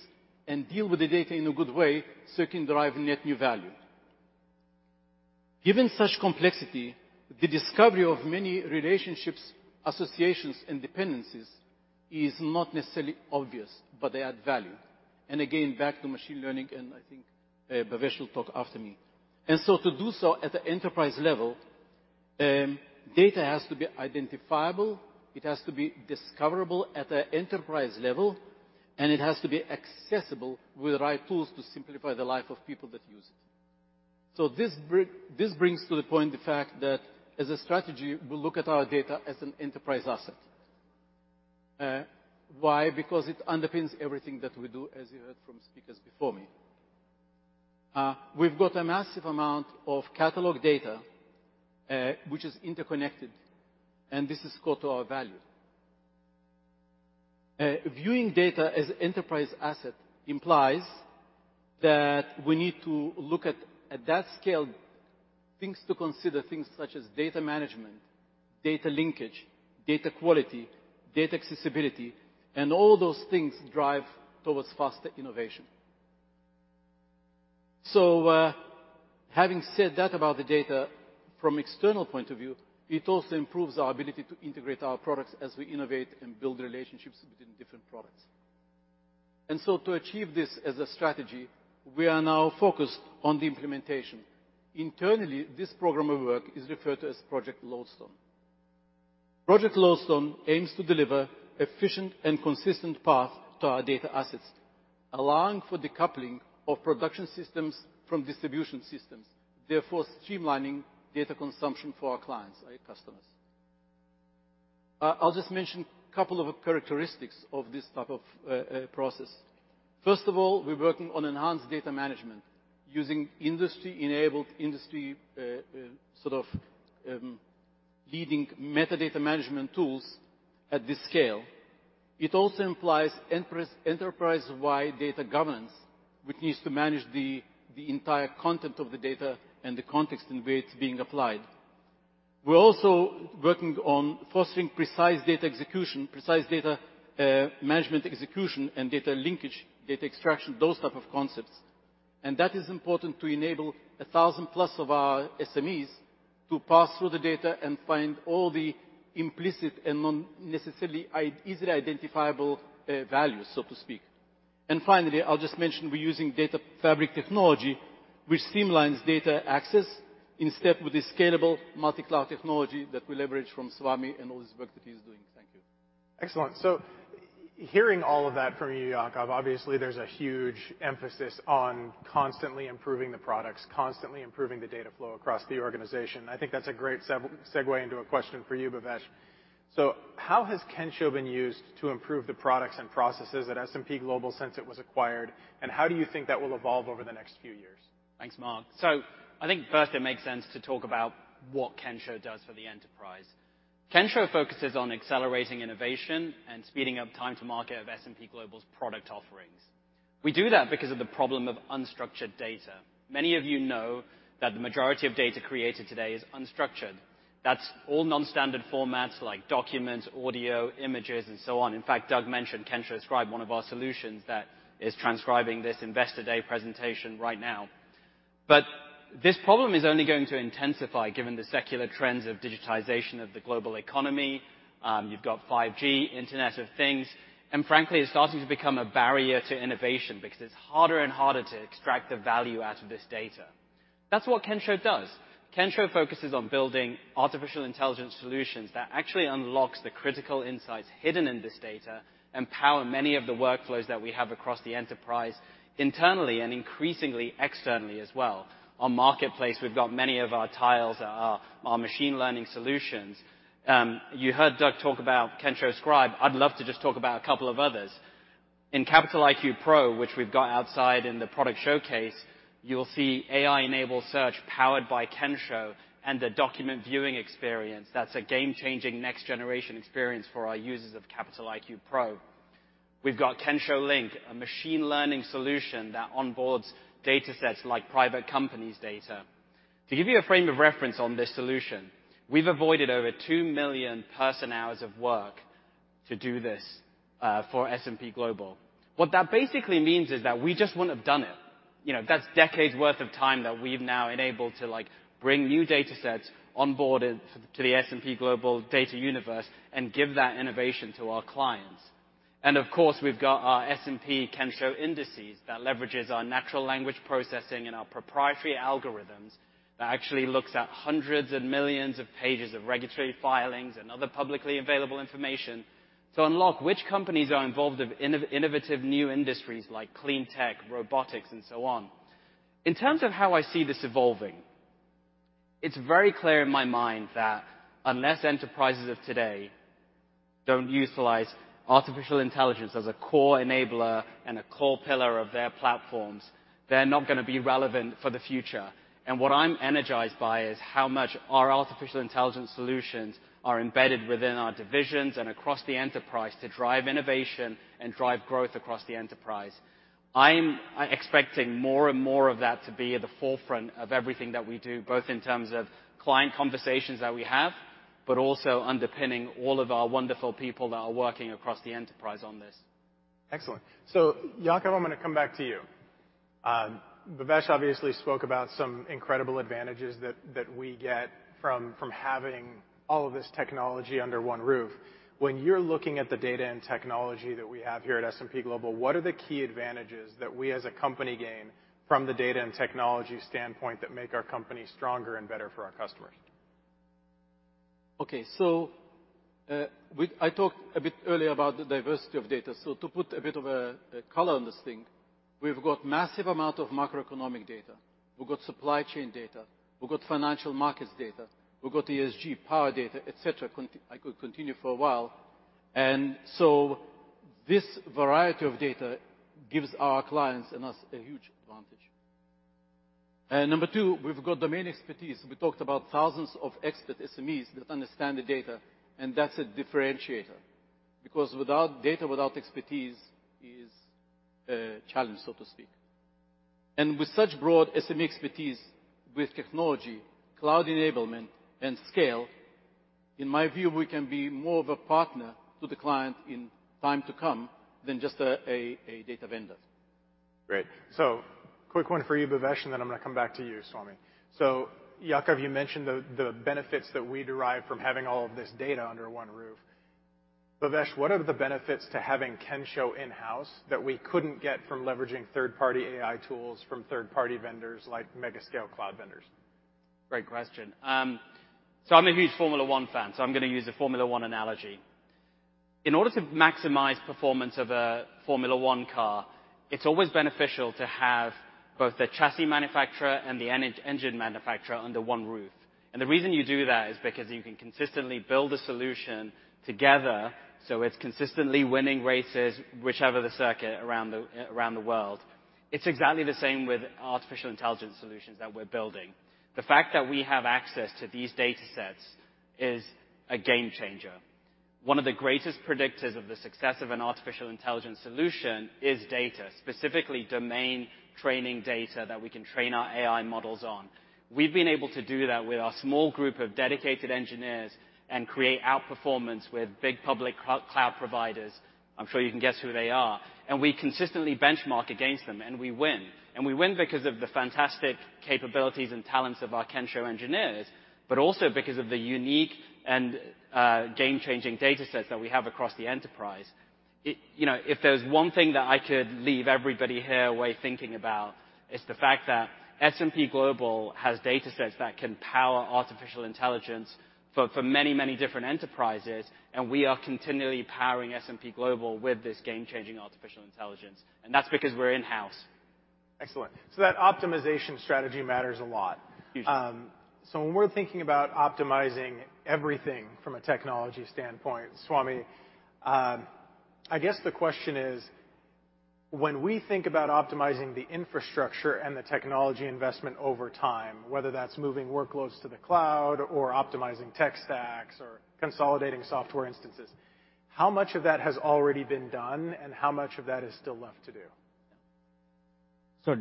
[SPEAKER 9] and deal with the data in a good way, so it can derive net new value. Given such complexity, the discovery of many relationships, associations, and dependencies is not necessarily obvious, but they add value. Again, back to machine learning, and I think Bhavesh will talk after me. To do so at the enterprise level, data has to be identifiable, it has to be discoverable at the enterprise level, and it has to be accessible with the right tools to simplify the life of people that use it. This brings to the point the fact that as a strategy, we look at our data as an enterprise asset. Why? Because it underpins everything that we do, as you heard from speakers before me. We've got a massive amount of catalog data, which is interconnected, and this is core to our value. Viewing data as enterprise asset implies that we need to look at that scale, things to consider, things such as data management, data linkage, data quality, data accessibility, and all those things drive towards faster innovation. Having said that about the data from external point of view, it also improves our ability to integrate our products as we innovate and build relationships between different products. To achieve this as a strategy, we are now focused on the implementation. Internally, this program of work is referred to as Project Lodestone. Project Lodestone aims to deliver efficient and consistent path to our data assets, allowing for decoupling of production systems from distribution systems, therefore streamlining data consumption for our clients and customers. I'll just mention a couple of characteristics of this type of process. First of all, we're working on enhanced data management using industry-enabled, industry leading metadata management tools at this scale. It also implies enterprise-wide data governance, which needs to manage the entire content of the data and the context in way it's being applied. We're also working on fostering precise data execution, precise data management execution, and data linkage, data extraction, those type of concepts. That is important to enable 1,000+ of our SMEs to pass through the data and find all the implicit and not necessarily easily identifiable values, so to speak. Finally, I'll just mention we're using data fabric technology which streamlines data access instead with the scalable multi-cloud technology that we leverage from Swamy and all this work that he is doing. Thank you.
[SPEAKER 1] Excellent. Hearing all of that from you, Yaacov, obviously there's a huge emphasis on constantly improving the products, constantly improving the data flow across the organization. I think that's a great segue into a question for you, Bhavesh. How has Kensho been used to improve the products and processes at S&P Global since it was acquired, and how do you think that will evolve over the next few years?
[SPEAKER 10] Thanks, Mark. I think first it makes sense to talk about what Kensho does for the enterprise. Kensho focuses on accelerating innovation and speeding up time to market of S&P Global's product offerings. We do that because of the problem of unstructured data. Many of you know that the majority of data created today is unstructured. That's all non-standard formats like documents, audio, images and so on. In fact, Doug mentioned Kensho Scribe, one of our solutions that is transcribing this Investor Day presentation right now. But this problem is only going to intensify given the secular trends of digitization of the global economy. You've got 5G, Internet of Things, and frankly, it's starting to become a barrier to innovation because it's harder and harder to extract the value out of this data. That's what Kensho does. Kensho focuses on building artificial intelligence solutions that actually unlocks the critical insights hidden in this data and power many of the workflows that we have across the enterprise internally and increasingly externally as well. On Marketplace, we've got many of our tiles that are our machine learning solutions. You heard Doug talk about Kensho Scribe. I'd love to just talk about a couple of others. In Capital IQ Pro, which we've got outside in the product showcase, you'll see AI-enabled search powered by Kensho and the document viewing experience. That's a game-changing next generation experience for our users of Capital IQ Pro. We've got Kensho Link, a machine learning solution that onboards datasets like private companies' data. To give you a frame of reference on this solution, we've avoided over 2 million person-hours of work to do this for S&P Global. What that basically means is that we just wouldn't have done it. You know, that's decades worth of time that we've now enabled to, like, bring new datasets onboarded to the S&P Global data universe and give that innovation to our clients. Of course, we've got our S&P Kensho Indices that leverages our natural language processing and our proprietary algorithms that actually looks at hundreds and millions of pages of regulatory filings and other publicly available information to unlock which companies are involved in innovative new industries like clean tech, robotics, and so on. In terms of how I see this evolving, it's very clear in my mind that unless enterprises of today don't utilize artificial intelligence as a core enabler and a core pillar of their platforms, they're not gonna be relevant for the future. What I'm energized by is how much our artificial intelligence solutions are embedded within our divisions and across the enterprise to drive innovation and drive growth across the enterprise. I'm expecting more and more of that to be at the forefront of everything that we do, both in terms of client conversations that we have, but also underpinning all of our wonderful people that are working across the enterprise on this.
[SPEAKER 1] Excellent. Yaacov, I'm gonna come back to you. Bhavesh obviously spoke about some incredible advantages that we get from having all of this technology under one roof. When you're looking at the data and technology that we have here at S&P Global, what are the key advantages that we as a company gain from the data and technology standpoint that make our company stronger and better for our customers?
[SPEAKER 9] Okay. I talked a bit earlier about the diversity of data. To put a bit of a color on this thing, we've got massive amount of macroeconomic data. We've got supply chain data. We've got financial markets data. We've got ESG power data, et cetera. I could continue for a while. This variety of data gives our clients and us a huge advantage. Number two, we've got domain expertise. We talked about thousands of expert SMEs that understand the data, and that's a differentiator. Because without data, without expertise is a challenge, so to speak. With such broad SME expertise with technology, cloud enablement, and scale, in my view, we can be more of a partner to the client in time to come than just a data vendor.
[SPEAKER 1] Great. Quick one for you, Bhavesh, and then I'm gonna come back to you, Swamy. Yaacov, you mentioned the benefits that we derive from having all of this data under one roof. Bhavesh, what are the benefits to having Kensho in-house that we couldn't get from leveraging third-party AI tools from third-party vendors like mega scale cloud vendors?
[SPEAKER 10] Great question. I'm a huge Formula 1 fan, so I'm gonna use a Formula 1 analogy. In order to maximize performance of a Formula 1 car, it's always beneficial to have both the chassis manufacturer and the engine manufacturer under one roof. The reason you do that is because you can consistently build a solution together, so it's consistently winning races, whichever the circuit around the world. It's exactly the same with artificial intelligence solutions that we're building. The fact that we have access to these datasets is a game changer. One of the greatest predictors of the success of an artificial intelligence solution is data, specifically domain training data that we can train our AI models on. We've been able to do that with our small group of dedicated engineers and create outperformance with big public cloud providers. I'm sure you can guess who they are. We consistently benchmark against them, and we win. We win because of the fantastic capabilities and talents of our Kensho engineers, but also because of the unique and game-changing datasets that we have across the enterprise. You know, if there's one thing that I could leave everybody here away thinking about, it's the fact that S&P Global has datasets that can power artificial intelligence for many, many different enterprises, and we are continually powering S&P Global with this game-changing artificial intelligence, and that's because we're in-house.
[SPEAKER 1] Excellent. That optimization strategy matters a lot.
[SPEAKER 10] Huge.
[SPEAKER 1] When we're thinking about optimizing everything from a technology standpoint, Swamy, I guess the question is, when we think about optimizing the infrastructure and the technology investment over time, whether that's moving workloads to the cloud or optimizing tech stacks or consolidating software instances, how much of that has already been done, and how much of that is still left to do?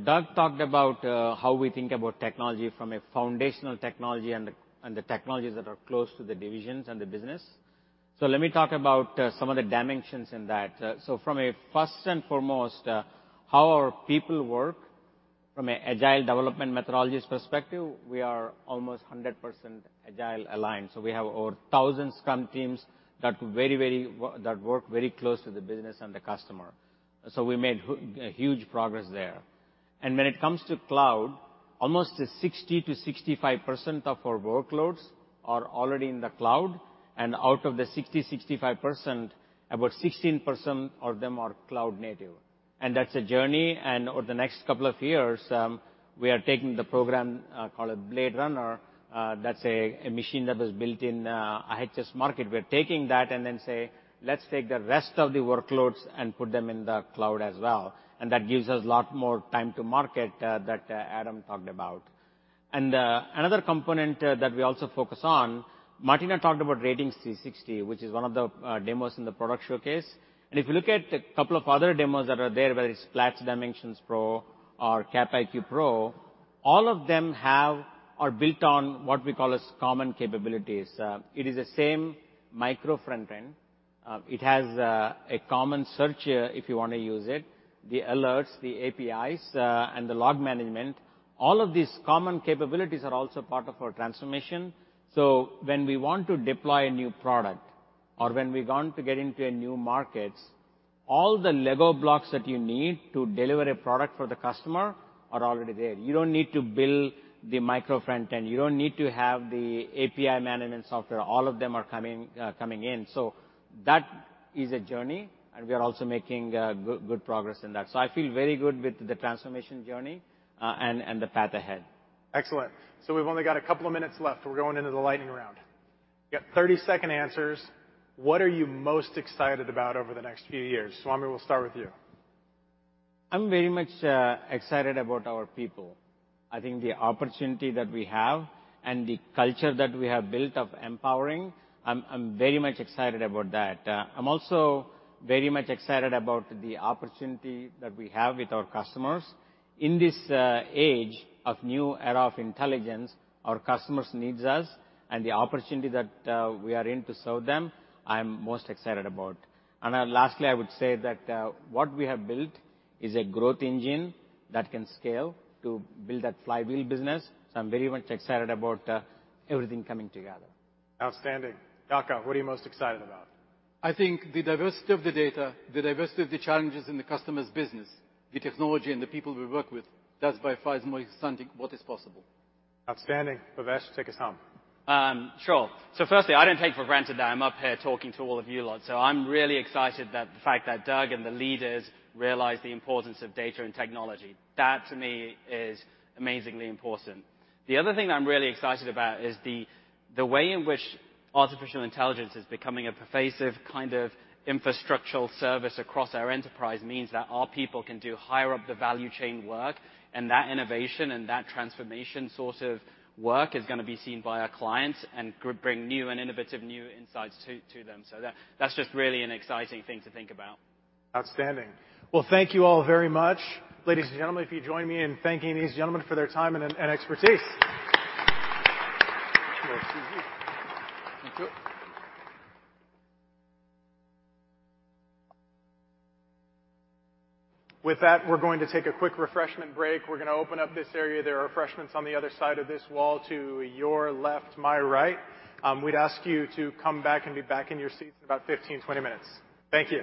[SPEAKER 8] Doug talked about how we think about technology from a foundational technology and the, and the technologies that are close to the divisions and the business. Let me talk about some of the dimensions in that. From a first and foremost, how our people work from a agile development methodologies perspective, we are almost 100% agile aligned. We have over thousands Scrum teams that very that work very close to the business and the customer. We made a huge progress there. When it comes to cloud, almost 60%-65% of our workloads are already in the cloud. Out of the 60%-65%, about 16% of them are cloud-native. That's a journey, over the next couple of years, we are taking the program called BladeRunner, that's a machine that was built in IHS Markit. We're taking that and then say, "Let's take the rest of the workloads and put them in the cloud as well." That gives us a lot more time to market that Adam talked about. Another component that we also focus on, Martina talked about Ratings 360, which is one of the demos in the product showcase. If you look at a couple of other demos that are there, whether it's Platts Dimensions Pro or Capital IQ Pro, all of them are built on what we call as common capabilities. It is the same micro frontend. It has a common, if you want to use it, the alerts, the APIs, and the log management. All of these common capabilities are also part of our transformation. When we want to deploy a new product or when we want to get into new markets, all the Lego blocks that you need to deliver a product for the customer are already there. You don't need to build the micro frontend. You don't need to have the API management software. All of them are coming in. That is a journey, and we are also making good progress in that. I feel very good with the transformation journey and the path ahead.
[SPEAKER 1] Excellent. We've only got a couple of minutes left, we're going into the lightning round. You get 30-second answers. What are you most excited about over the next few years? Swamy, we'll start with you.
[SPEAKER 8] I'm very much excited about our people. I think the opportunity that we have and the culture that we have built of empowering, I'm very much excited about that. I'm also very much excited about the opportunity that we have with our customers. In this age of new era of intelligence, our customers needs us, and the opportunity that we are in to serve them, I'm most excited about. Lastly, I would say that what we have built is a growth engine that can scale to build that flywheel business, I'm very much excited about everything coming together.
[SPEAKER 1] Outstanding. Yaacov, what are you most excited about?
[SPEAKER 9] I think the diversity of the data, the diversity of the challenges in the customer's business, the technology and the people we work with, that's by far the most exciting what is possible.
[SPEAKER 1] Outstanding. Bhavesh, take us home.
[SPEAKER 10] Sure. Firstly, I don't take for granted that I'm up here talking to all of you lot. I'm really excited that the fact that Doug and the leaders realize the importance of data and technology. That, to me, is amazingly important. The other thing that I'm really excited about is the way in which artificial intelligence is becoming a pervasive kind of infrastructural service across our enterprise means that our people can do higher up the value chain work, and that innovation and that transformation sort of work is gonna be seen by our clients and bring new and innovative new insights to them. That's just really an exciting thing to think about.
[SPEAKER 1] Outstanding. Well, thank you all very much. Ladies and gentlemen, if you join me in thanking these gentlemen for their time and expertise.
[SPEAKER 9] Merci beaucoup.
[SPEAKER 10] Thank you.
[SPEAKER 1] With that, we're going to take a quick refreshment break. We're going to open up this area. There are refreshments on the other side of this wall to your left, my right. We'd ask you to come back and be back in your seats in about 15, 20 minutes. Thank you.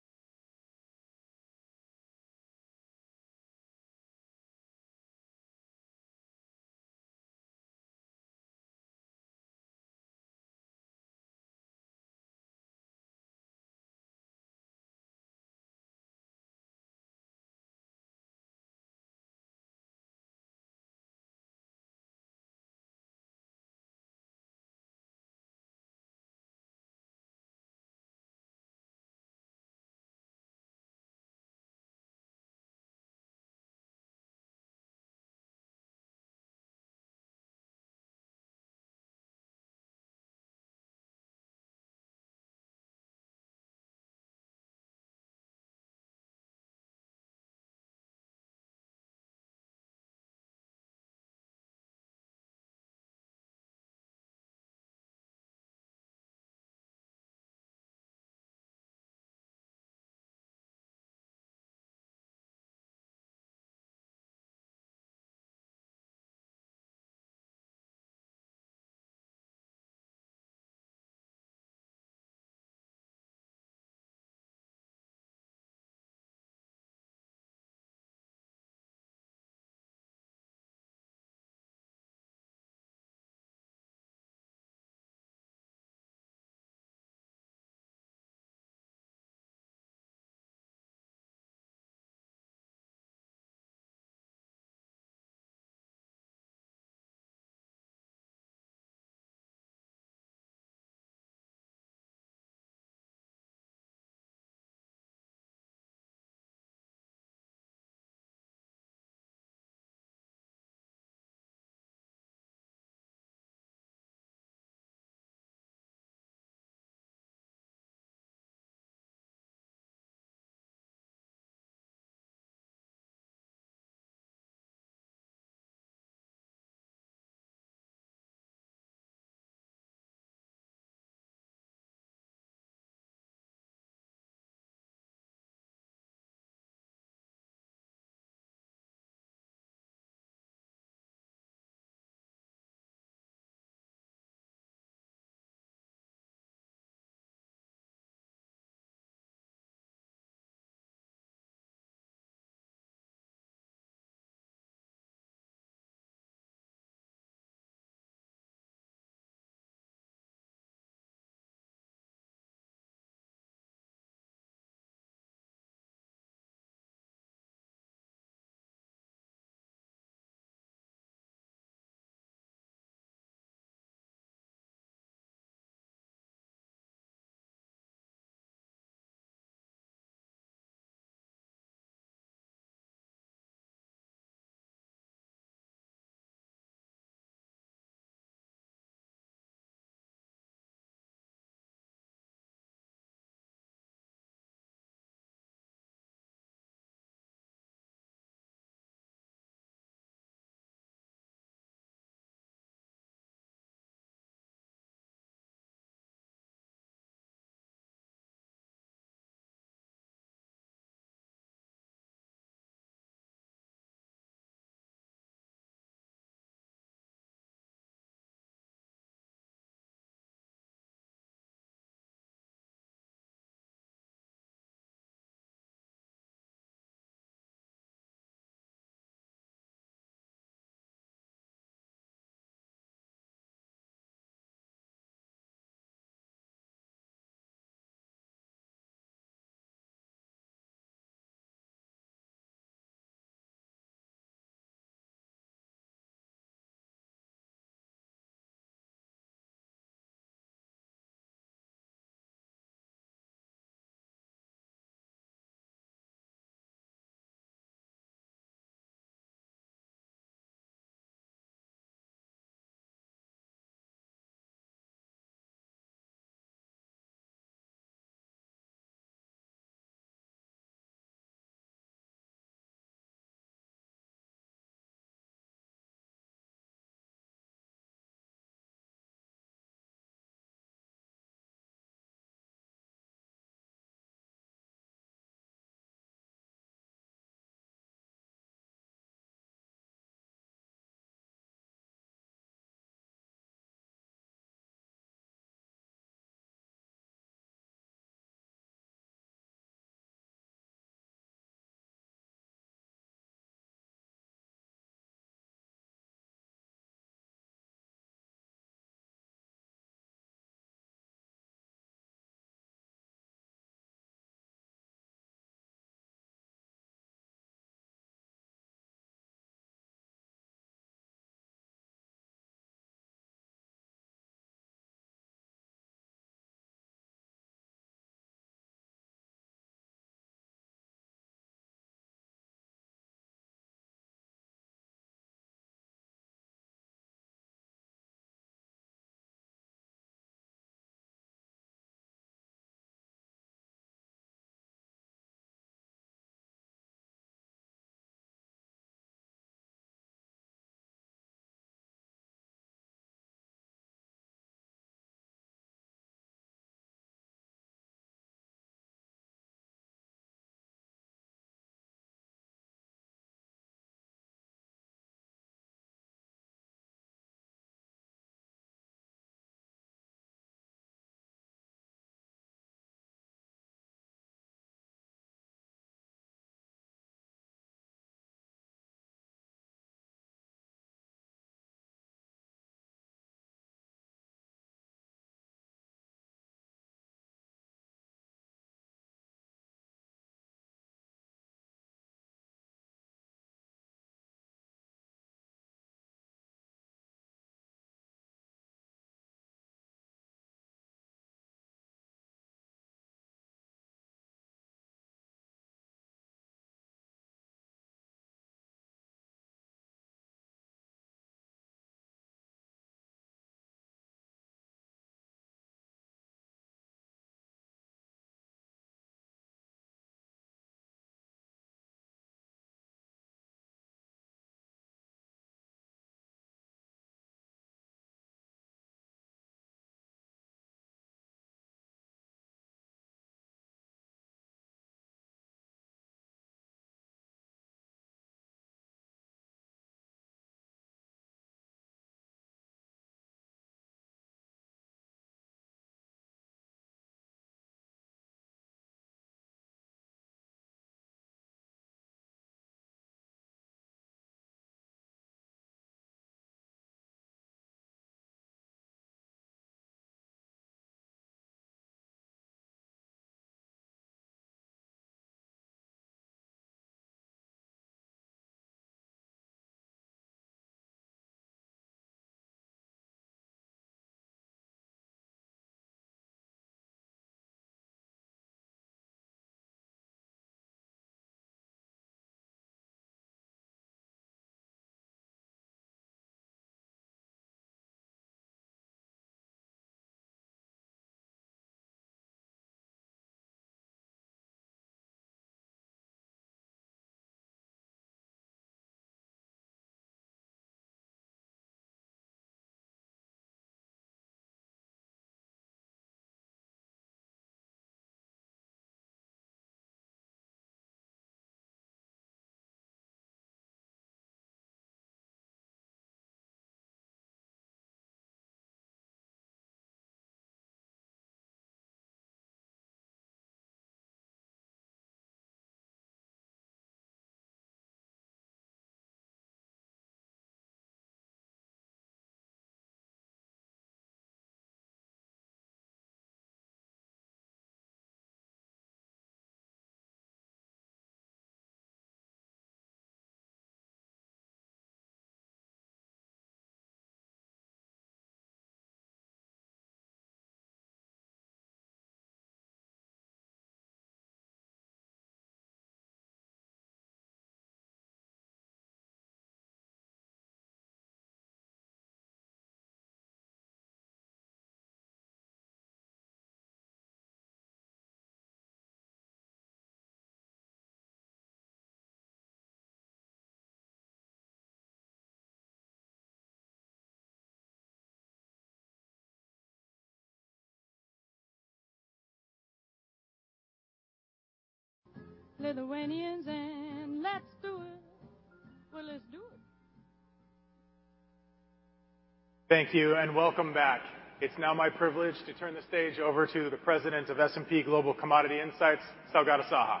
[SPEAKER 1] Thank you, and welcome back. It's now my privilege to turn the stage over to the President of S&P Global Commodity Insights, Saugata Saha.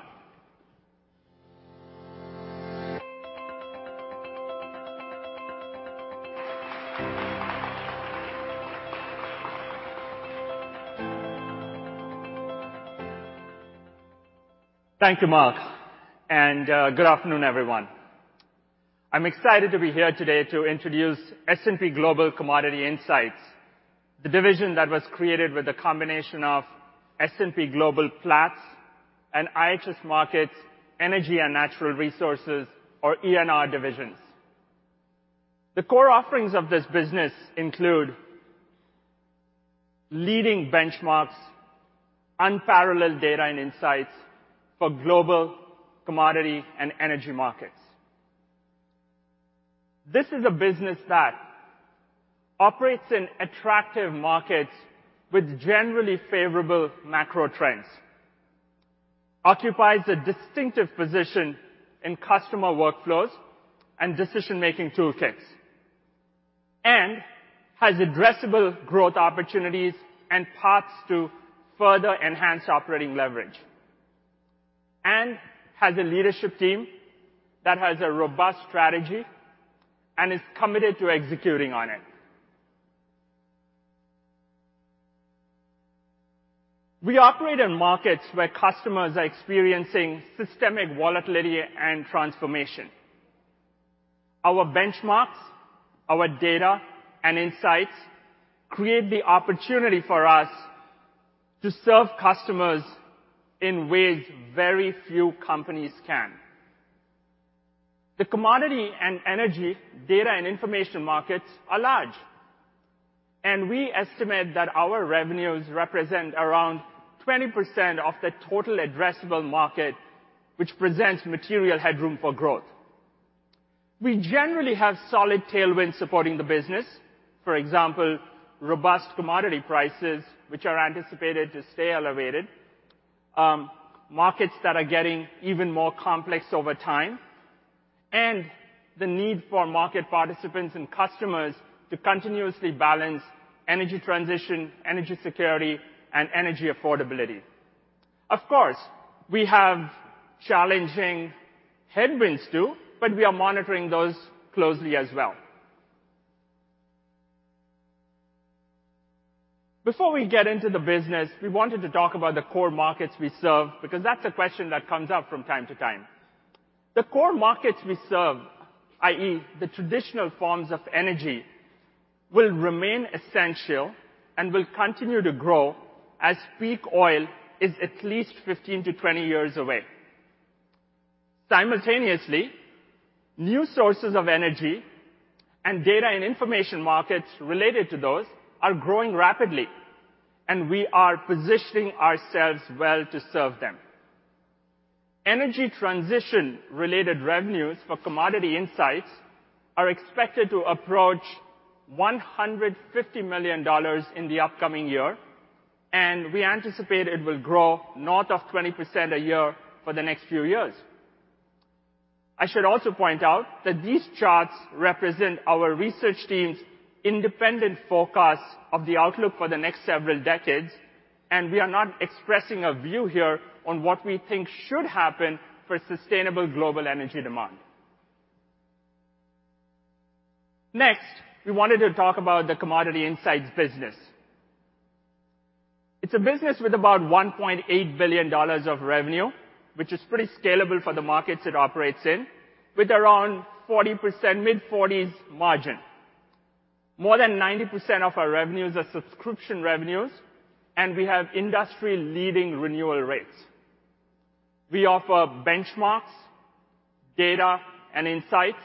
[SPEAKER 11] Thank you, Mark. Good afternoon, everyone. I'm excited to be here today to introduce S&P Global Commodity Insights, the division that was created with the combination of S&P Global Platts and IHS Markit's Energy and Natural Resources, or ENR divisions. The core offerings of this business include leading benchmarks, unparalleled data and insights for global commodity and energy markets. This is a business that operates in attractive markets with generally favorable macro trends, occupies a distinctive position in customer workflows and decision-making toolkits, and has addressable growth opportunities and paths to further enhance operating leverage. Has a leadership team that has a robust strategy and is committed to executing on it. We operate in markets where customers are experiencing systemic volatility and transformation. Our benchmarks, our data, and insights create the opportunity for us to serve customers in ways very few companies can. The commodity and energy data and information markets are large. We estimate that our revenues represent around 20% of the total addressable market, which presents material headroom for growth. We generally have solid tailwinds supporting the business. For example, robust commodity prices, which are anticipated to stay elevated, markets that are getting even more complex over time, and the need for market participants and customers to continuously balance energy transition, energy security, and energy affordability. Of course, we have challenging headwinds too. We are monitoring those closely as well. Before we get into the business, we wanted to talk about the core markets we serve because that's a question that comes up from time to time. The core markets we serve, i.e. the traditional forms of energy, will remain essential and will continue to grow as peak oil is at least 15-20 years away. Simultaneously, new sources of energy and data and information markets related to those are growing rapidly, and we are positioning ourselves well to serve them. Energy transition-related revenues for Commodity Insights are expected to approach $150 million in the upcoming year, and we anticipate it will grow north of 20% a year for the next few years. I should also point out that these charts represent our research team's independent forecast of the outlook for the next several decades, and we are not expressing a view here on what we think should happen for sustainable global energy demand. Next, we wanted to talk about the Commodity Insights business. It's a business with about $1.8 billion of revenue, which is pretty scalable for the markets it operates in, with around 40%, mid-40s margin. More than 90% of our revenues are subscription revenues, we have industry-leading renewal rates. We offer benchmarks, data, and insights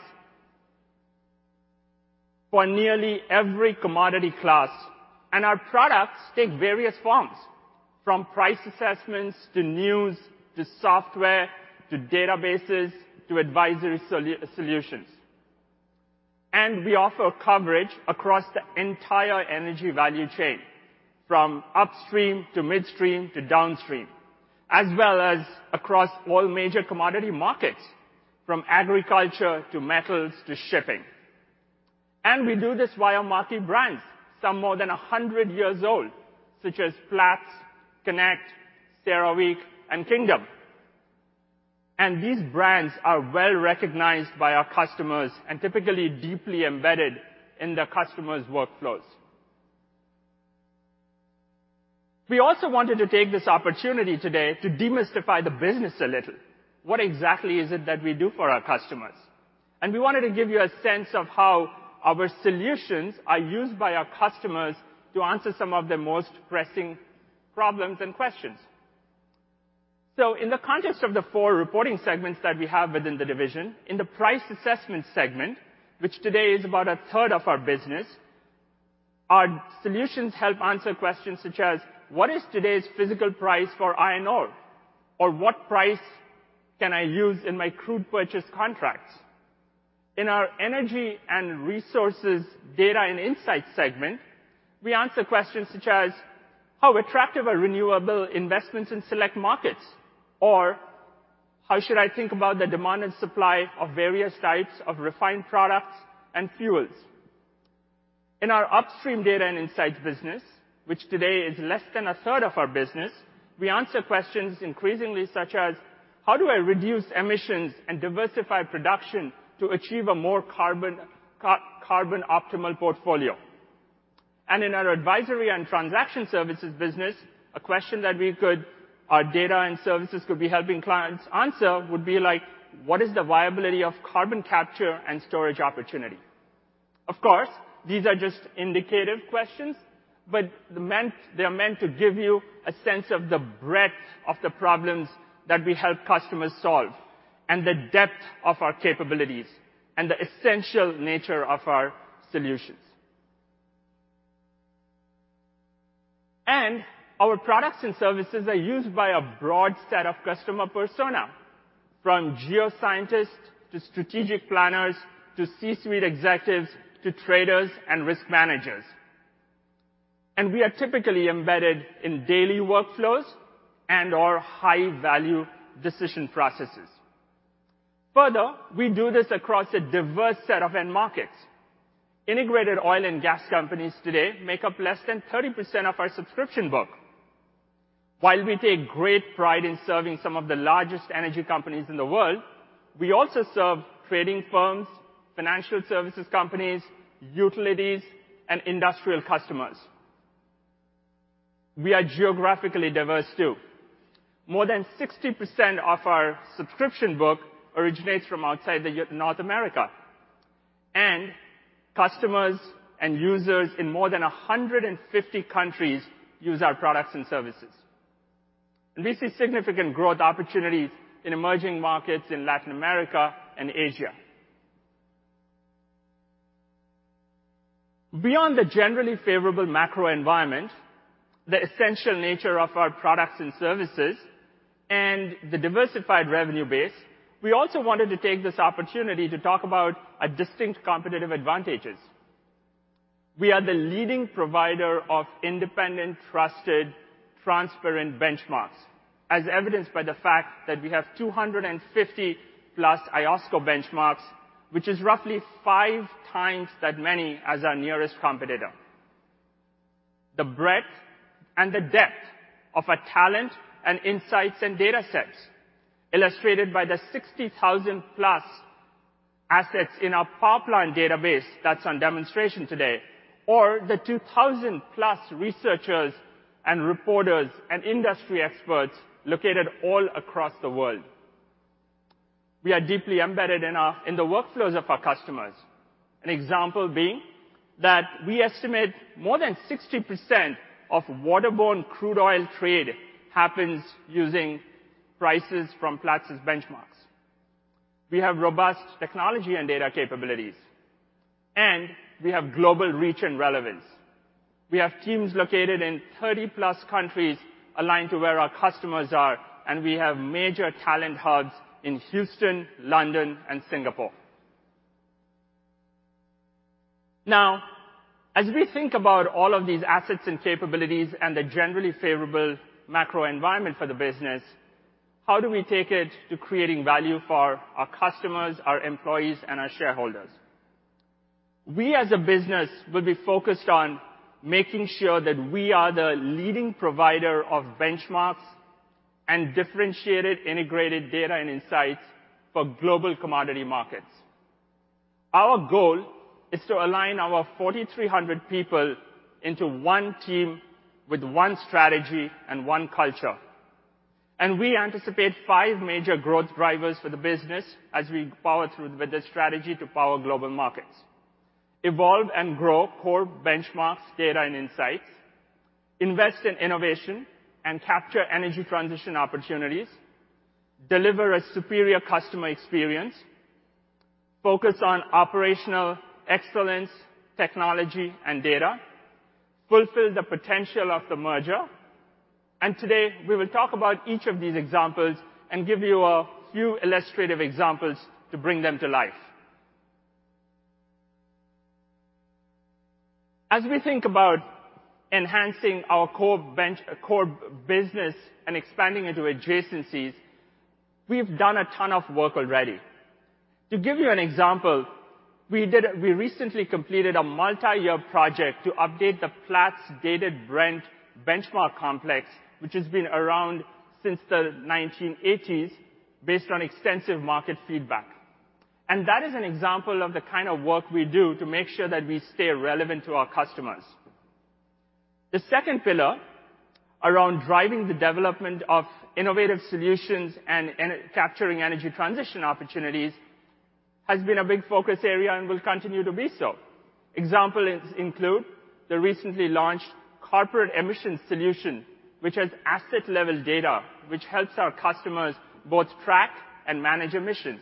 [SPEAKER 11] for nearly every commodity class, our products take various forms, from price assessments to news, to software, to databases, to advisory solutions. We offer coverage across the entire energy value chain, from upstream to midstream to downstream, as well as across all major commodity markets, from agriculture to metals to shipping. We do this via multi brands, some more than 100 years old, such as Platts Connect, S&P Global Platts, Sterrewijk, and Kingdom. These brands are well-recognized by our customers and typically deeply embedded in the customers' workflows. We also wanted to take this opportunity today to demystify the business a little. What exactly is it that we do for our customers? We wanted to give you a sense of how our solutions are used by our customers to answer some of their most pressing problems and questions. In the context of the four reporting segments that we have within the division, in the price assessment segment, which today is about a third of our business, our solutions help answer questions such as, "What is today's physical price for iron ore?" Or "What price can I use in my crude purchase contracts?" In our energy and resources data and insights segment, we answer questions such as, "How attractive are renewable investments in select markets?" Or, "How should I think about the demand and supply of various types of refined products and fuels?" In our upstream data and insights business, which today is less than a third of our business, we answer questions increasingly such as, "How do I reduce emissions and diversify production to achieve a more carbon optimal portfolio?" In our advisory and transaction services business, a question that our data and services could be helping clients answer would be like, "What is the viability of carbon capture and storage opportunity?" Of course, these are just indicative questions, but they're meant to give you a sense of the breadth of the problems that we help customers solve and the depth of our capabilities and the essential nature of our solutions. Our products and services are used by a broad set of customer persona, from geoscientists to strategic planners, to C-suite executives, to traders and risk managers. We are typically embedded in daily workflows and/or high-value decision processes. Further, we do this across a diverse set of end markets. Integrated oil and gas companies today make up less than 30% of our subscription book. While we take great pride in serving some of the largest energy companies in the world, we also serve trading firms, financial services companies, utilities, and industrial customers. We are geographically diverse too. More than 60% of our subscription book originates from outside North America. Customers and users in more than 150 countries use our products and services. We see significant growth opportunities in emerging markets in Latin America and Asia. Beyond the generally favorable macro environment, the essential nature of our products and services, and the diversified revenue base, we also wanted to take this opportunity to talk about our distinct competitive advantages. We are the leading provider of independent, trusted, transparent benchmarks, as evidenced by the fact that we have 250+ IOSCO benchmarks, which is roughly five times that many as our nearest competitor. The breadth and the depth of our talent and insights and datasets, illustrated by the 60,000+ assets in our Pipeline database that's on demonstration today, or the 2,000+ researchers and reporters and industry experts located all across the world. We are deeply embedded in the workflows of our customers. An example being that we estimate more than 60% of waterborne crude oil trade happens using prices from Platts' benchmarks. We have robust technology and data capabilities. We have global reach and relevance. We have teams located in 30-plus countries aligned to where our customers are. We have major talent hubs in Houston, London, and Singapore. Now, as we think about all of these assets and capabilities and the generally favorable macro environment for the business, how do we take it to creating value for our customers, our employees, and our shareholders? We, as a business, will be focused on making sure that we are the leading provider of benchmarks and differentiated integrated data and insights for global commodity markets. Our goal is to align our 4,300 people into one team with one strategy and one culture. We anticipate five major growth drivers for the business as we power through with the strategy to power global markets. Evolve and grow core benchmarks, data, and insights. Invest in innovation and capture energy transition opportunities. Deliver a superior customer experience. Focus on operational excellence, technology, and data. Fulfill the potential of the merger. Today, we will talk about each of these examples and give you a few illustrative examples to bring them to life. As we think about enhancing our core business and expanding into adjacencies, we've done a ton of work already. To give you an example, we recently completed a multi-year project to update the Platts Dated Brent benchmark complex, which has been around since the 1980s, based on extensive market feedback. That is an example of the kind of work we do to make sure that we stay relevant to our customers. The second pillar around driving the development of innovative solutions and capturing energy transition opportunities has been a big focus area and will continue to be so. Examples include the recently launched corporate emissions solution, which has asset-level data, which helps our customers both track and manage emissions.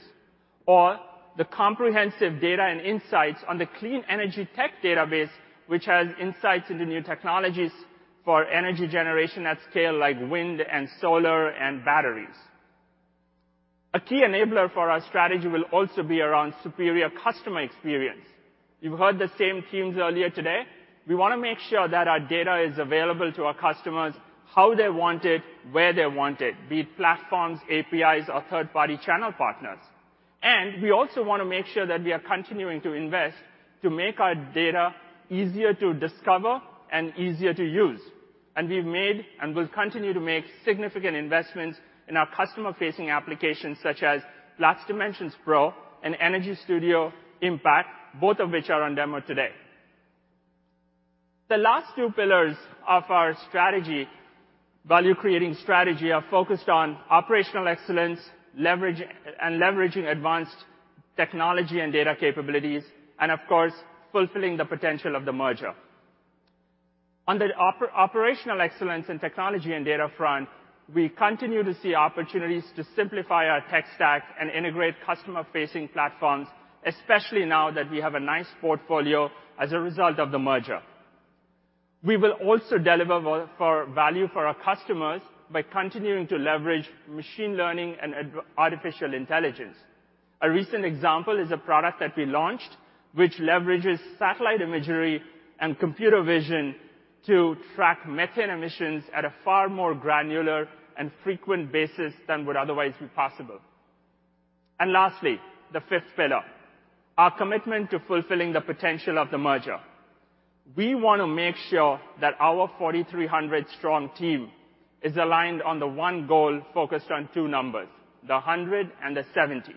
[SPEAKER 11] The comprehensive data and insights on the clean energy tech database, which has insights into new technologies for energy generation at scale, like wind and solar and batteries. A key enabler for our strategy will also be around superior customer experience. You've heard the same themes earlier today. We wanna make sure that our data is available to our customers, how they want it, where they want it, be it platforms, APIs, or third-party channel partners. We also wanna make sure that we are continuing to invest to make our data easier to discover and easier to use. We've made, and we'll continue to make, significant investments in our customer-facing applications, such as Platts Dimensions Pro and Energy Studio Impact, both of which are on demo today. The last two pillars of our strategy, value-creating strategy, are focused on operational excellence, leverage, and leveraging advanced technology and data capabilities and, of course, fulfilling the potential of the merger. On the operational excellence in technology and data front, we continue to see opportunities to simplify our tech stack and integrate customer-facing platforms, especially now that we have a nice portfolio as a result of the merger. We will also deliver for value for our customers by continuing to leverage machine learning and artificial intelligence. A recent example is a product that we launched which leverages satellite imagery and computer vision to track methane emissions at a far more granular and frequent basis than would otherwise be possible. Lastly, the fifth pillar, our commitment to fulfilling the potential of the merger. We want to make sure that our 4,300 strong team is aligned on the one goal focused on two numbers, the 100 and the 70.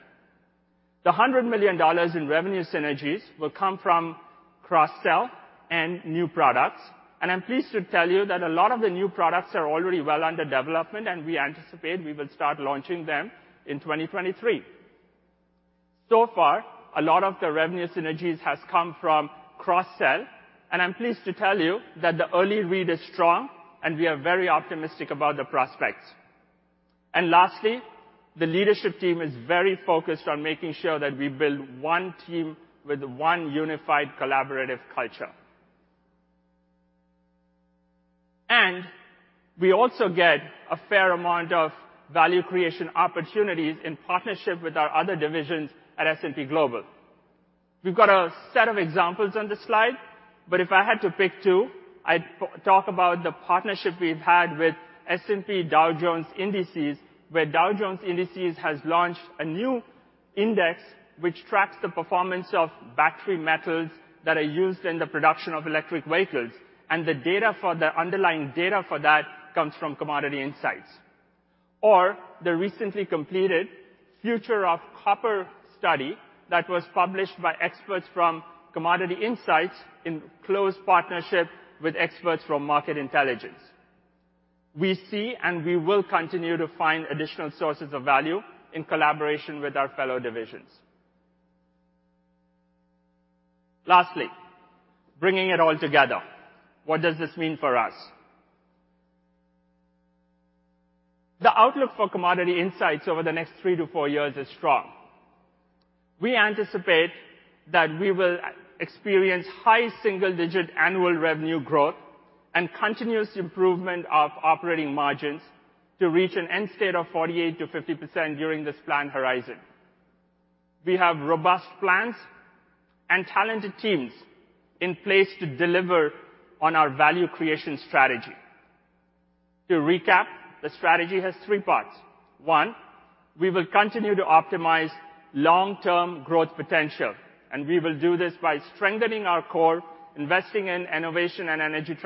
[SPEAKER 11] The $100 million in revenue synergies will come from cross-sell and new products. I'm pleased to tell you that a lot of the new products are already well under development, and we anticipate we will start launching them in 2023. So far, a lot of the revenue synergies has come from cross-sell, and I'm pleased to tell you that the early read is strong, and we are very optimistic about the prospects. Lastly, the leadership team is very focused on making sure that we build 1 team with 1 unified collaborative culture. We also get a fair amount of value creation opportunities in partnership with our other divisions at S&P Global. We've got a set of examples on this slide, but if I had to pick two, I'd talk about the partnership we've had with S&P Dow Jones Indices, where Dow Jones Indices has launched a new index which tracks the performance of battery metals that are used in the production of electric vehicles, and the data for the underlying data for that comes from Commodity Insights. The recently completed Future of Copper study that was published by experts from Commodity Insights in close partnership with experts from Market Intelligence. We see and we will continue to find additional sources of value in collaboration with our fellow divisions. Bringing it all together. What does this mean for us? The outlook for Commodity Insights over the next three to four years is strong. We anticipate that we will experience high single-digit annual revenue growth and continuous improvement of operating margins to reach an end state of 48%-50% during this plan horizon. We have robust plans and talented teams in place to deliver on our value creation strategy. To recap, the strategy has three parts. One, we will continue to optimize long-term growth potential, and we will do this by strengthening our core, investing in innovation and energy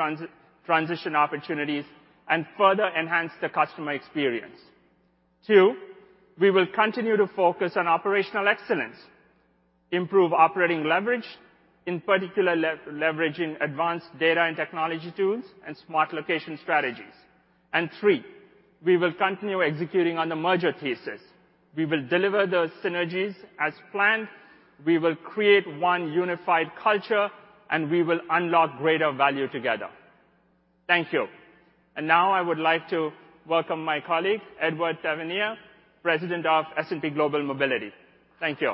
[SPEAKER 11] transition opportunities, and further enhance the customer experience. Two, we will continue to focus on operational excellence, improve operating leverage, in particular leveraging advanced data and technology tools and smart location strategies. Three, we will continue executing on the merger thesis. We will deliver those synergies as planned. We will create one unified culture, and we will unlock greater value together. Thank you. Now I would like to welcome my colleague, Edouard Tavernier, President of S&P Global Mobility. Thank you.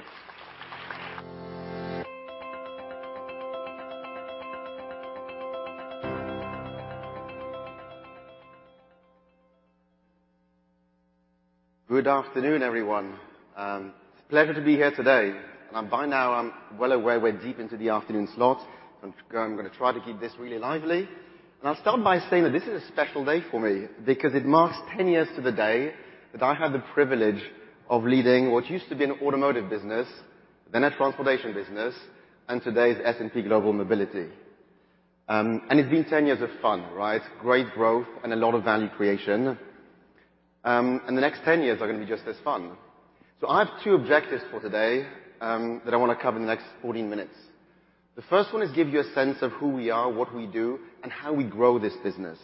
[SPEAKER 12] Good afternoon, everyone. It's a pleasure to be here today. By now I'm well aware we're deep into the afternoon slot. I'm gonna try to keep this really lively. I'll start by saying that this is a special day for me because it marks 10 years to the day that I had the privilege of leading what used to be an automotive business, then a transportation business, and today is S&P Global Mobility. It's been 10 years of fun, right? Great growth and a lot of value creation. The next 10 years are gonna be just as fun. I have two objectives for today that I wanna cover in the next 14 minutes. The first one is give you a sense of who we are, what we do, and how we grow this business.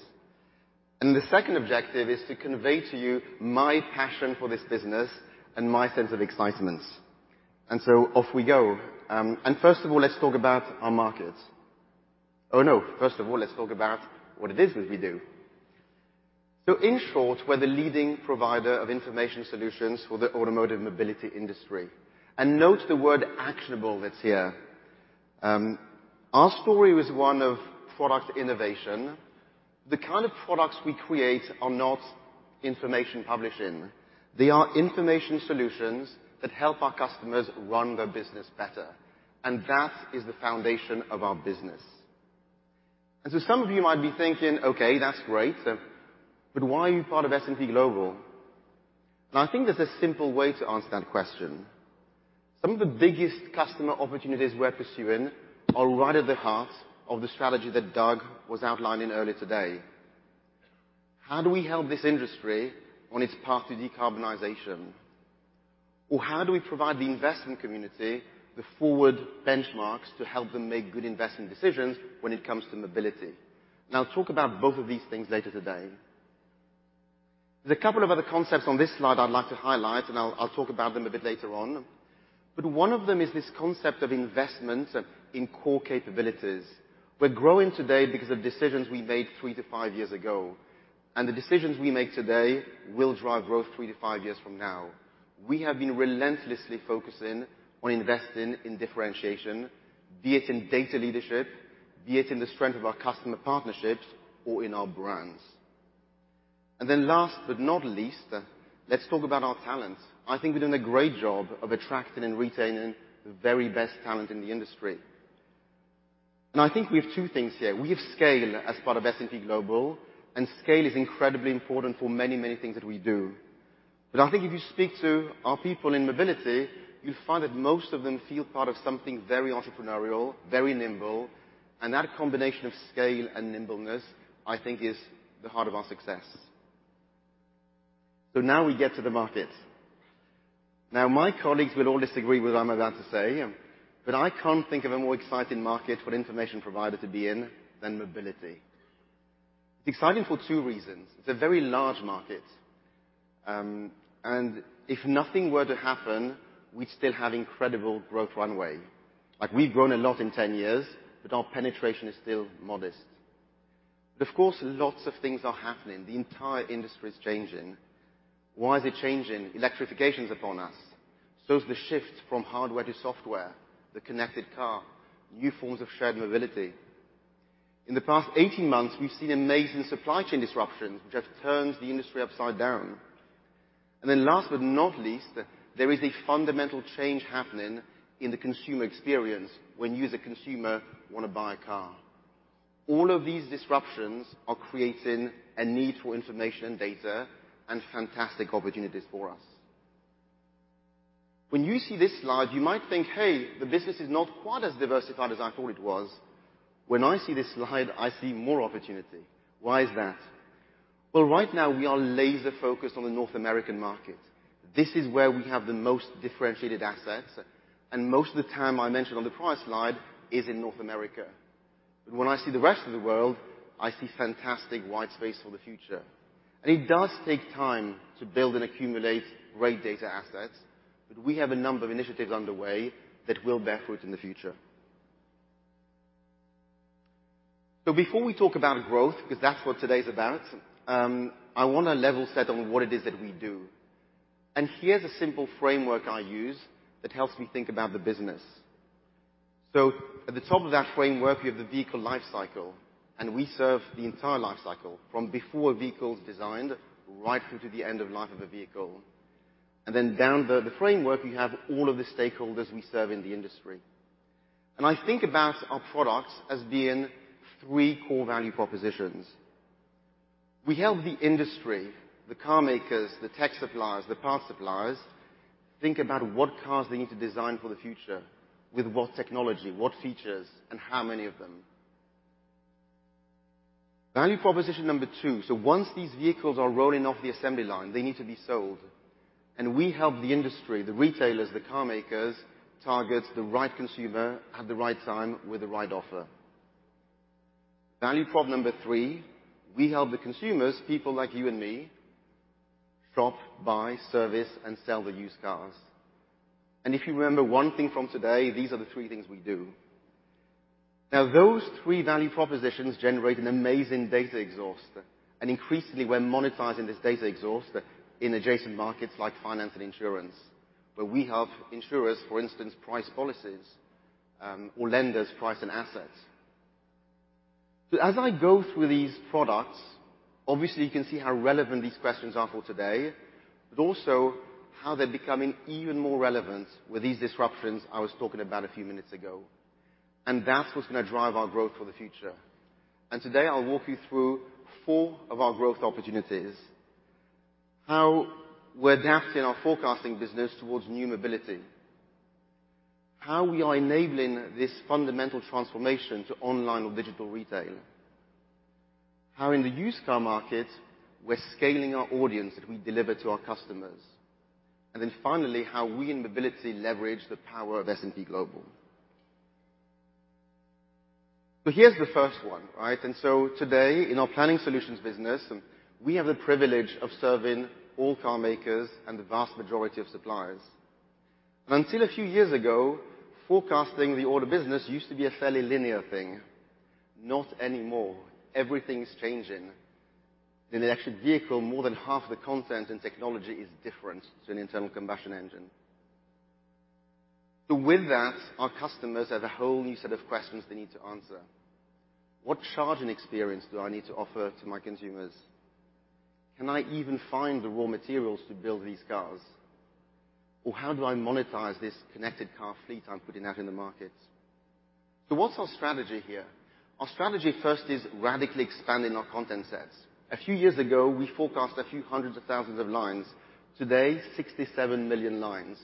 [SPEAKER 12] The second objective is to convey to you my passion for this business and my sense of excitements. Off we go. First of all, let's talk about our markets. Oh, no. First of all, let's talk about what it is that we do. In short, we're the leading provider of information solutions for the automotive mobility industry. Note the word actionable that's here. Our story was one of product innovation. The kind of products we create are not information publishing. They are information solutions that help our customers run their business better, and that is the foundation of our business. Some of you might be thinking, "Okay, that's great, so but why are you part of S&P Global?" Now, I think there's a simple way to answer that question. Some of the biggest customer opportunities we're pursuing are right at the heart of the strategy that Doug was outlining earlier today. How do we help this industry on its path to decarbonization? How do we provide the investment community the forward benchmarks to help them make good investment decisions when it comes to Mobility? I'll talk about both of these things later today. There's a couple of other concepts on this slide I'd like to highlight, and I'll talk about them a bit later on. One of them is this concept of investment in core capabilities. We're growing today because of decisions we made three to five years ago. The decisions we make today will drive growth three to five years from now. We have been relentlessly focusing on investing in differentiation, be it in data leadership, be it in the strength of our customer partnerships or in our brands. Last but not least, let's talk about our talent. I think we're doing a great job of attracting and retaining the very best talent in the industry. I think we have two things here. We have scale as part of S&P Global, and scale is incredibly important for many things that we do. I think if you speak to our people in mobility, you'll find that most of them feel part of something very entrepreneurial, nimble, and that combination of scale and nimbleness, I think, is the heart of our success. Now we get to the market. My colleagues will all disagree with what I'm about to say, but I can't think of a more exciting market for an information provider to be in than mobility. It's exciting for two reasons. It's a very large market, and if nothing were to happen, we'd still have incredible growth runway. Like, we've grown a lot in 10 years, but our penetration is still modest. Of course, lots of things are happening. The entire industry is changing. Why is it changing? Electrification is upon us. So is the shift from hardware to software, the connected car, new forms of shared mobility. In the past 18 months, we've seen amazing supply chain disruptions which have turned the industry upside down. Last but not least, there is a fundamental change happening in the consumer experience when you as a consumer wanna buy a car. All of these disruptions are creating a need for information and data and fantastic opportunities for us. When you see this slide, you might think, "Hey, the business is not quite as diversified as I thought it was." When I see this slide, I see more opportunity. Why is that? Well, right now, we are laser-focused on the North American market. This is where we have the most differentiated assets, and most of the TAM I mentioned on the prior slide is in North America. When I see the rest of the world, I see fantastic wide space for the future. It does take time to build and accumulate great data assets, but we have a number of initiatives underway that will bear fruit in the future. Before we talk about growth, 'cause that's what today's about, I wanna level set on what it is that we do. Here's a simple framework I use that helps me think about the business. At the top of that framework, you have the vehicle life cycle, we serve the entire life cycle from before a vehicle is designed right through to the end of life of a vehicle. Then down the framework, you have all of the stakeholders we serve in the industry. I think about our products as being three core value propositions. We help the industry, the car makers, the tech suppliers, the parts suppliers, think about what cars they need to design for the future, with what technology, what features, and how many of them. Value proposition number two. Once these vehicles are rolling off the assembly line, they need to be sold. We help the industry, the retailers, the car makers, target the right consumer at the right time with the right offer. Value prop number three, we help the consumers, people like you and me, shop, buy, service, and sell the used cars. If you remember 1 thing from today, these are the three things we do. Those 3 value propositions generate an amazing data exhaust, and increasingly, we're monetizing this data exhaust in adjacent markets like finance and insurance, where we help insurers, for instance, price policies, or lenders price an asset. As I go through these products, obviously you can see how relevant these questions are for today, but also how they're becoming even more relevant with these disruptions I was talking about a few minutes ago. That's what's gonna drive our growth for the future. Today, I'll walk you through four of our growth opportunities. How we're adapting our forecasting business towards new mobility. How we are enabling this fundamental transformation to online or digital retail. How in the used car market we're scaling our audience that we deliver to our customers. Finally, how we in mobility leverage the power of S&P Global. Here's the first one, right? Today, in our planning solutions business, we have the privilege of serving all car makers and the vast majority of suppliers. Until a few years ago, forecasting the auto business used to be a fairly linear thing. Not anymore. Everything is changing. In an electric vehicle, more than half the content and technology is different to an internal combustion engine. With that, our customers have a whole new set of questions they need to answer. What charging experience do I need to offer to my consumers? Can I even find the raw materials to build these cars? How do I monetize this connected car fleet I'm putting out in the market? What's our strategy here? Our strategy first is radically expanding our content sets. A few years ago, we forecast a few hundreds of thousands of lines. Today, 67 million lines.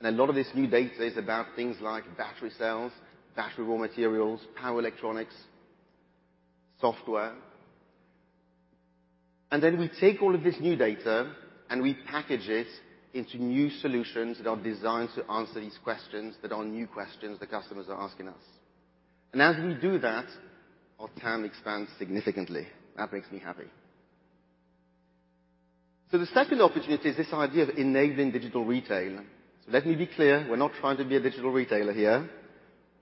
[SPEAKER 12] A lot of this new data is about things like battery cells, battery raw materials, power electronics, software. We take all of this new data, and we package it into new solutions that are designed to answer these questions that are new questions that customers are asking us. As we do that, our TAM expands significantly. That makes me happy. The second opportunity is this idea of enabling digital retail. Let me be clear, we're not trying to be a digital retailer here,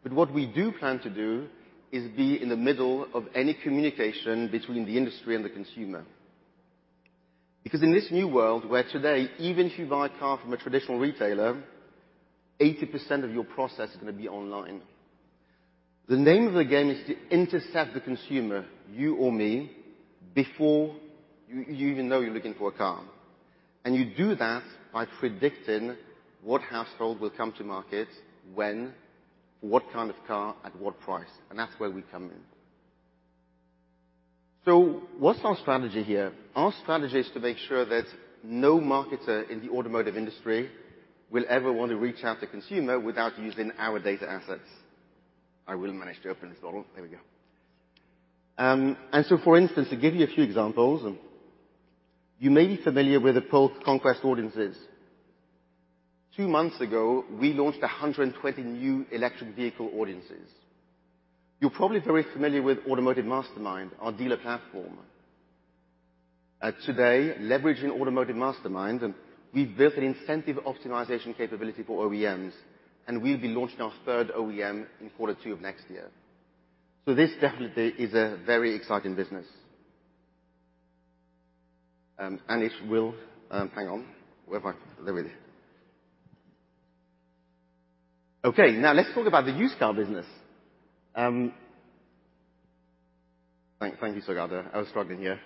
[SPEAKER 12] but what we do plan to do is be in the middle of any communication between the industry and the consumer. Because in this new world where today, even if you buy a car from a traditional retailer, 80% of your process is gonna be online. The name of the game is to intercept the consumer, you or me, before you even know you're looking for a car. You do that by predicting what household will come to market, when, what kind of car, at what price, and that's where we come in. What's our strategy here? Our strategy is to make sure that no marketer in the automotive industry will ever want to reach out to consumer without using our data assets. I will manage to open this bottle. There we go. For instance, to give you a few examples, you may be familiar with the Polk Conquest audiences. Two months ago, we launched 120 new electric vehicle audiences. You're probably very familiar with automotiveMastermind, our dealer platform. Today, leveraging automotiveMastermind, we've built an incentive optimization capability for OEMs, and we'll be launching our third OEM in quarter two of next year. This definitely is a very exciting business. Now let's talk about the used car business. Thank you, Sugata. I was struggling here.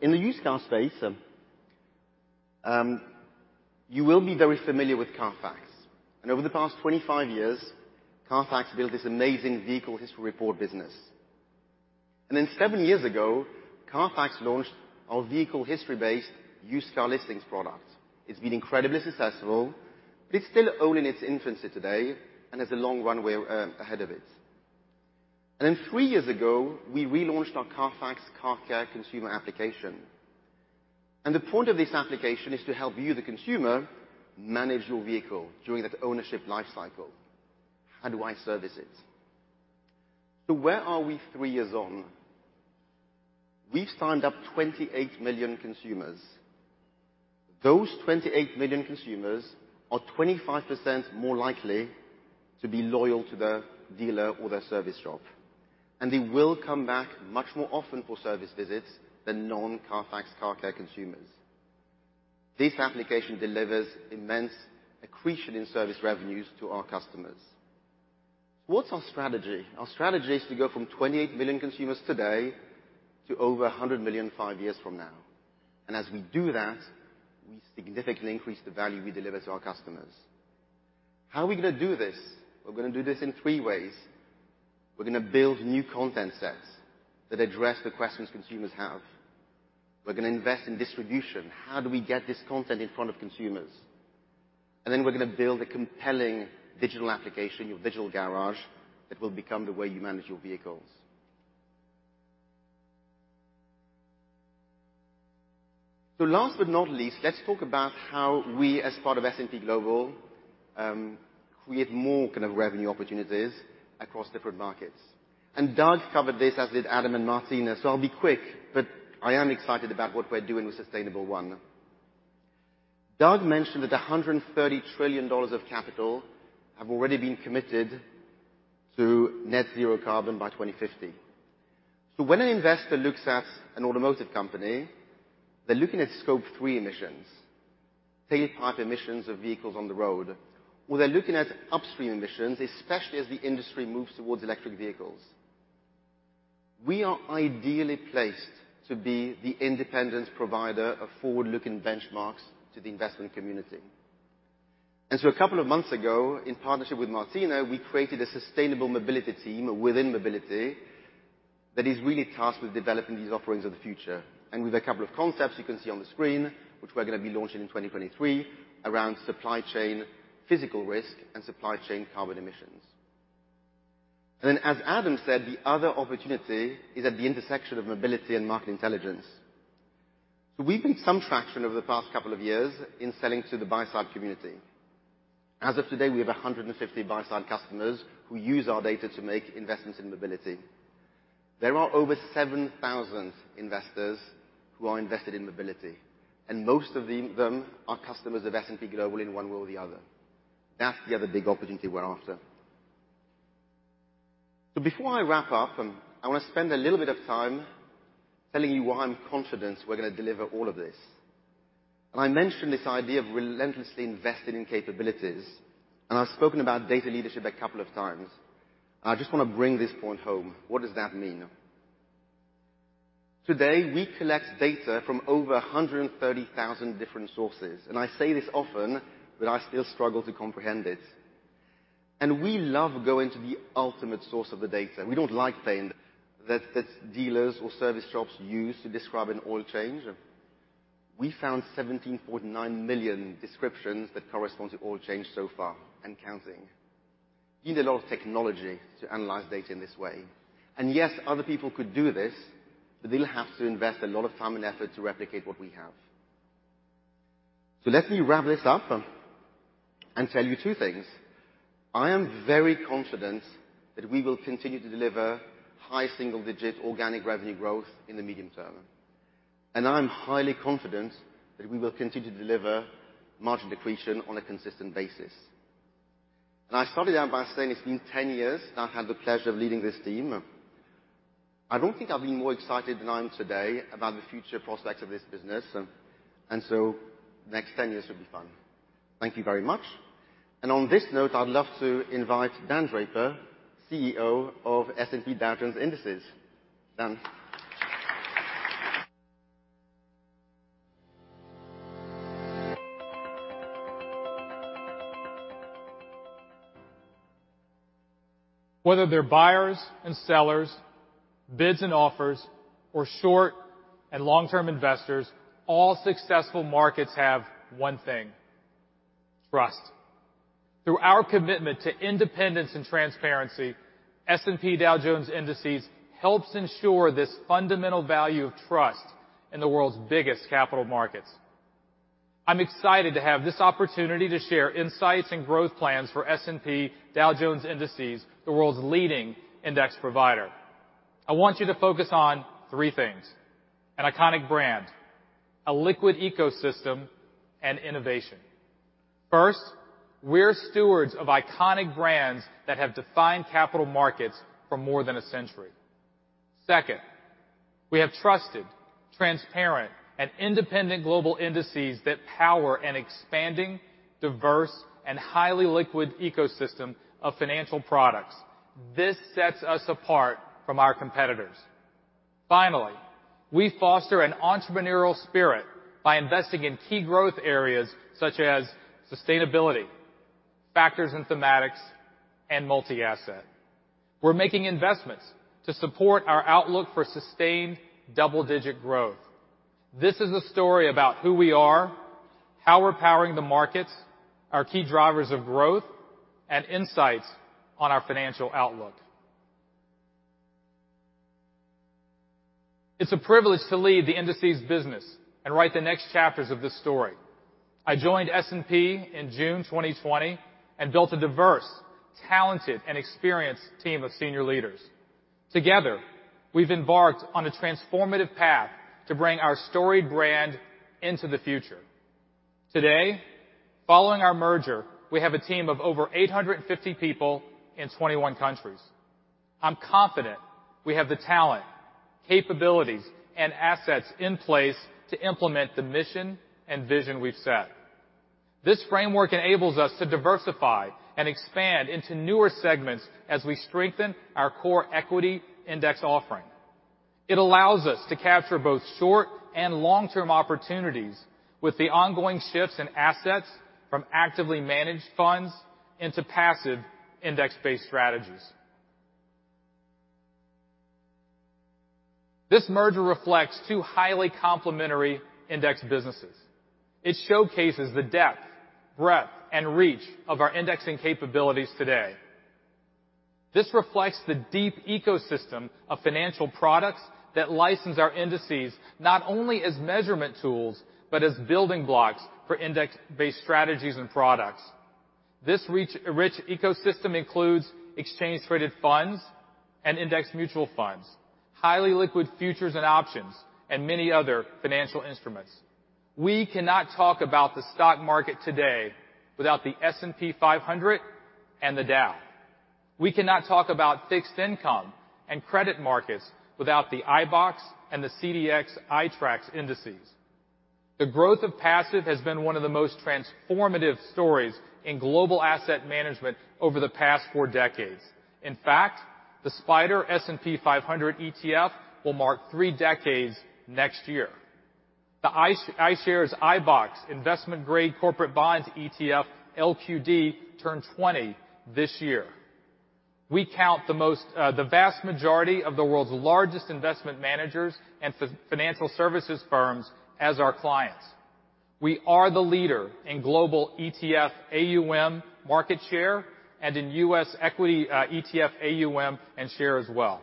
[SPEAKER 12] In the used car space, you will be very familiar with CARFAX. Over the past 25 years, CARFAX built this amazing vehicle history report business. 7 years ago, CARFAX launched our vehicle history-based used car listings product. It's been incredibly successful, but it's still only in its infancy today and has a long runway ahead of it. Three years ago, we relaunched our CARFAX Car Care consumer application. The point of this application is to help you, the consumer, manage your vehicle during that ownership life cycle. How do I service it? Where are we 3 years on? We've signed up 28 million consumers. Those 28 million consumers are 25% more likely to be loyal to their dealer or their service shop, and they will come back much more often for service visits than non-CARFAX Car Care consumers. This application delivers immense accretion in service revenues to our customers. What's our strategy? Our strategy is to go from 28 million consumers today to over 100 million 5 years from now. As we do that, we significantly increase the value we deliver to our customers. How are we gonna do this? We're gonna do this in three ways. We're gonna build new content sets that address the questions consumers have. We're gonna invest in distribution. How do we get this content in front of consumers? Then we're gonna build a compelling digital application, your digital garage, that will become the way you manage your vehicles. Last but not least, let's talk about how we, as part of S&P Global, create more kind of revenue opportunities across different markets. Doug covered this, as did Adam and Martina, so I'll be quick, but I am excited about what we're doing with Sustainable1. Doug mentioned that $130 trillion of capital have already been committed to net zero carbon by 2050. When an investor looks at an automotive company, they're looking at scope 3 emissions, tailpipe emissions of vehicles on the road, or they're looking at upstream emissions, especially as the industry moves towards electric vehicles. We are ideally placed to be the independent provider of forward-looking benchmarks to the investment community. A couple of months ago, in partnership with Martina, we created a sustainable mobility team within Mobility that is really tasked with developing these offerings of the future. With a couple of concepts you can see on the screen, which we're gonna be launching in 2023 around supply chain physical risk and supply chain carbon emissions. Then as Adam Kansler said, the other opportunity is at the intersection of mobility and Market Intelligence. We've made some traction over the past couple of years in selling to the buy-side community. As of today, we have 150 buy-side customers who use our data to make investments in mobility. There are over 7,000 investors who are invested in mobility, and most of them are customers of S&P Global in one way or the other. That's the other big opportunity we're after. Before I wrap up, I wanna spend a little bit of time telling you why I'm confident we're gonna deliver all of this. I mentioned this idea of relentlessly investing in capabilities. I've spoken about data leadership a couple of times. I just wanna bring this point home. What does that mean? Today, we collect data from over 130,000 different sources. I say this often, but I still struggle to comprehend it. We love going to the ultimate source of the data. We don't like saying that dealers or service shops use to describe an oil change. We found 17.9 million descriptions that correspond to oil change so far and counting. You need a lot of technology to analyze data in this way. Yes, other people could do this, but they'll have to invest a lot of time and effort to replicate what we have. Let me wrap this up and tell you two things. I am very confident that we will continue to deliver high single-digit organic revenue growth in the medium term, and I'm highly confident that we will continue to deliver margin accretion on a consistent basis. I started out by saying it's been 10 years that I've had the pleasure of leading this team. I don't think I've been more excited than I am today about the future prospects of this business. The next 10 years should be fun. Thank you very much. On this note, I'd love to invite Dan Draper, CEO of S&P Dow Jones Indices. Dan.
[SPEAKER 13] Whether they're buyers and sellers, bids and offers, or short and long-term investors, all successful markets have one thing: trust. Through our commitment to independence and transparency, S&P Dow Jones Indices helps ensure this fundamental value of trust in the world's biggest capital markets. I'm excited to have this opportunity to share insights and growth plans for S&P Dow Jones Indices, the world's leading index provider. I want you to focus on three things: an iconic brand, a liquid ecosystem, and innovation. First, we're stewards of iconic brands that have defined capital markets for more than a century. Second, we have trusted, transparent, and independent global indices that power an expanding, diverse, and highly liquid ecosystem of financial products. This sets us apart from our competitors. Finally, we foster an entrepreneurial spirit by investing in key growth areas such as sustainability, factors and thematics, and multi-asset. We're making investments to support our outlook for sustained double-digit growth. This is a story about who we are, how we're powering the markets, our key drivers of growth, and insights on our financial outlook. It's a privilege to lead the indices business and write the next chapters of this story. I joined S&P in June 2020 and built a diverse, talented, and experienced team of senior leaders. Together, we've embarked on a transformative path to bring our storied brand into the future. Today, following our merger, we have a team of over 850 people in 21 countries. I'm confident we have the talent, capabilities, and assets in place to implement the mission and vision we've set. This framework enables us to diversify and expand into newer segments as we strengthen our core equity index offering. It allows us to capture both short and long-term opportunities with the ongoing shifts in assets from actively managed funds into passive index-based strategies. This merger reflects two highly complementary index businesses. It showcases the depth, breadth, and reach of our indexing capabilities today. This reflects the deep ecosystem of financial products that license our indices, not only as measurement tools, but as building blocks for index-based strategies and products. This rich ecosystem includes exchange-traded funds and index mutual funds, highly liquid futures and options, and many other financial instruments. We cannot talk about the stock market today without the S&P 500 and the Dow. We cannot talk about fixed income and credit markets without the iBoxx and the CDX iTraxx indices. The growth of passive has been one of the most transformative stories in global asset management over the past four decades. In fact, the SPDR S&P 500 ETF will mark three decades next year. The iShares iBoxx investment-grade corporate bonds ETF, LQD, turned 20 this year. We count the vast majority of the world's largest investment managers and financial services firms as our clients. We are the leader in global ETF AUM market share and in US equity ETF AUM and share as well.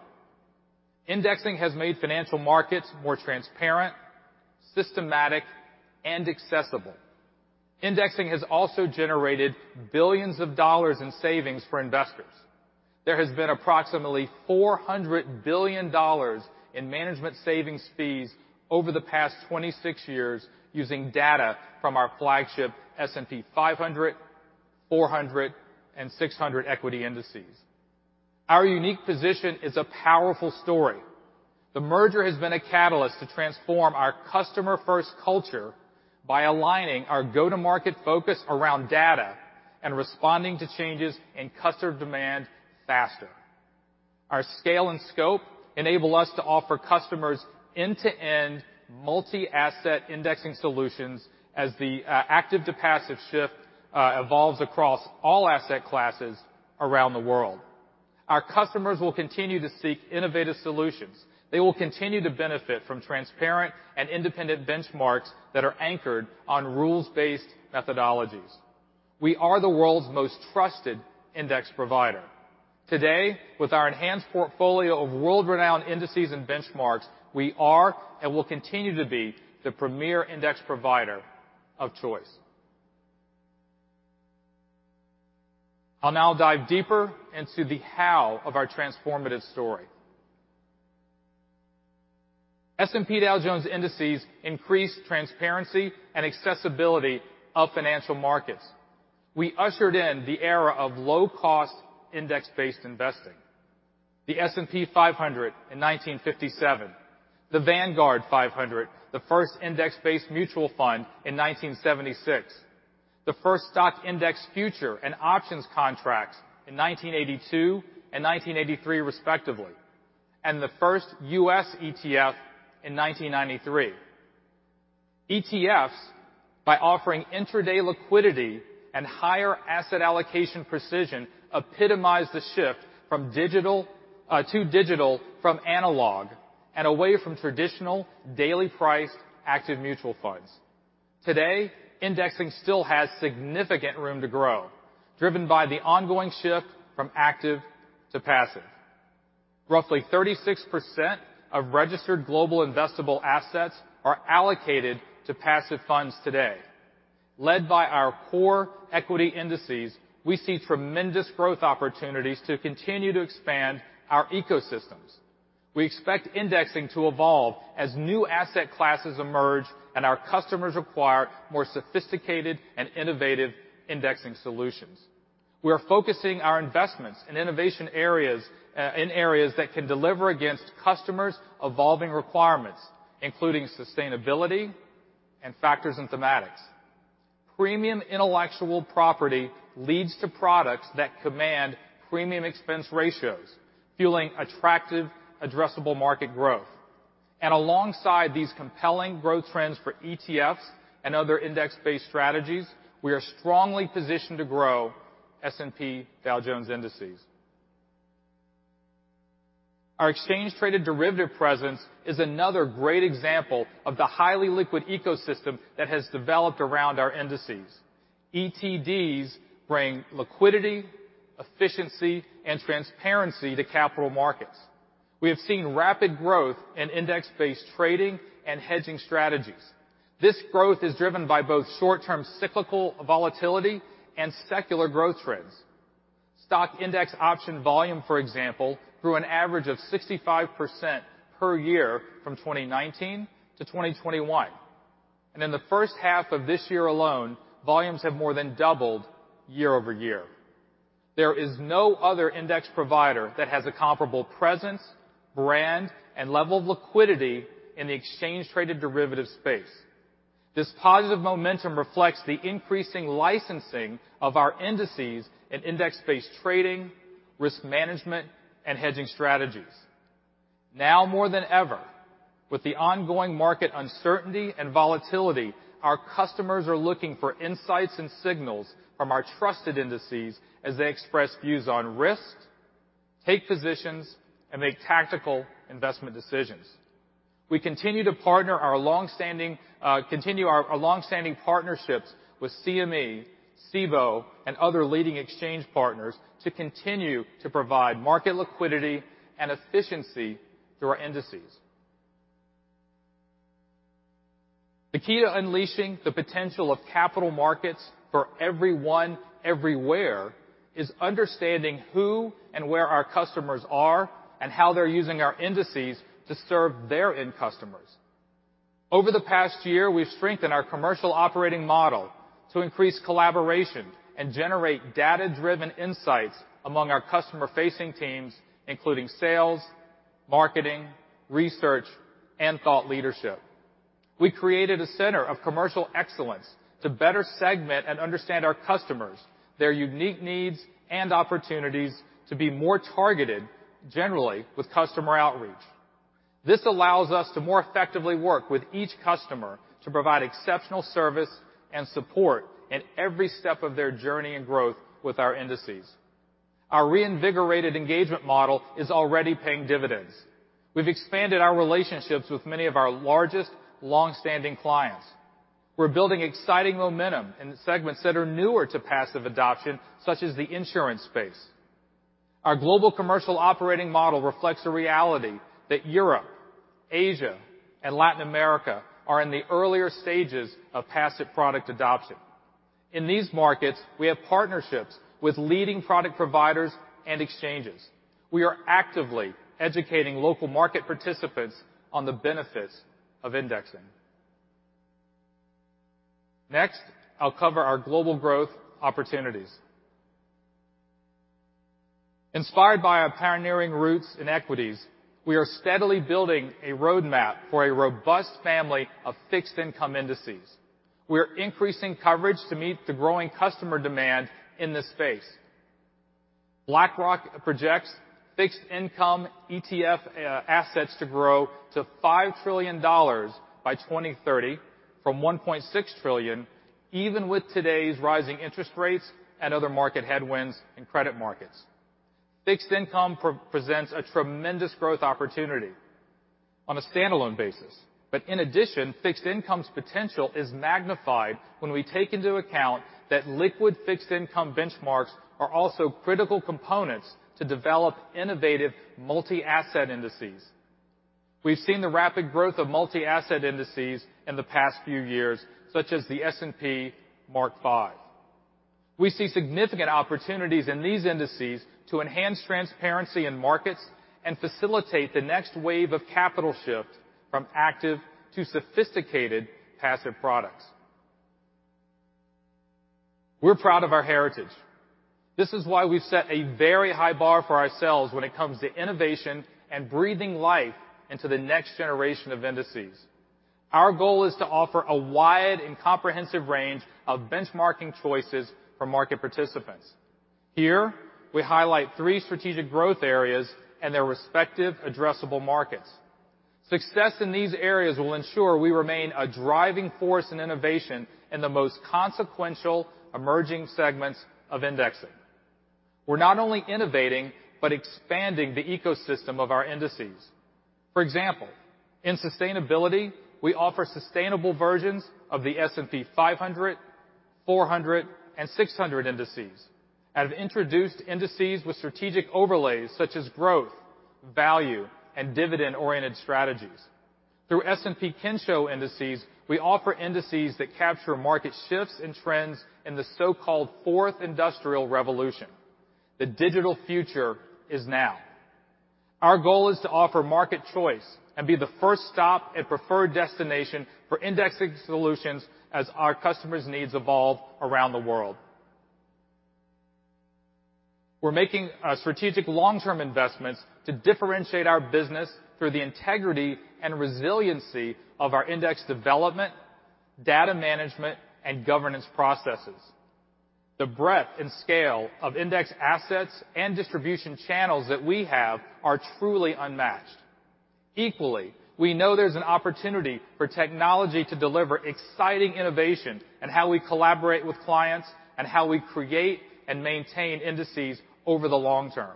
[SPEAKER 13] Indexing has made financial markets more transparent, systematic, and accessible. Indexing has also generated billions of dollars in savings for investors. There has been approximately $400 billion in management savings fees over the past 26 years using data from our flagship S&P 500, 400, and 600 equity indices. Our unique position is a powerful story. The merger has been a catalyst to transform our customer-first culture by aligning our go-to-market focus around data and responding to changes in customer demand faster. Our scale and scope enable us to offer customers end-to-end multi-asset indexing solutions as the active to passive shift evolves across all asset classes around the world. Our customers will continue to seek innovative solutions. They will continue to benefit from transparent and independent benchmarks that are anchored on rules-based methodologies. We are the world's most trusted index provider. Today, with our enhanced portfolio of world-renowned indices and benchmarks, we are and will continue to be the premier index provider of choice. I'll now dive deeper into the how of our transformative story. S&P Dow Jones Indices increase transparency and accessibility of financial markets. We ushered in the era of low-cost index-based investing. The S&P 500 in 1957, the Vanguard 500, the first index-based mutual fund in 1976, the first stock index future and options contracts in 1982 and 1983 respectively, and the first U.S. ETF in 1993. ETFs, by offering intraday liquidity and higher asset allocation precision, epitomize the shift from digital to digital from analog and away from traditional daily priced active mutual funds. Today, indexing still has significant room to grow, driven by the ongoing shift from active to passive. Roughly 36% of registered global investable assets are allocated to passive funds today. Led by our core equity indices, we see tremendous growth opportunities to continue to expand our ecosystems. We expect indexing to evolve as new asset classes emerge and our customers require more sophisticated and innovative indexing solutions. We are focusing our investments in innovation areas, in areas that can deliver against customers' evolving requirements, including sustainability and factors and thematics. Premium intellectual property leads to products that command premium expense ratios, fueling attractive addressable market growth. Alongside these compelling growth trends for ETFs and other index-based strategies, we are strongly positioned to grow S&P Dow Jones Indices. Our exchange-traded derivative presence is another great example of the highly liquid ecosystem that has developed around our indices. ETDs bring liquidity, efficiency, and transparency to capital markets. We have seen rapid growth in index-based trading and hedging strategies. This growth is driven by both short-term cyclical volatility and secular growth trends. Stock index option volume, for example, grew an average of 65% per year from 2019 to 2021. In the first half of this year alone, volumes have more than doubled year-over-year. There is no other index provider that has a comparable presence, brand, and level of liquidity in the exchange-traded derivative space. This positive momentum reflects the increasing licensing of our indices in index-based trading, risk management, and hedging strategies. Now more than ever, with the ongoing market uncertainty and volatility, our customers are looking for insights and signals from our trusted indices as they express views on risk, take positions, and make tactical investment decisions. We continue our long-standing partnerships with CME, Cboe, and other leading exchange partners to continue to provide market liquidity and efficiency through our indices. The key to unleashing the potential of capital markets for everyone everywhere is understanding who and where our customers are and how they're using our indices to serve their end customers. Over the past year, we've strengthened our commercial operating model to increase collaboration and generate data-driven insights among our customer-facing teams, including sales, marketing, research, and thought leadership. We created a center of commercial excellence to better segment and understand our customers, their unique needs and opportunities to be more targeted generally with customer outreach. This allows us to more effectively work with each customer to provide exceptional service and support at every step of their journey and growth with our indices. Our reinvigorated engagement model is already paying dividends. We've expanded our relationships with many of our largest long-standing clients. We're building exciting momentum in segments that are newer to passive adoption, such as the insurance space. Our global commercial operating model reflects the reality that Europe, Asia, and Latin America are in the earlier stages of passive product adoption. In these markets, we have partnerships with leading product providers and exchanges. We are actively educating local market participants on the benefits of indexing. Next, I'll cover our global growth opportunities. Inspired by our pioneering roots in equities, we are steadily building a roadmap for a robust family of fixed income indices. We are increasing coverage to meet the growing customer demand in this space. BlackRock projects fixed income ETF assets to grow to $5 trillion by 2030 from $1.6 trillion, even with today's rising interest rates and other market headwinds in credit markets. Fixed income presents a tremendous growth opportunity on a standalone basis, but in addition, fixed income's potential is magnified when we take into account that liquid fixed income benchmarks are also critical components to develop innovative multi-asset indices. We've seen the rapid growth of multi-asset indices in the past few years, such as the S&P 500. We see significant opportunities in these indices to enhance transparency in markets and facilitate the next wave of capital shift from active to sophisticated passive products. We're proud of our heritage. This is why we set a very high bar for ourselves when it comes to innovation and breathing life into the next generation of indices. Our goal is to offer a wide and comprehensive range of benchmarking choices for market participants. Here, we highlight three strategic growth areas and their respective addressable markets. Success in these areas will ensure we remain a driving force in innovation in the most consequential emerging segments of indexing. We're not only innovating, but expanding the ecosystem of our indices. For example, in sustainability, we offer sustainable versions of the S&P 500, S&P MidCap 400, and S&P SmallCap 600 indices, and have introduced indices with strategic overlays such as growth, value, and dividend-oriented strategies. Through S&P Kensho indices, we offer indices that capture market shifts and trends in the so-called Fourth Industrial Revolution. The digital future is now. Our goal is to offer market choice and be the first stop and preferred destination for indexing solutions as our customers' needs evolve around the world. We're making strategic long-term investments to differentiate our business through the integrity and resiliency of our index development, data management, and governance processes. The breadth and scale of index assets and distribution channels that we have are truly unmatched. Equally, we know there's an opportunity for technology to deliver exciting innovation in how we collaborate with clients and how we create and maintain indices over the long term.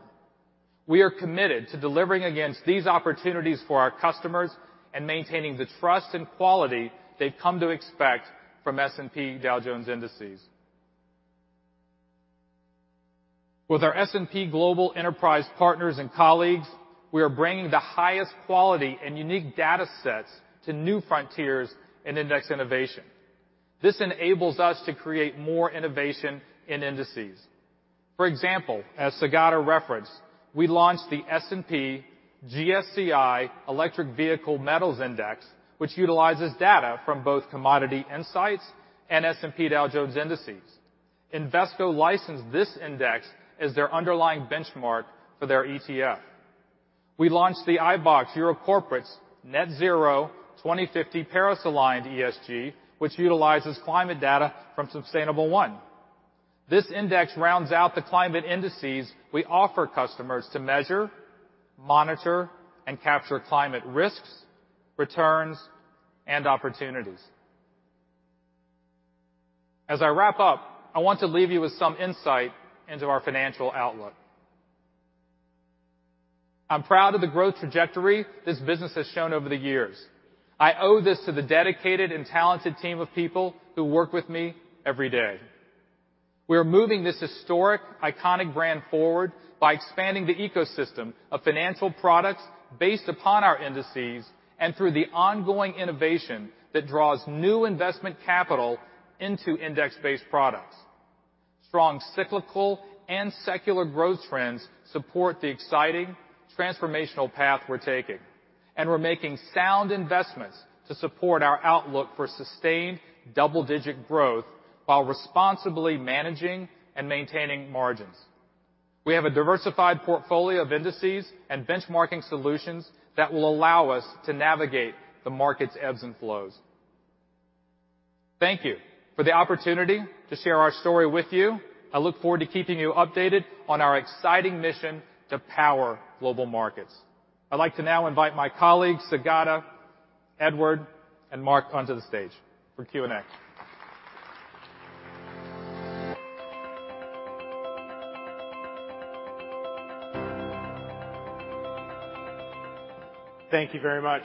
[SPEAKER 13] We are committed to delivering against these opportunities for our customers and maintaining the trust and quality they've come to expect from S&P Dow Jones Indices. With our S&P Global enterprise partners and colleagues, we are bringing the highest quality and unique data sets to new frontiers in index innovation. This enables us to create more innovation in indices. For example, as Saugata referenced, we launched the S&P GSCI Electric Vehicle Metals Index, which utilizes data from both S&P Global Commodity Insights and S&P Dow Jones Indices. Invesco licensed this index as their underlying benchmark for their ETF. We launched the iBoxx EUR Corporates Net Zero 2050 Paris-Aligned ESG, which utilizes climate data from Sustainable1. This index rounds out the climate indices we offer customers to measure, monitor, and capture climate risks, returns, and opportunities. As I wrap up, I want to leave you with some insight into our financial outlook. I'm proud of the growth trajectory this business has shown over the years. I owe this to the dedicated and talented team of people who work with me every day. We are moving this historic, iconic brand forward by expanding the ecosystem of financial products based upon our indices and through the ongoing innovation that draws new investment capital into index-based products. Strong cyclical and secular growth trends support the exciting transformational path we're taking, and we're making sound investments to support our outlook for sustained double-digit growth while responsibly managing and maintaining margins. We have a diversified portfolio of indices and benchmarking solutions that will allow us to navigate the market's ebbs and flows. Thank you for the opportunity to share our story with you. I look forward to keeping you updated on our exciting mission to power global markets. I'd like to now invite my colleagues, Saugata, Edouard, and Mark, onto the stage for Q&A.
[SPEAKER 1] Thank you very much.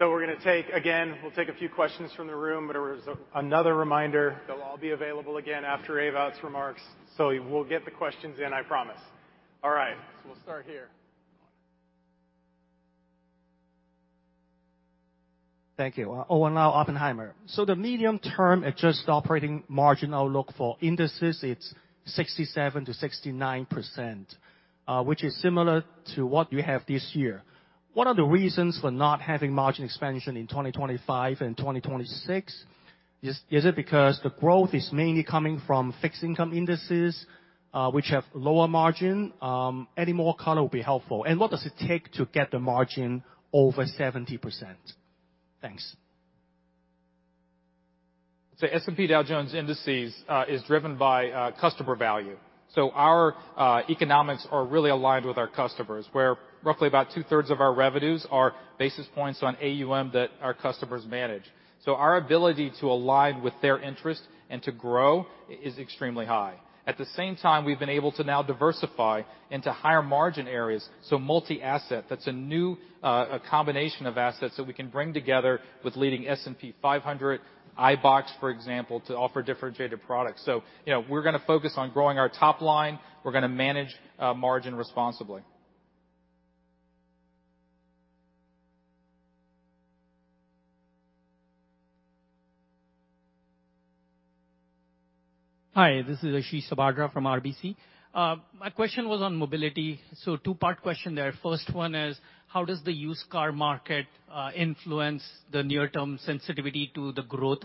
[SPEAKER 1] Again, we'll take a few questions from the room. There was another reminder. They'll all be available again after Ava's remarks. We'll get the questions in, I promise. All right, we'll start here.
[SPEAKER 14] Thank you. Owen Lau, Oppenheimer. The medium-term adjusted operating margin outlook for indices, it's 67%-69%, which is similar to what you have this year. What are the reasons for not having margin expansion in 2025 and 2026? Is it because the growth is mainly coming from fixed income indices, which have lower margin? Any more color would be helpful. What does it take to get the margin over 70%? Thanks.
[SPEAKER 13] S&P Dow Jones Indices is driven by customer value. Our economics are really aligned with our customers, where roughly about two-thirds of our revenues are basis points on AUM that our customers manage. Our ability to align with their interest and to grow is extremely high. At the same time, we've been able to now diversify into higher margin areas, so multi-asset, that's a new combination of assets that we can bring together with leading S&P 500, iBoxx, for example, to offer differentiated products. You know, we're gonna focus on growing our top line. We're gonna manage margin responsibly.
[SPEAKER 15] Hi, this is Ashish Sabadra from RBC. My question was on Mobility. Two-part question there. First one is, how does the used car market influence the near-term sensitivity to the growth?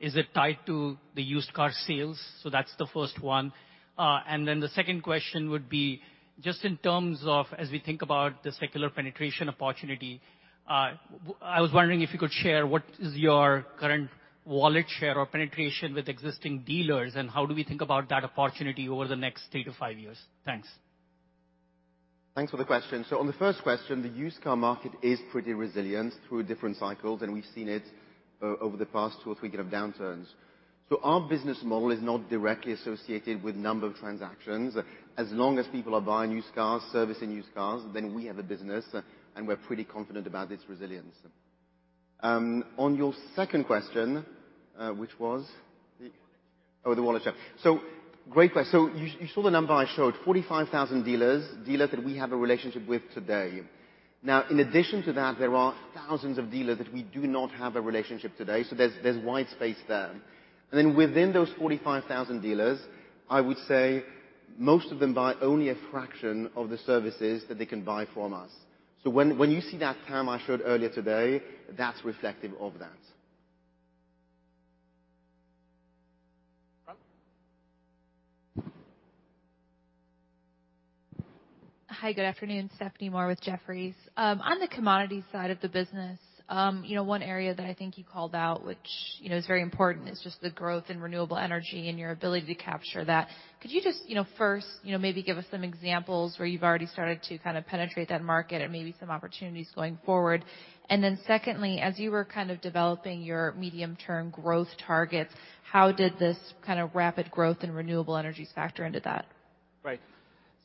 [SPEAKER 15] Is it tied to the used car sales? That's the first one. The second question would be, just in terms of as we think about the secular penetration opportunity, I was wondering if you could share what is your current wallet share or penetration with existing dealers, and how do we think about that opportunity over the next three to five years? Thanks.
[SPEAKER 12] Thanks for the question. On the first question, the used car market is pretty resilient through different cycles, and we've seen it over the past two or three kind of downturns. Our business model is not directly associated with number of transactions. As long as people are buying used cars, servicing used cars, then we have a business, and we're pretty confident about its resilience. On your second question, which was?
[SPEAKER 15] The wallet share.
[SPEAKER 12] Oh, the wallet share. You saw the number I showed, 45,000 dealers that we have a relationship with today. Now, in addition to that, there are thousands of dealers that we do not have a relationship today, so there's wide space there. Within those 45,000 dealers, I would say most of them buy only a fraction of the services that they can buy from us. When you see that TAM I showed earlier today, that's reflective of that.
[SPEAKER 13] Moore.
[SPEAKER 16] Hi, good afternoon, Stephanie Moore with Jefferies. On the commodities side of the business, you know, one area that I think you called out, which, you know, is very important, is just the growth in renewable energy and your ability to capture that. Could you just, you know, first, you know, maybe give us some examples where you've already started to kind of penetrate that market and maybe some opportunities going forward? Secondly, as you were kind of developing your medium-term growth targets, how did this kind of rapid growth in renewable energy factor into that?
[SPEAKER 11] Right.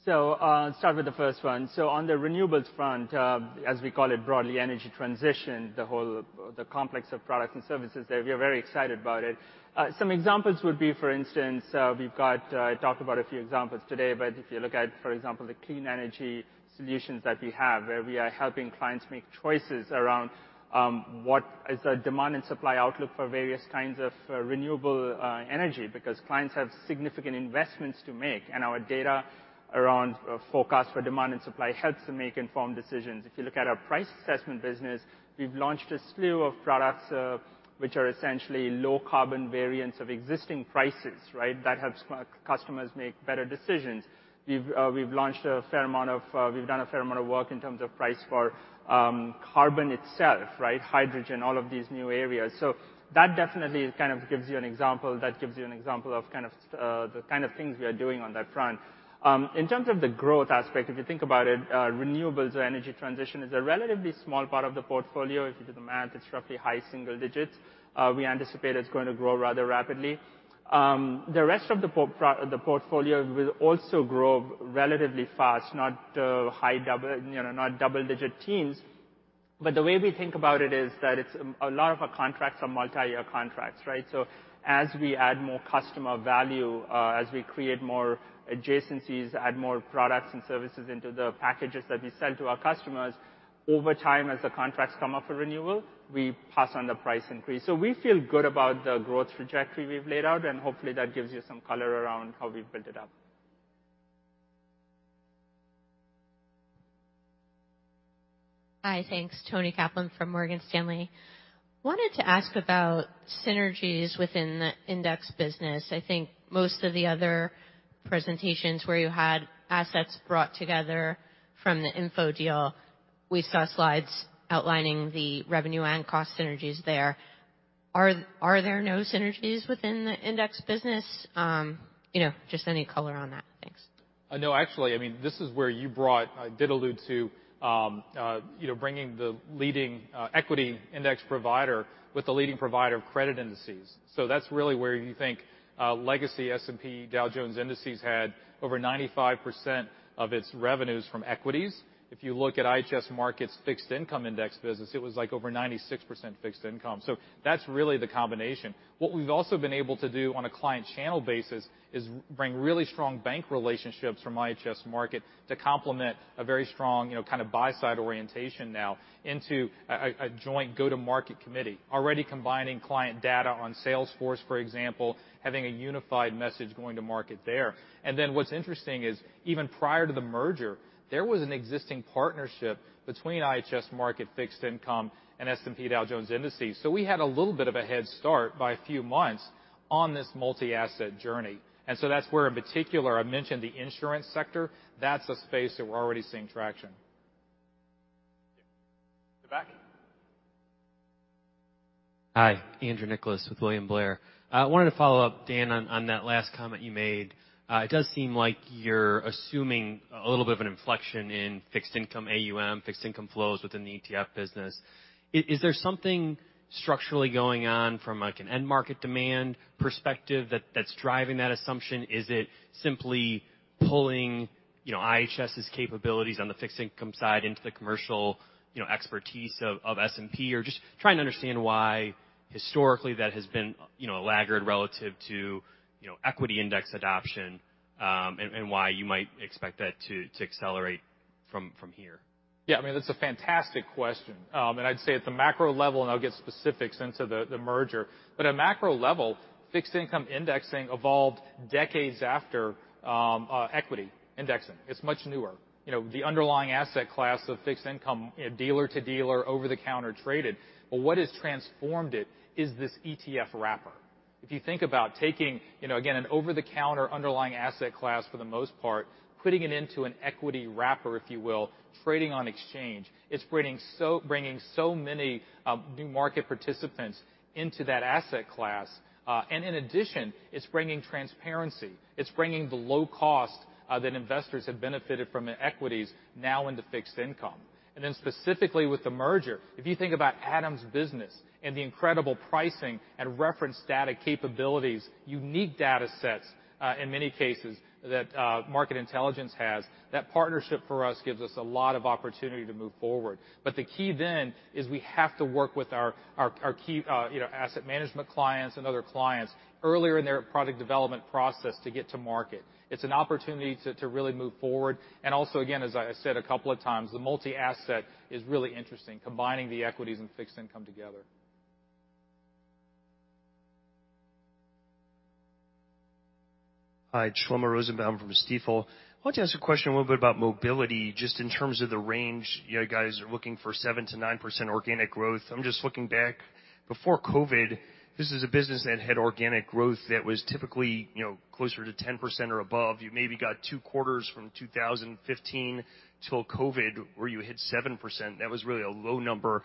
[SPEAKER 11] Start with the first one. On the renewables front, as we call it, broadly energy transition, the whole, the complex of products and services there, we are very excited about it. Some examples would be, for instance, we've got, I talked about a few examples today, but if you look at, for example, the clean energy solutions that we have, where we are helping clients make choices around, what is the demand and supply outlook for various kinds of renewable energy, because clients have significant investments to make, and our data around forecast for demand and supply helps them make informed decisions. If you look at our price assessment business, we've launched a slew of products, which are essentially low carbon variants of existing prices, right? That helps customers make better decisions. We've done a fair amount of work in terms of price for carbon itself, right? Hydrogen, all of these new areas. That definitely kind of gives you an example. That gives you an example of kind of the kind of things we are doing on that front. In terms of the growth aspect, if you think about it, renewables or energy transition is a relatively small part of the portfolio. If you do the math, it's roughly high single digits. We anticipate it's going to grow rather rapidly. The rest of the portfolio will also grow relatively fast, not high double, you know, not double-digit teens. The way we think about it is that it's a lot of our contracts are multi-year contracts, right? As we add more customer value, as we create more adjacencies, add more products and services into the packages that we sell to our customers, over time, as the contracts come up for renewal, we pass on the price increase. We feel good about the growth trajectory we've laid out, and hopefully that gives you some color around how we've built it up.
[SPEAKER 6] Hi. Thanks. Toni Kaplan from Morgan Stanley. Wanted to ask about synergies within the index business. I think most of the other presentations where you had assets brought together from the Info deal, we saw slides outlining the revenue and cost synergies there. Are there no synergies within the index business? you know, just any color on that. Thanks.
[SPEAKER 13] No, actually, I mean, this is where I did allude to, you know, bringing the leading equity index provider with the leading provider of credit indices. That's really where you think, legacy S&P Dow Jones Indices had over 95% of its revenues from equities. If you look at IHS Markit's fixed income index business, it was like over 96% fixed income. That's really the combination. What we've also been able to do on a client channel basis is bring really strong bank relationships from IHS Markit to complement a very strong, you know, kind of buy side orientation now into a, a joint go-to-market committee. Already combining client data on Salesforce, for example, having a unified message going to market there. What's interesting is, even prior to the merger, there was an existing partnership between IHS Markit Fixed Income and S&P Dow Jones Indices. We had a little bit of a head start by a few months on this multi-asset journey. That's where in particular I mentioned the insurance sector. That's a space that we're already seeing traction.
[SPEAKER 11] Yeah. The back.
[SPEAKER 17] Hi, Andrew Nicholas with William Blair. I wanted to follow up, Dan, on that last comment you made. It does seem like you're assuming a little bit of an inflection in fixed income AUM, fixed income flows within the ETF business. Is there something structurally going on from like an end market demand perspective that's driving that assumption? Is it simply pulling, you know, IHS's capabilities on the fixed income side into the commercial, you know, expertise of S&P? Just trying to understand why historically that has been, you know, a laggard relative to, you know, equity index adoption, and why you might expect that to accelerate.
[SPEAKER 11] From here.
[SPEAKER 13] Yeah, I mean, that's a fantastic question. I'd say at the macro level, I'll get specifics into the merger, but at macro level, fixed income indexing evolved decades after equity indexing. It's much newer. You know, the underlying asset class of fixed income, you know, dealer to dealer, over-the-counter traded. What has transformed it is this ETF wrapper. If you think about taking, you know, again an over-the-counter underlying asset class for the most part, putting it into an equity wrapper, if you will, trading on exchange, it's bringing so many new market participants into that asset class. In addition, it's bringing transparency. It's bringing the low cost that investors have benefited from in equities now into fixed income. Then specifically with the merger, if you think about Adam's business and the incredible pricing and reference data capabilities, unique data sets, in many cases that Market Intelligence has, that partnership for us gives us a lot of opportunity to move forward. The key then is we have to work with our key, you know, asset management clients and other clients earlier in their product development process to get to market. It's an opportunity to really move forward. Also, again, as I said a couple of times, the multi-asset is really interesting, combining the equities and fixed income together.
[SPEAKER 18] Hi, Shlomo Rosenbaum from Stifel. I want to ask a question a little bit about mobility, just in terms of the range. You guys are looking for 7%-9% organic growth. I'm just looking back. Before COVID, this is a business that had organic growth that was typically, you know, closer to 10% or above. You maybe got 2 quarters from 2015 till COVID where you hit 7%. That was really a low number.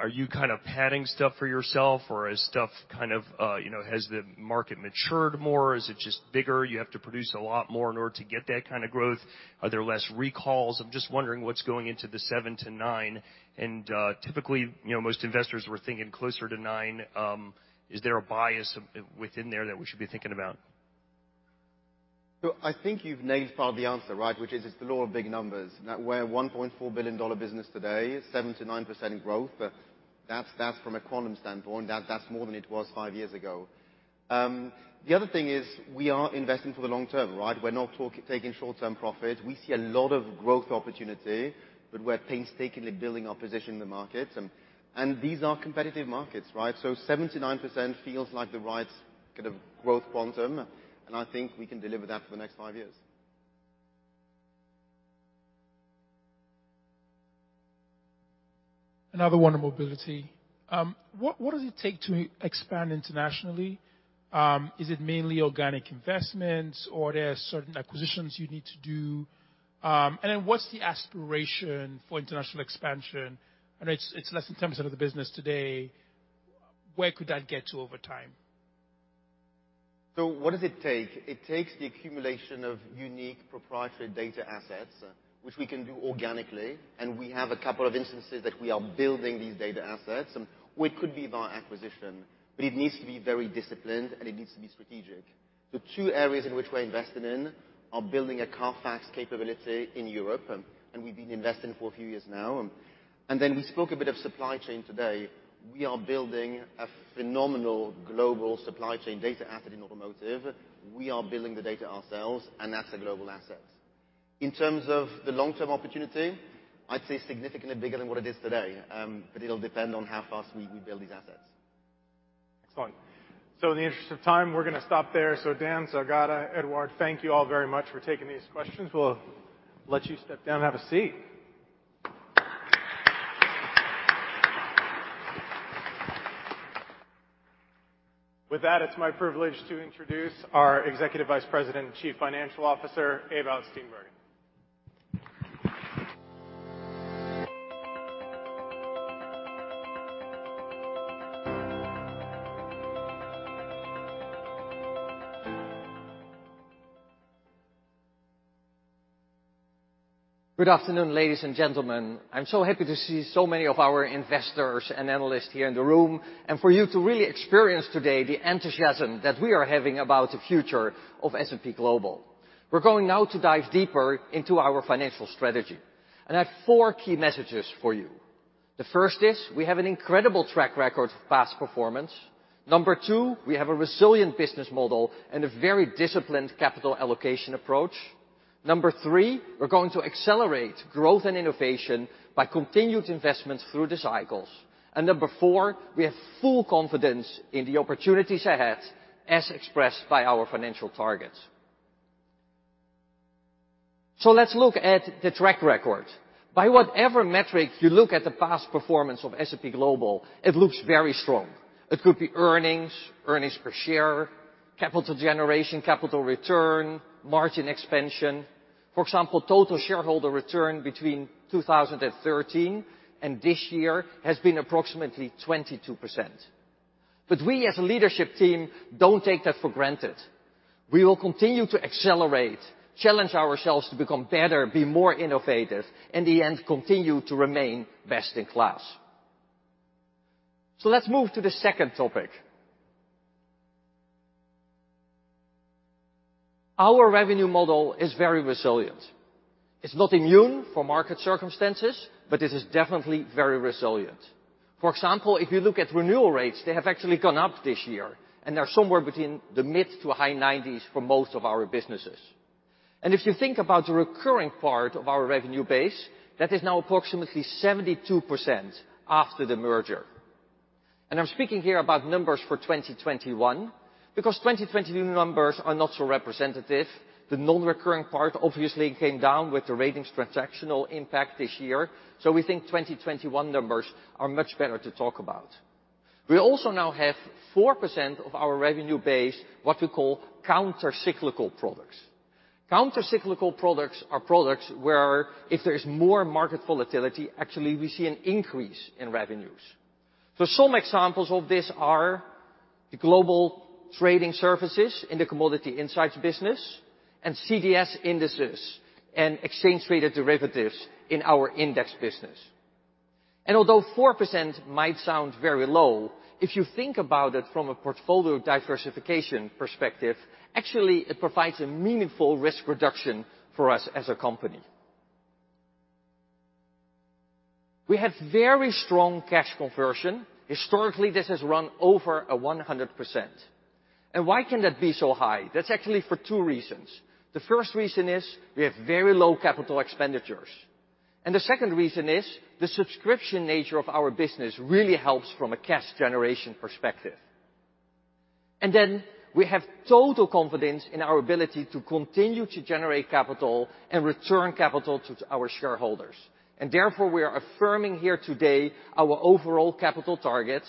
[SPEAKER 18] Are you kind of padding stuff for yourself or is stuff kind of, you know, has the market matured more? Is it just bigger? You have to produce a lot more in order to get that kind of growth. Are there less recalls? I'm just wondering what's going into the 7-9 and, typically, you know, most investors were thinking closer to 9. Is there a bias within there that we should be thinking about?
[SPEAKER 12] I think you've nailed part of the answer, right? Which is it's the law of big numbers. We're a $1.4 billion business today, 7%-9% growth. That's from a quantum standpoint. That's more than it was 5 years ago. The other thing is we are investing for the long term, right? We're not taking short-term profit. We see a lot of growth opportunity, but we're painstakingly building our position in the markets. These are competitive markets, right? 7%-9% feels like the right kind of growth quantum, and I think we can deliver that for the next five years.
[SPEAKER 11] Another one on mobility. What does it take to expand internationally? Is it mainly organic investments or there are certain acquisitions you need to do? What's the aspiration for international expansion? I know it's less than 10% of the business today. Where could that get to over time?
[SPEAKER 12] What does it take? It takes the accumulation of unique proprietary data assets, which we can do organically, and we have a couple of instances that we are building these data assets, or it could be via acquisition. It needs to be very disciplined, and it needs to be strategic. The two areas in which we're investing in are building a CARFAX capability in Europe, and we've been investing for a few years now. We spoke a bit of supply chain today. We are building a phenomenal global supply chain data asset in automotive. We are building the data ourselves and that's a global asset. In terms of the long-term opportunity, I'd say significantly bigger than what it is today, but it'll depend on how fast we build these assets.
[SPEAKER 1] Excellent. In the interest of time, we're gonna stop there. Dan, Saugata, Edouard, thank you all very much for taking these questions. We'll let you step down and have a seat. With that, it's my privilege to introduce our Executive Vice President and Chief Financial Officer, Ewout Steenbergen.
[SPEAKER 19] Good afternoon, ladies and gentlemen. I'm so happy to see so many of our investors and analysts here in the room, and for you to really experience today the enthusiasm that we are having about the future of S&P Global. We're going now to dive deeper into our financial strategy, and I have four key messages for you. The first is we have an incredible track record of past performance. Number two, we have a resilient business model and a very disciplined capital allocation approach. Number three, we're going to accelerate growth and innovation by continued investments through the cycles. Number four, we have full confidence in the opportunities ahead as expressed by our financial targets. Let's look at the track record. By whatever metric you look at the past performance of S&P Global, it looks very strong. It could be earnings per share, capital generation, capital return, margin expansion. For example, total shareholder return between 2013 and this year has been approximately 22%. We as a leadership team don't take that for granted. We will continue to accelerate, challenge ourselves to become better, be more innovative, in the end, continue to remain best in class. Let's move to the second topic. Our revenue model is very resilient. It's not immune from market circumstances, but it is definitely very resilient. For example, if you look at renewal rates, they have actually gone up this year, and they're somewhere between the mid to high 90s for most of our businesses. If you think about the recurring part of our revenue base, that is now approximately 72% after the merger. I'm speaking here about numbers for 2021, because 2020 numbers are not so representative. The non-recurring part obviously came down with the ratings transactional impact this year. We think 2021 numbers are much better to talk about. We also now have 4% of our revenue base, what we call counter-cyclical products. Counter-cyclical products are products where if there is more market volatility, actually we see an increase in revenues. Some examples of this are the global trading services in the Commodity Insights business, and CDS indexes, and exchange traded derivatives in our index business. Although 4% might sound very low, if you think about it from a portfolio diversification perspective, actually it provides a meaningful risk reduction for us as a company. We have very strong cash conversion. Historically, this has run over a 100%. Why can that be so high? That's actually for two reasons. The first reason is we have very low CapEx. The second reason is the subscription nature of our business really helps from a cash generation perspective. We have total confidence in our ability to continue to generate capital and return capital to our shareholders. Therefore, we are affirming here today our overall capital targets,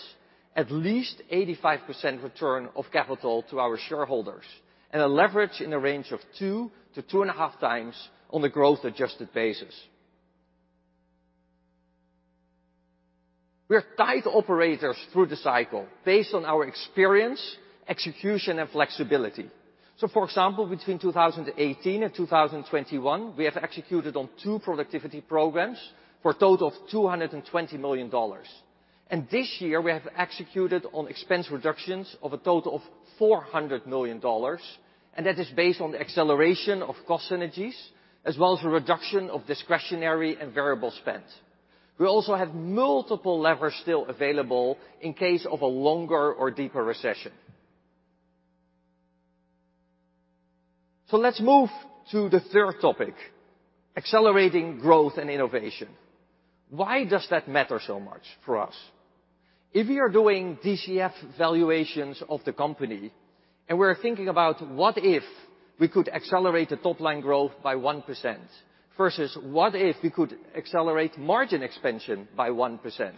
[SPEAKER 19] at least 85% return of capital to our shareholders, and a leverage in the range of 2-2.5x on a growth-adjusted basis. We are tight operators through the cycle based on our experience, execution, and flexibility. For example, between 2018 and 2021, we have executed on 2 productivity programs for a total of $220 million. This year, we have executed on expense reductions of a total of $400 million, and that is based on the acceleration of cost synergies, as well as a reduction of discretionary and variable spend. We also have multiple levers still available in case of a longer or deeper recession. Let's move to the third topic, accelerating growth and innovation. Why does that matter so much for us? If we are doing DCF valuations of the company, and we're thinking about what if we could accelerate the top-line growth by 1% versus what if we could accelerate margin expansion by 1%?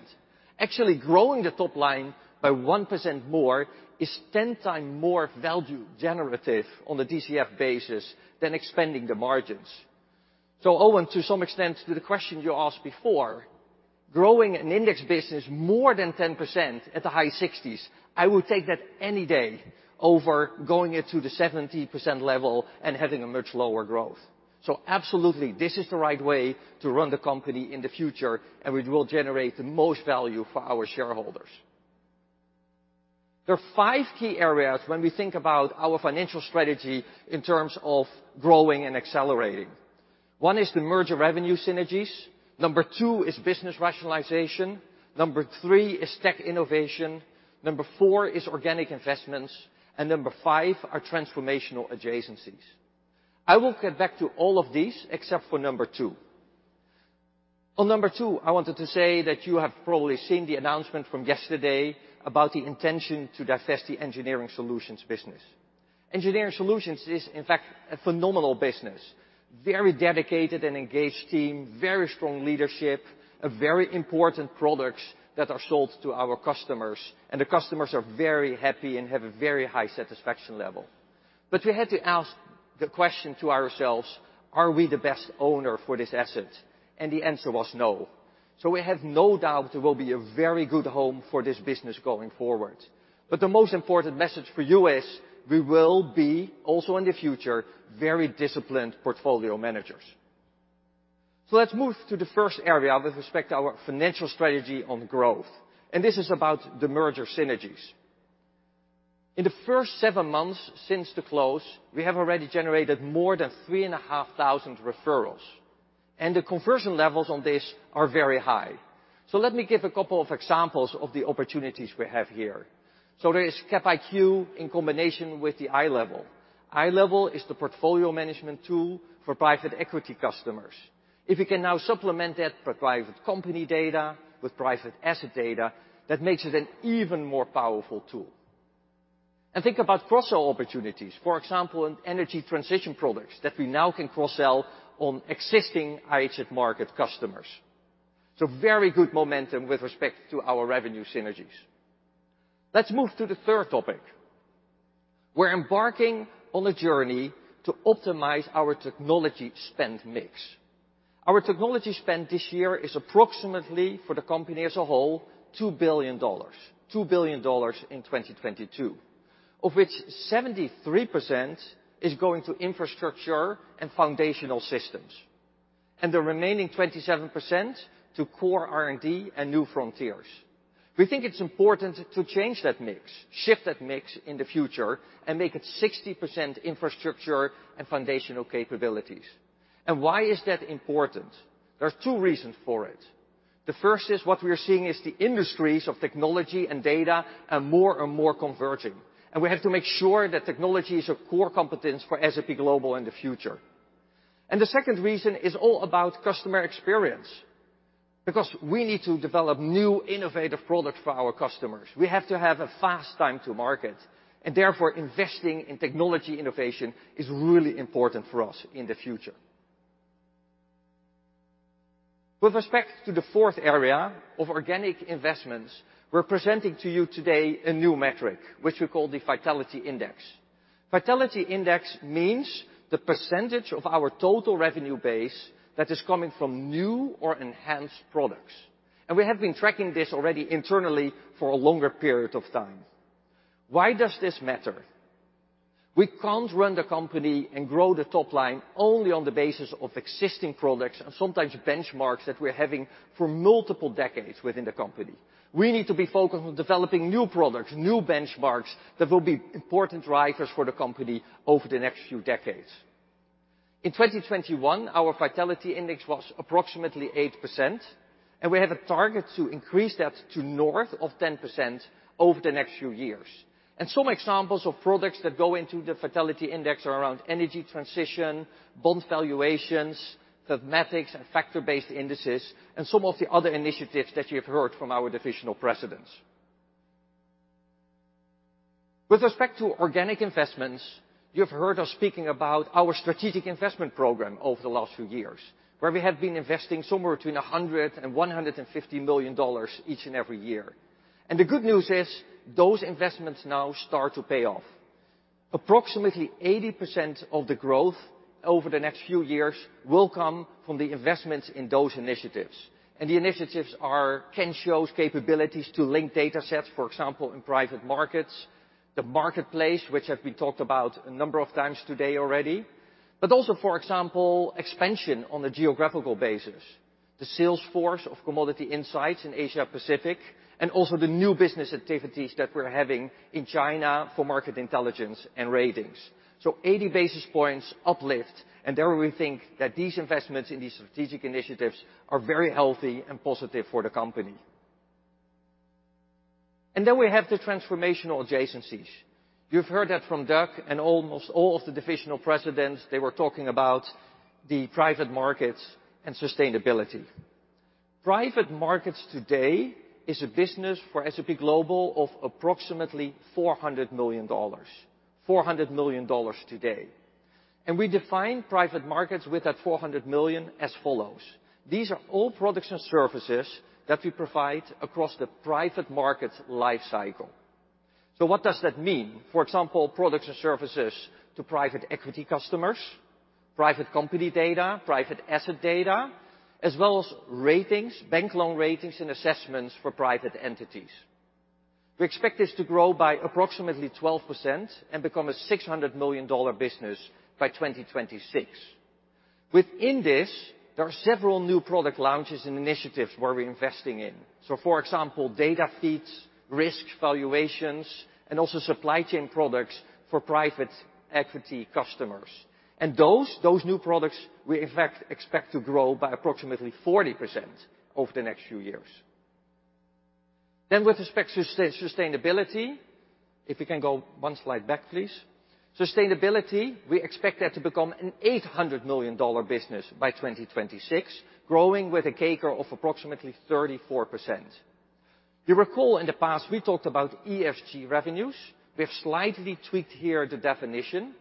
[SPEAKER 19] Actually growing the top line by 1% more is 10 times more value generative on the DCF basis than expanding the margins. Owen, to some extent, to the question you asked before, growing an index business more than 10% at the high 60s, I would take that any day over going it to the 70% level and having a much lower growth. Absolutely, this is the right way to run the company in the future, and we will generate the most value for our shareholders. There are 5 key areas when we think about our financial strategy in terms of growing and accelerating. One is the merger revenue synergies. Number 2 is business rationalization. Number 3 is tech innovation. Number 4 is organic investments. Number 5 are transformational adjacencies. I will get back to all of these except for number 2. On number 2, I wanted to say that you have probably seen the announcement from yesterday about the intention to divest the Engineering Solutions business. Engineering Solutions is, in fact, a phenomenal business, very dedicated and engaged team, very strong leadership, a very important products that are sold to our customers, and the customers are very happy and have a very high satisfaction level. We had to ask the question to ourselves, "Are we the best owner for this asset?" The answer was no. We have no doubt there will be a very good home for this business going forward. The most important message for you is we will be also in the future, very disciplined portfolio managers. Let's move to the first area with respect to our financial strategy on growth, and this is about the merger synergies. In the first seven months since the close, we have already generated more than 3,500 referrals, and the conversion levels on this are very high. Let me give a couple of examples of the opportunities we have here. There is Cap IQ in combination with the iLEVEL. iLEVEL is the portfolio management tool for private equity customers. If you can now supplement that for private company data with private asset data, that makes it an even more powerful tool. Think about cross-sell opportunities, for example, in energy transition products that we now can cross-sell on existing IHS Markit customers. Very good momentum with respect to our revenue synergies. Let's move to the third topic. We're embarking on a journey to optimize our technology spend mix. Our technology spend this year is approximately, for the company as a whole, $2 billion. $2 billion in 2022, of which 73% is going to infrastructure and foundational systems, and the remaining 27% to core R&D and new frontiers. We think it's important to change that mix, shift that mix in the future, make it 60% infrastructure and foundational capabilities. Why is that important? There are two reasons for it. The first is what we are seeing is the industries of technology and data are more and more converging, and we have to make sure that technology is a core competence for S&P Global in the future. The second reason is all about customer experience, because we need to develop new innovative products for our customers. We have to have a fast time to market, and therefore, investing in technology innovation is really important for us in the future. With respect to the fourth area of organic investments, we're presenting to you today a new metric, which we call the Vitality Index. Vitality Index means the percentage of our total revenue base that is coming from new or enhanced products. We have been tracking this already internally for a longer period of time. Why does this matter? We can't run the company and grow the top line only on the basis of existing products and sometimes benchmarks that we're having for multiple decades within the company. We need to be focused on developing new products, new benchmarks, that will be important drivers for the company over the next few decades. In 2021, our Vitality Index was approximately 8%, and we have a target to increase that to north of 10% over the next few years. Some examples of products that go into the Vitality Index are around energy transition, bond valuations, thematics, and factor-based indices, and some of the other initiatives that you've heard from our divisional presidents. With respect to organic investments, you've heard us speaking about our strategic investment program over the last few years, where we have been investing somewhere between $100 million-$150 million each and every year. The good news is, those investments now start to pay off. Approximately 80% of the growth over the next few years will come from the investments in those initiatives. The initiatives are Kensho's capabilities to link datasets, for example, in private markets, the Marketplace, which have been talked about a number of times today already. Also, for example, expansion on a geographical basis, the sales force of commodity insights in Asia-Pacific, and also the new business activities that we're having in China for market intelligence and ratings. 80 basis points uplift, and there we think that these investments in these strategic initiatives are very healthy and positive for the company. We have the transformational adjacencies. You've heard that from Doug and almost all of the divisional presidents, they were talking about the private markets and sustainability. Private markets today is a business for S&P Global of approximately $400 million. $400 million today. We define private markets with that $400 million as follows. These are all products and services that we provide across the private market life cycle. What does that mean? For example, products and services to private equity customers, private company data, private asset data, as well as ratings, bank loan ratings and assessments for private entities. We expect this to grow by approximately 12% and become a $600 million business by 2026. Within this, there are several new product launches and initiatives where we're investing in. For example, data feeds, risk valuations, and also supply chain products for private equity customers. Those new products we in fact expect to grow by approximately 40% over the next few years. With respect to sustainability, if we can go one slide back, please. Sustainability, we expect that to become an $800 million business by 2026, growing with a CAGR of approximately 34%. You recall in the past we talked about ESG revenues. We have slightly tweaked here the definition.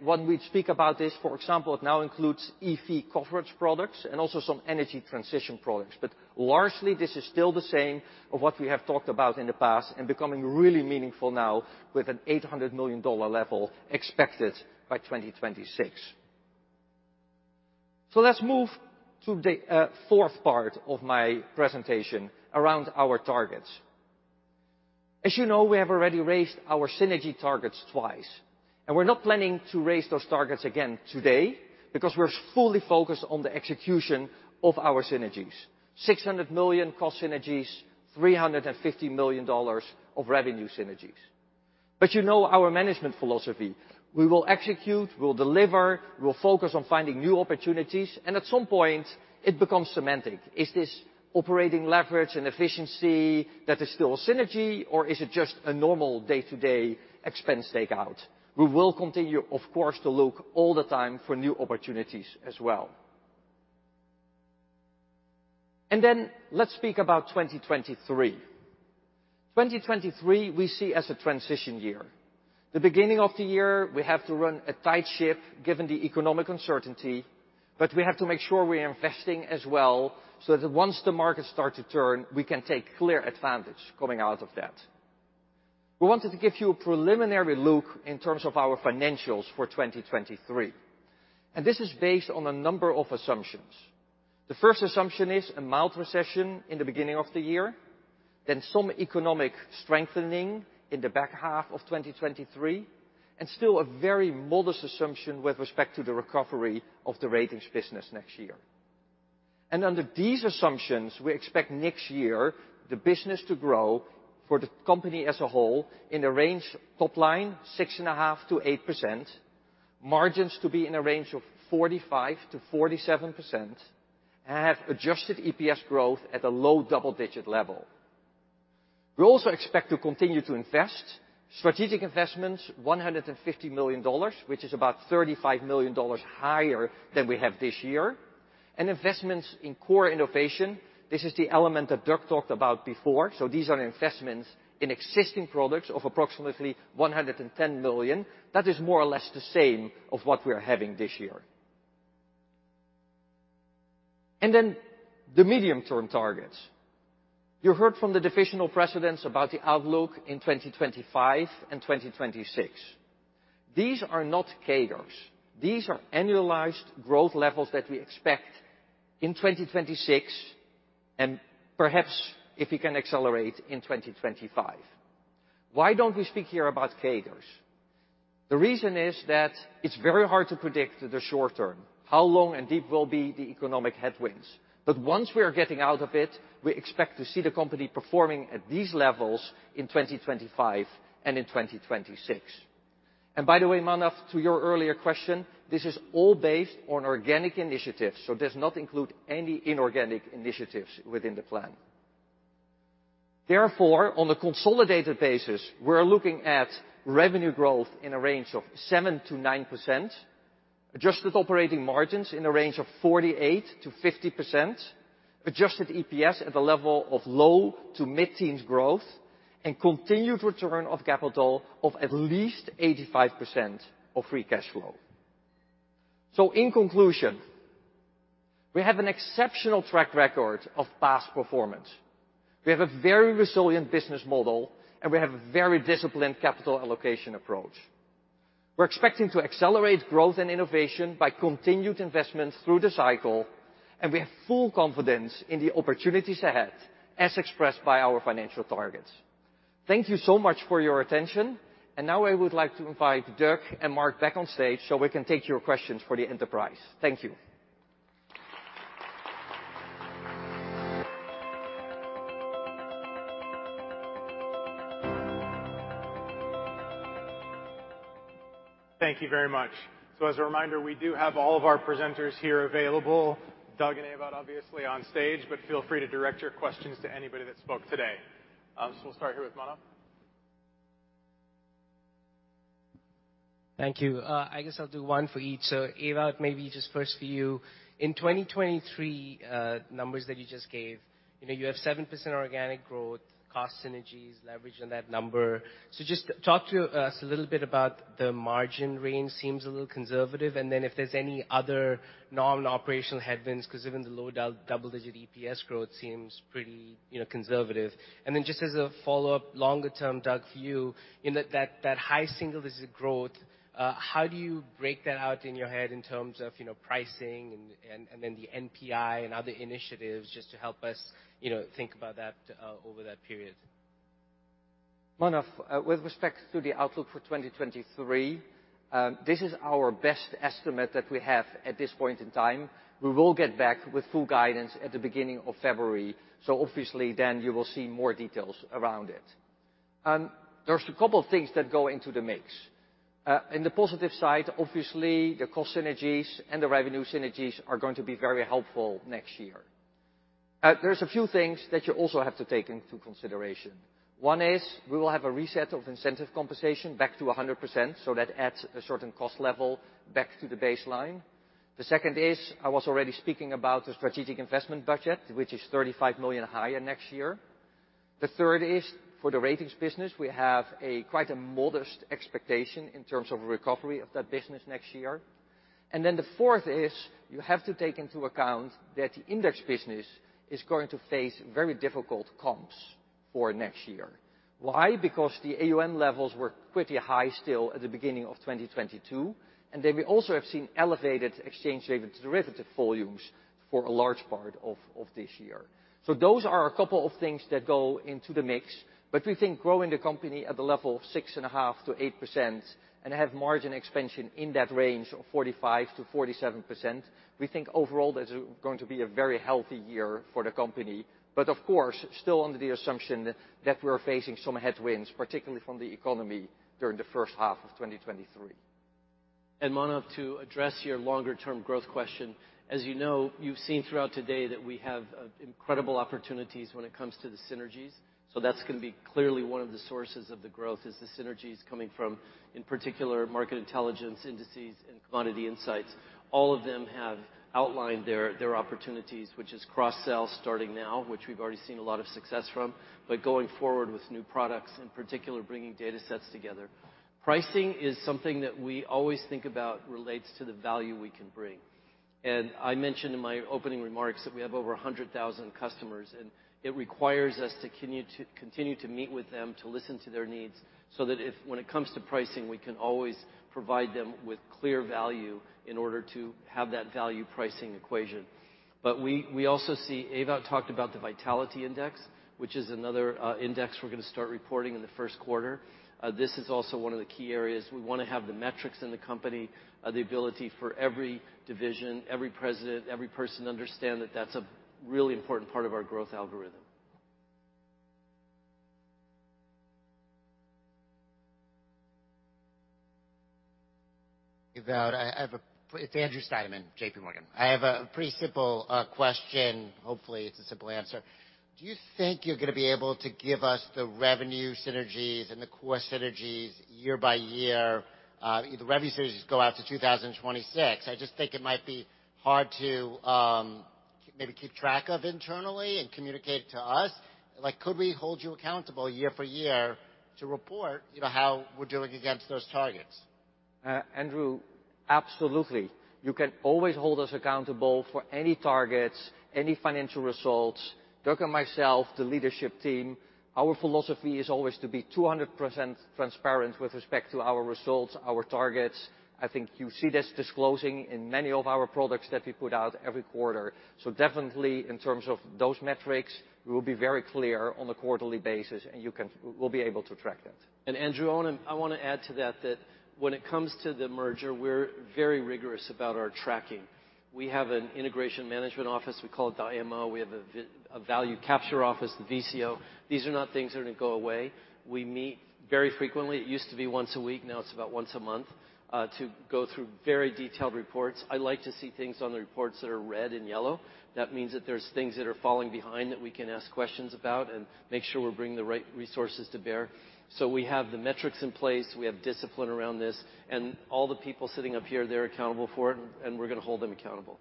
[SPEAKER 19] When we speak about this, for example, it now includes EV coverage products and also some energy transition products. Largely, this is still the same of what we have talked about in the past and becoming really meaningful now with an $800 million level expected by 2026. Let's move to the fourth part of my presentation around our targets. As you know, we have already raised our synergy targets twice, and we're not planning to raise those targets again today because we're fully focused on the execution of our synergies. $600 million cost synergies, $350 million of revenue synergies. You know our management philosophy. We will execute, we will deliver, we will focus on finding new opportunities, and at some point, it becomes semantic. Is this operating leverage and efficiency that is still synergy or is it just a normal day-to-day expense takeout? We will continue, of course, to look all the time for new opportunities as well. Let's speak about 2023. 2023 we see as a transition year. The beginning of the year, we have to run a tight ship given the economic uncertainty, but we have to make sure we are investing as well, so that once the markets start to turn, we can take clear advantage coming out of that. We wanted to give you a preliminary look in terms of our financials for 2023, and this is based on a number of assumptions. The first assumption is a mild recession in the beginning of the year, then some economic strengthening in the back half of 2023, and still a very modest assumption with respect to the recovery of the ratings business next year. Under these assumptions, we expect next year the business to grow for the company as a whole in the range top line 6.5%-8%, margins to be in a range of 45%-47%, and have adjusted EPS growth at a low double-digit level. We also expect to continue to invest. Strategic investments, $150 million, which is about $35 million higher than we have this year. Investments in core innovation, this is the element that Dirk talked about before. These are investments in existing products of approximately $110 million. That is more or less the same of what we're having this year. The medium-term targets. You heard from the divisional presidents about the outlook in 2025 and 2026. These are not CAGRs. These are annualized growth levels that we expect in 2026, and perhaps if we can accelerate, in 2025. Why don't we speak here about CAGRs? The reason is that it's very hard to predict the short term, how long and deep will be the economic headwinds. Once we are getting out of it, we expect to see the company performing at these levels in 2025 and in 2026. By the way, Manav, to your earlier question, this is all based on organic initiatives, so does not include any inorganic initiatives within the plan. On a consolidated basis, we're looking at revenue growth in a range of 7%-9%, adjusted operating margins in a range of 48%-50%, adjusted EPS at a level of low to mid-teens growth, and continued return of capital of at least 85% of free cash flow. In conclusion, we have an exceptional track record of past performance. We have a very resilient business model, and we have a very disciplined capital allocation approach. We're expecting to accelerate growth and innovation by continued investment through the cycle, and we have full confidence in the opportunities ahead, as expressed by our financial targets. Thank you so much for your attention. Now I would like to invite Dirk and Mark back on stage so we can take your questions for the enterprise. Thank you.
[SPEAKER 1] Thank you very much. As a reminder, we do have all of our presenters here available. Doug and Ewout obviously on stage, but feel free to direct your questions to anybody that spoke today. We'll start here with Manav.
[SPEAKER 5] Thank you. I guess I'll do one for each. Ewout, maybe just first for you. In 2023, numbers that you just gave, you know, you have 7% organic growth, cost synergies, leverage on that number. Just talk to us a little bit about the margin range seems a little conservative, and then if there's any other non-operational headwinds, 'cause even the low double-digit EPS growth seems pretty, you know, conservative. Just as a follow-up, longer-term, Doug, for you know, that high single-digit growth, how do you break that out in your head in terms of, you know, pricing and, and then the NPI and other initiatives just to help us, you know, think about that over that period?
[SPEAKER 19] Manav, with respect to the outlook for 2023, this is our best estimate that we have at this point in time. We will get back with full guidance at the beginning of February. Obviously then you will see more details around it. There's a couple things that go into the mix. In the positive side, obviously, the cost synergies and the revenue synergies are going to be very helpful next year. There's a few things that you also have to take into consideration. One is we will have a reset of incentive compensation back to 100%. That adds a certain cost level back to the baseline. The second is, I was already speaking about the strategic investment budget, which is $35 million higher next year. The third is, for the ratings business, we have a quite a modest expectation in terms of recovery of that business next year. The fourth is, you have to take into account that the index business is going to face very difficult comps for next year. Why? Because the AUM levels were pretty high still at the beginning of 2022, and then we also have seen elevated exchange rate derivative volumes for a large part of this year. Those are a couple of things that go into the mix, but we think growing the company at the level of 6.5%-8% and have margin expansion in that range of 45%-47%, we think overall that it was going to be a very healthy year for the company. Of course, still under the assumption that we're facing some headwinds, particularly from the economy during the first half of 2023.
[SPEAKER 2] Manav, to address your longer term growth question. As you know, you've seen throughout today that we have incredible opportunities when it comes to the synergies. That's gonna be clearly one of the sources of the growth is the synergies coming from, in particular, Market Intelligence, Indices, and Commodity Insights. All of them have outlined their opportunities, which is cross-sell starting now, which we've already seen a lot of success from. Going forward with new products, in particular, bringing datasets together. Pricing is something that we always think about relates to the value we can bring. I mentioned in my opening remarks that we have over 100,000 customers, and it requires us to continue to meet with them, to listen to their needs, so that if when it comes to pricing, we can always provide them with clear value in order to have that value pricing equation. We also see Ewout talked about the Vitality Index, which is another index we're gonna start reporting in the first quarter. This is also one of the key areas. We wanna have the metrics in the company, the ability for every division, every president, every person understand that that's a really important part of our growth algorithm.
[SPEAKER 20] It's Andrew Steinerman, J.P. Morgan. I have a pretty simple question. Hopefully, it's a simple answer. Do you think you're gonna be able to give us the revenue synergies and the core synergies year by year? The revenue synergies go out to 2026. I just think it might be hard to maybe keep track of internally and communicate it to us. Like, could we hold you accountable year for year to report, you know, how we're doing against those targets?
[SPEAKER 19] Andrew, absolutely. You can always hold us accountable for any targets, any financial results. Dirk and myself, the leadership team, our philosophy is always to be 200% transparent with respect to our results, our targets. I think you see this disclosing in many of our products that we put out every quarter. Definitely in terms of those metrics, we will be very clear on a quarterly basis, and we'll be able to track that.
[SPEAKER 2] Andrew, I wanna add to that when it comes to the merger, we're very rigorous about our tracking. We have an integration management office, we call it the IMO. We have a value capture office, the VCO. These are not things that are gonna go away. We meet very frequently. It used to be once a week, now it's about once a month, to go through very detailed reports. I like to see things on the reports that are red and yellow. That means that there's things that are falling behind that we can ask questions about and make sure we're bringing the right resources to bear. We have the metrics in place, we have discipline around this, and all the people sitting up here, they're accountable for it, and we're gonna hold them accountable.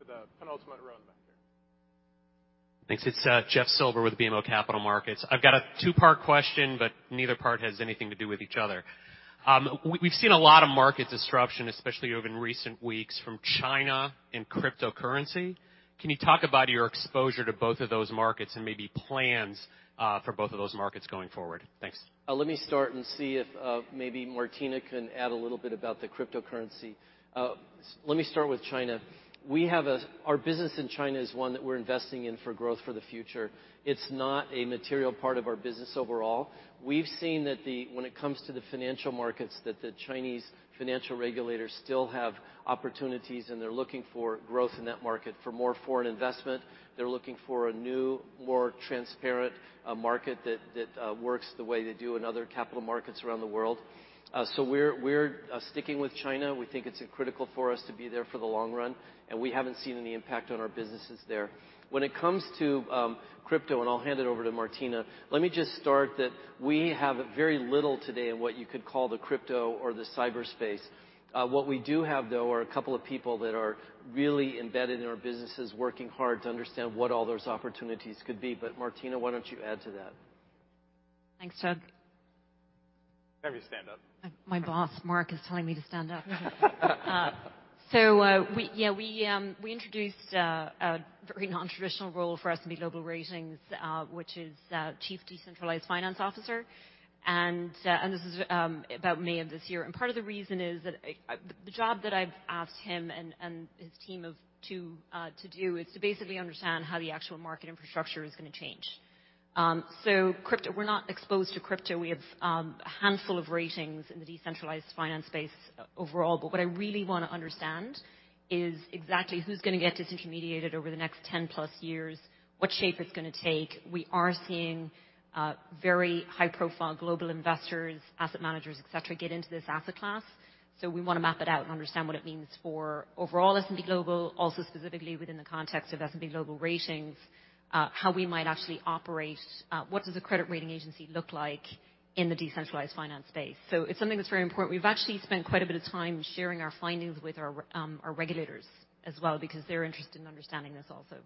[SPEAKER 21] The penultimate row in the back there.
[SPEAKER 22] Thanks. It's Jeff Silber with BMO Capital Markets. I've got a two-part question, but neither part has anything to do with each other. We've seen a lot of market disruption, especially over in recent weeks, from China and cryptocurrency. Can you talk about your exposure to both of those markets and maybe plans for both of those markets going forward? Thanks.
[SPEAKER 2] Let me start and see if maybe Martina can add a little bit about the cryptocurrency. Let me start with China. Our business in China is one that we're investing in for growth for the future. It's not a material part of our business overall. We've seen that when it comes to the financial markets, that the Chinese financial regulators still have opportunities, and they're looking for growth in that market for more foreign investment. They're looking for a new, more transparent market that works the way they do in other capital markets around the world. We're sticking with China. We think it's critical for us to be there for the long run, and we haven't seen any impact on our businesses there. When it comes to crypto, and I'll hand it over to Martina, let me just start that we have very little today in what you could call the crypto or the cyberspace. What we do have, though, are a couple of people that are really embedded in our businesses, working hard to understand what all those opportunities could be. Martina, why don't you add to that?
[SPEAKER 4] Thanks, Jeff.
[SPEAKER 21] Maybe stand up.
[SPEAKER 4] My boss, Mark, is telling me to stand up. We, yeah, we introduced a very non-traditional role for S&P Global Ratings, which is Chief Decentralized Finance Officer. This is about May of this year. Part of the reason is that the job that I've asked him and his team of two to do is to basically understand how the actual market infrastructure is gonna change. Crypto, we're not exposed to crypto. We have a handful of ratings in the decentralized finance space overall, but what I really wanna understand is exactly who's gonna get disintermediated over the next 10+ years, what shape it's gonna take. We are seeing very high-profile global investors, asset managers, et cetera, get into this asset class. We wanna map it out and understand what it means for overall S&P Global, also specifically within the context of S&P Global Ratings, how we might actually operate, what does a credit rating agency look like in the decentralized finance space? It's something that's very important. We've actually spent quite a bit of time sharing our findings with our regulators as well, because they're interested in understanding this also.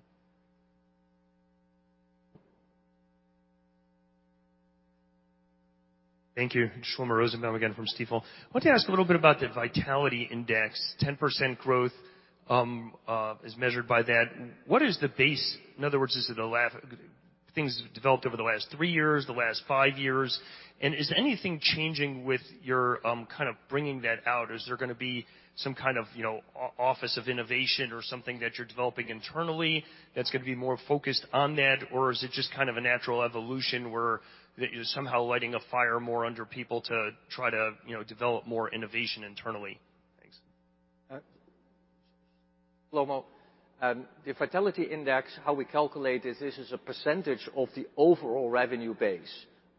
[SPEAKER 18] Thank you. Shlomo Rosenbaum again from Stifel. I want to ask a little bit about the Vitality Index. 10% growth, as measured by that. What is the base? In other words, is it the last things developed over the last 3 years, the last 5 years? Is anything changing with your, kind of bringing that out? Is there gonna be some kind of, you know, office of innovation or something that you're developing internally that's gonna be more focused on that? Or is it just kind of a natural evolution where you're somehow lighting a fire more under people to try to, you know, develop more innovation internally? Thanks.
[SPEAKER 19] Shlomo, the Vitality Index, how we calculate is this is a % of the overall revenue base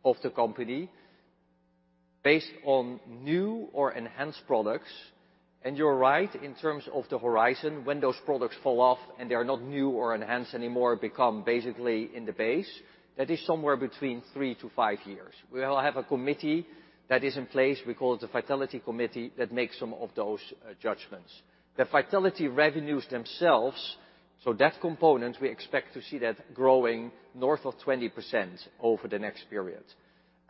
[SPEAKER 19] of the company based on new or enhanced products. You're right, in terms of the horizon, when those products fall off and they are not new or enhanced anymore, become basically in the base. That is somewhere between three to five years. We'll have a committee that is in place, we call it the vitality committee, that makes some of those judgments. The vitality revenues themselves, so that component, we expect to see that growing north of 20% over the next period.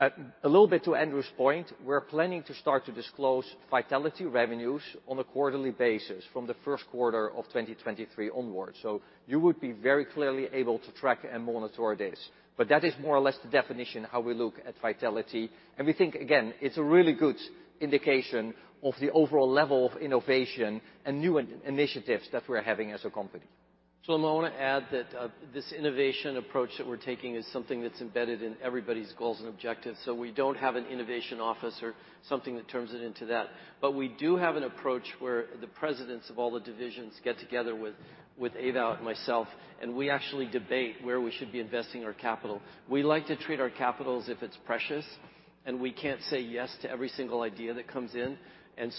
[SPEAKER 19] A little bit to Andrew's point, we're planning to start to disclose vitality revenues on a quarterly basis from the first quarter of 2023 onwards. You would be very clearly able to track and monitor this. That is more or less the definition how we look at vitality. We think, again, it's a really good indication of the overall level of innovation and new initiatives that we're having as a company.
[SPEAKER 2] I want to add that this innovation approach that we're taking is something that's embedded in everybody's goals and objectives. We don't have an innovation office or something that turns it into that. But we do have an approach where the presidents of all the divisions get together with Ava and myself, and we actually debate where we should be investing our capital. We like to treat our capital as if it's precious, and we can't say yes to every single idea that comes in.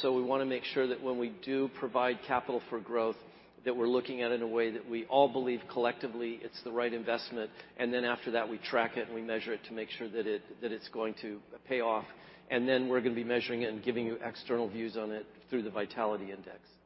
[SPEAKER 2] We wanna make sure that when we do provide capital for growth, that we're looking at it in a way that we all believe collectively it's the right investment. Then after that, we track it, and we measure it to make sure that it's going to pay off. We're gonna be measuring it and giving you external views on it through the Vitality Index.
[SPEAKER 21] Stephanie. We'll get Alex next.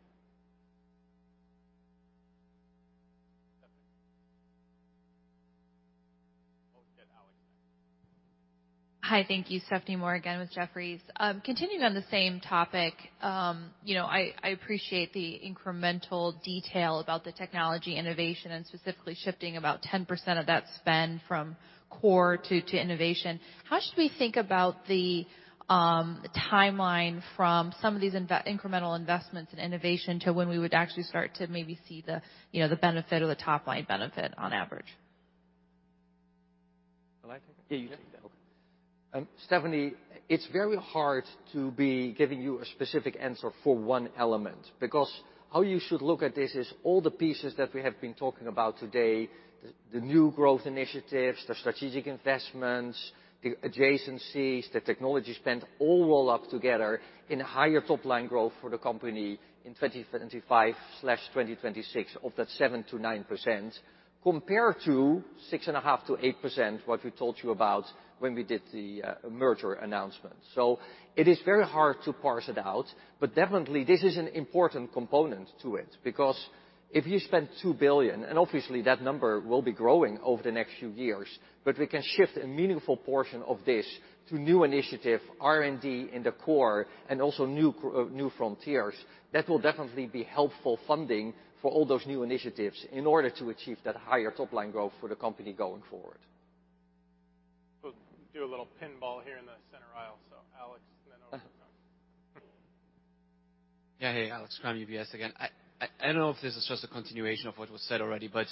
[SPEAKER 16] Hi. Thank you. Stephanie Moore again with Jefferies. Continuing on the same topic, you know, I appreciate the incremental detail about the technology innovation and specifically shifting about 10% of that spend from core to innovation. How should we think about the timeline from some of these incremental investments in innovation to when we would actually start to maybe see the, you know, the benefit or the top line benefit on average?
[SPEAKER 2] Will I take it?
[SPEAKER 21] Yeah, you take that.
[SPEAKER 2] Stephanie, it's very hard to be giving you a specific answer for one element, because how you should look at this is all the pieces that we have been talking about today, the new growth initiatives, the strategic investments, the adjacencies, the technology spend, all roll up together in higher top line growth for the company in 2025/2026 of that 7%-9%, compared to 6.5%-8%, what we told you about when we did the merger announcement. It is very hard to parse it out, but definitely this is an important component to it. If you spend $2 billion, and obviously that number will be growing over the next few years, we can shift a meaningful portion of this to new initiative, R&D in the core and also new frontiers, that will definitely be helpful funding for all those new initiatives in order to achieve that higher top line growth for the company going forward.
[SPEAKER 21] We'll do a little pinball here in the center aisle. Alex and then over to Tom.
[SPEAKER 7] Hey, Alex Kramm, UBS again. I don't know if this is just a continuation of what was said already, but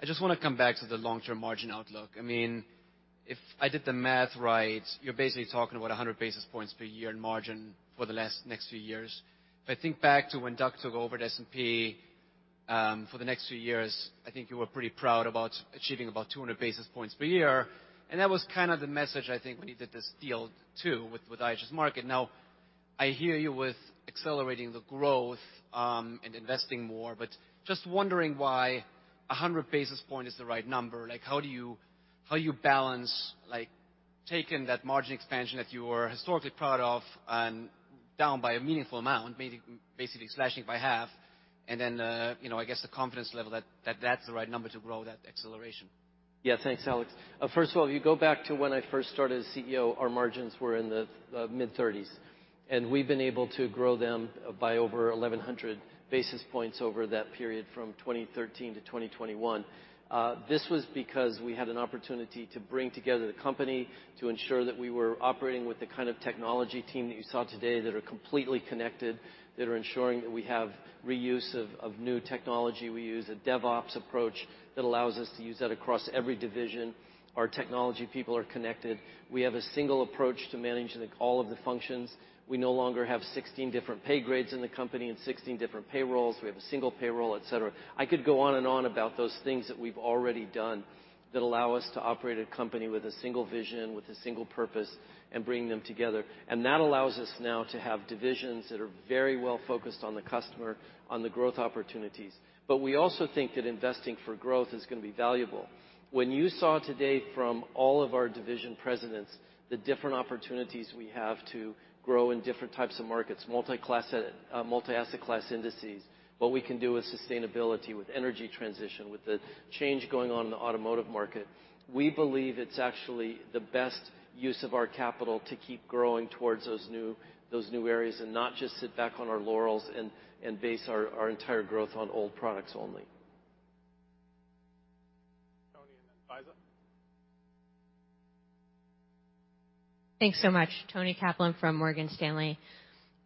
[SPEAKER 7] I just wanna come back to the long-term margin outlook. I mean, if I did the math right, you're basically talking about 100 basis points per year in margin for the next few years. If I think back to when Doug took over at S&P, for the next few years, I think you were pretty proud about achieving about 200 basis points per year. That was kind of the message, I think, when you did this deal too, with IHS Markit. I hear you with accelerating the growth, and investing more, but just wondering why 100 basis points is the right number. Like, how do you... How you balance, like, taking that margin expansion that you were historically proud of and down by a meaningful amount, maybe basically slashing it by half, and then, you know, I guess the confidence level that that's the right number to grow that acceleration.
[SPEAKER 2] Yeah. Thanks, Alex. First of all, if you go back to when I first started as CEO, our margins were in the mid-30s, and we've been able to grow them by over 1,100 basis points over that period from 2013 to 2021. This was because we had an opportunity to bring together the company to ensure that we were operating with the kind of technology team that you saw today, that are completely connected, that are ensuring that we have reuse of new technology. We use a DevOps approach that allows us to use that across every division. Our technology people are connected. We have a single approach to managing all of the functions. We no longer have 16 different pay grades in the company and 16 different payrolls. We have a single payroll, et cetera. I could go on and on about those things that we've already done that allow us to operate a company with a single vision, with a single purpose, and bring them together. That allows us now to have divisions that are very well-focused on the customer, on the growth opportunities. We also think that investing for growth is gonna be valuable. When you saw today from all of our division presidents the different opportunities we have to grow in different types of markets, multi-class, multi-asset class indices, what we can do with sustainability, with energy transition, with the change going on in the automotive market, we believe it's actually the best use of our capital to keep growing towards those new areas and not just sit back on our laurels and base our entire growth on old products only.
[SPEAKER 21] Toni and then Faiza.
[SPEAKER 6] Thanks so much. Toni Kaplan from Morgan Stanley.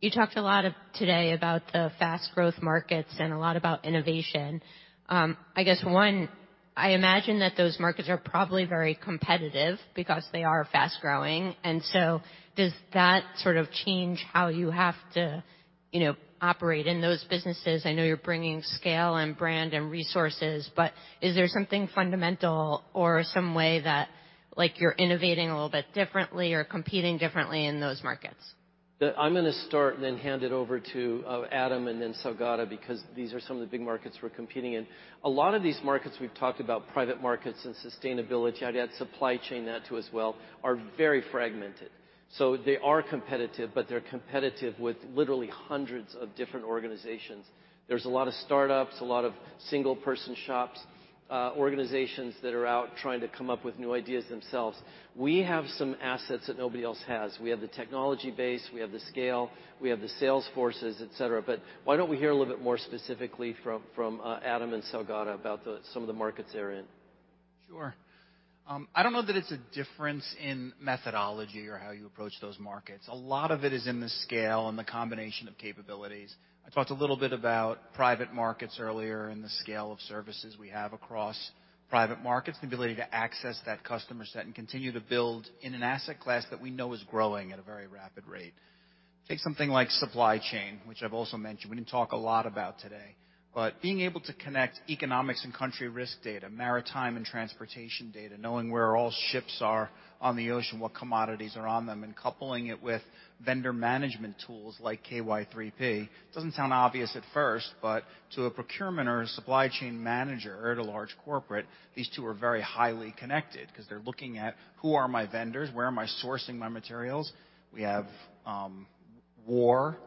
[SPEAKER 6] You talked a lot of today about the fast growth markets and a lot about innovation. I guess, one, I imagine that those markets are probably very competitive because they are fast-growing, and so does that sort of change how you have to, you know, operate in those businesses? I know you're bringing scale and brand and resources, but is there something fundamental or some way that, like, you're innovating a little bit differently or competing differently in those markets?
[SPEAKER 2] I'm gonna start and then hand it over to Adam and then Saugata, because these are some of the big markets we're competing in. A lot of these markets we've talked about, private markets and sustainability, I'd add supply chain net to as well, are very fragmented. They are competitive, but they're competitive with literally hundreds of different organizations. There's a lot of startups, a lot of single person shops, organizations that are out trying to come up with new ideas themselves. We have some assets that nobody else has. We have the technology base, we have the scale, we have the sales forces, et cetera. Why don't we hear a little bit more specifically from Adam and Saugata about some of the markets they're in?
[SPEAKER 3] Sure. I don't know that it's a difference in methodology or how you approach those markets. A lot of it is in the scale and the combination of capabilities. I talked a little bit about private markets earlier and the scale of services we have across private markets, the ability to access that customer set and continue to build in an asset class that we know is growing at a very rapid rate. Take something like supply chain, which I've also mentioned, we didn't talk a lot about today. Being able to connect economics and country risk data, maritime and transportation data, knowing where all ships are on the ocean, what commodities are on them, and coupling it with vendor management tools like KY3P. It doesn't sound obvious at first. To a procurement or a supply chain manager at a large corporate, these two are very highly connected because they're looking at who are my vendors? Where am I sourcing my materials? We have war,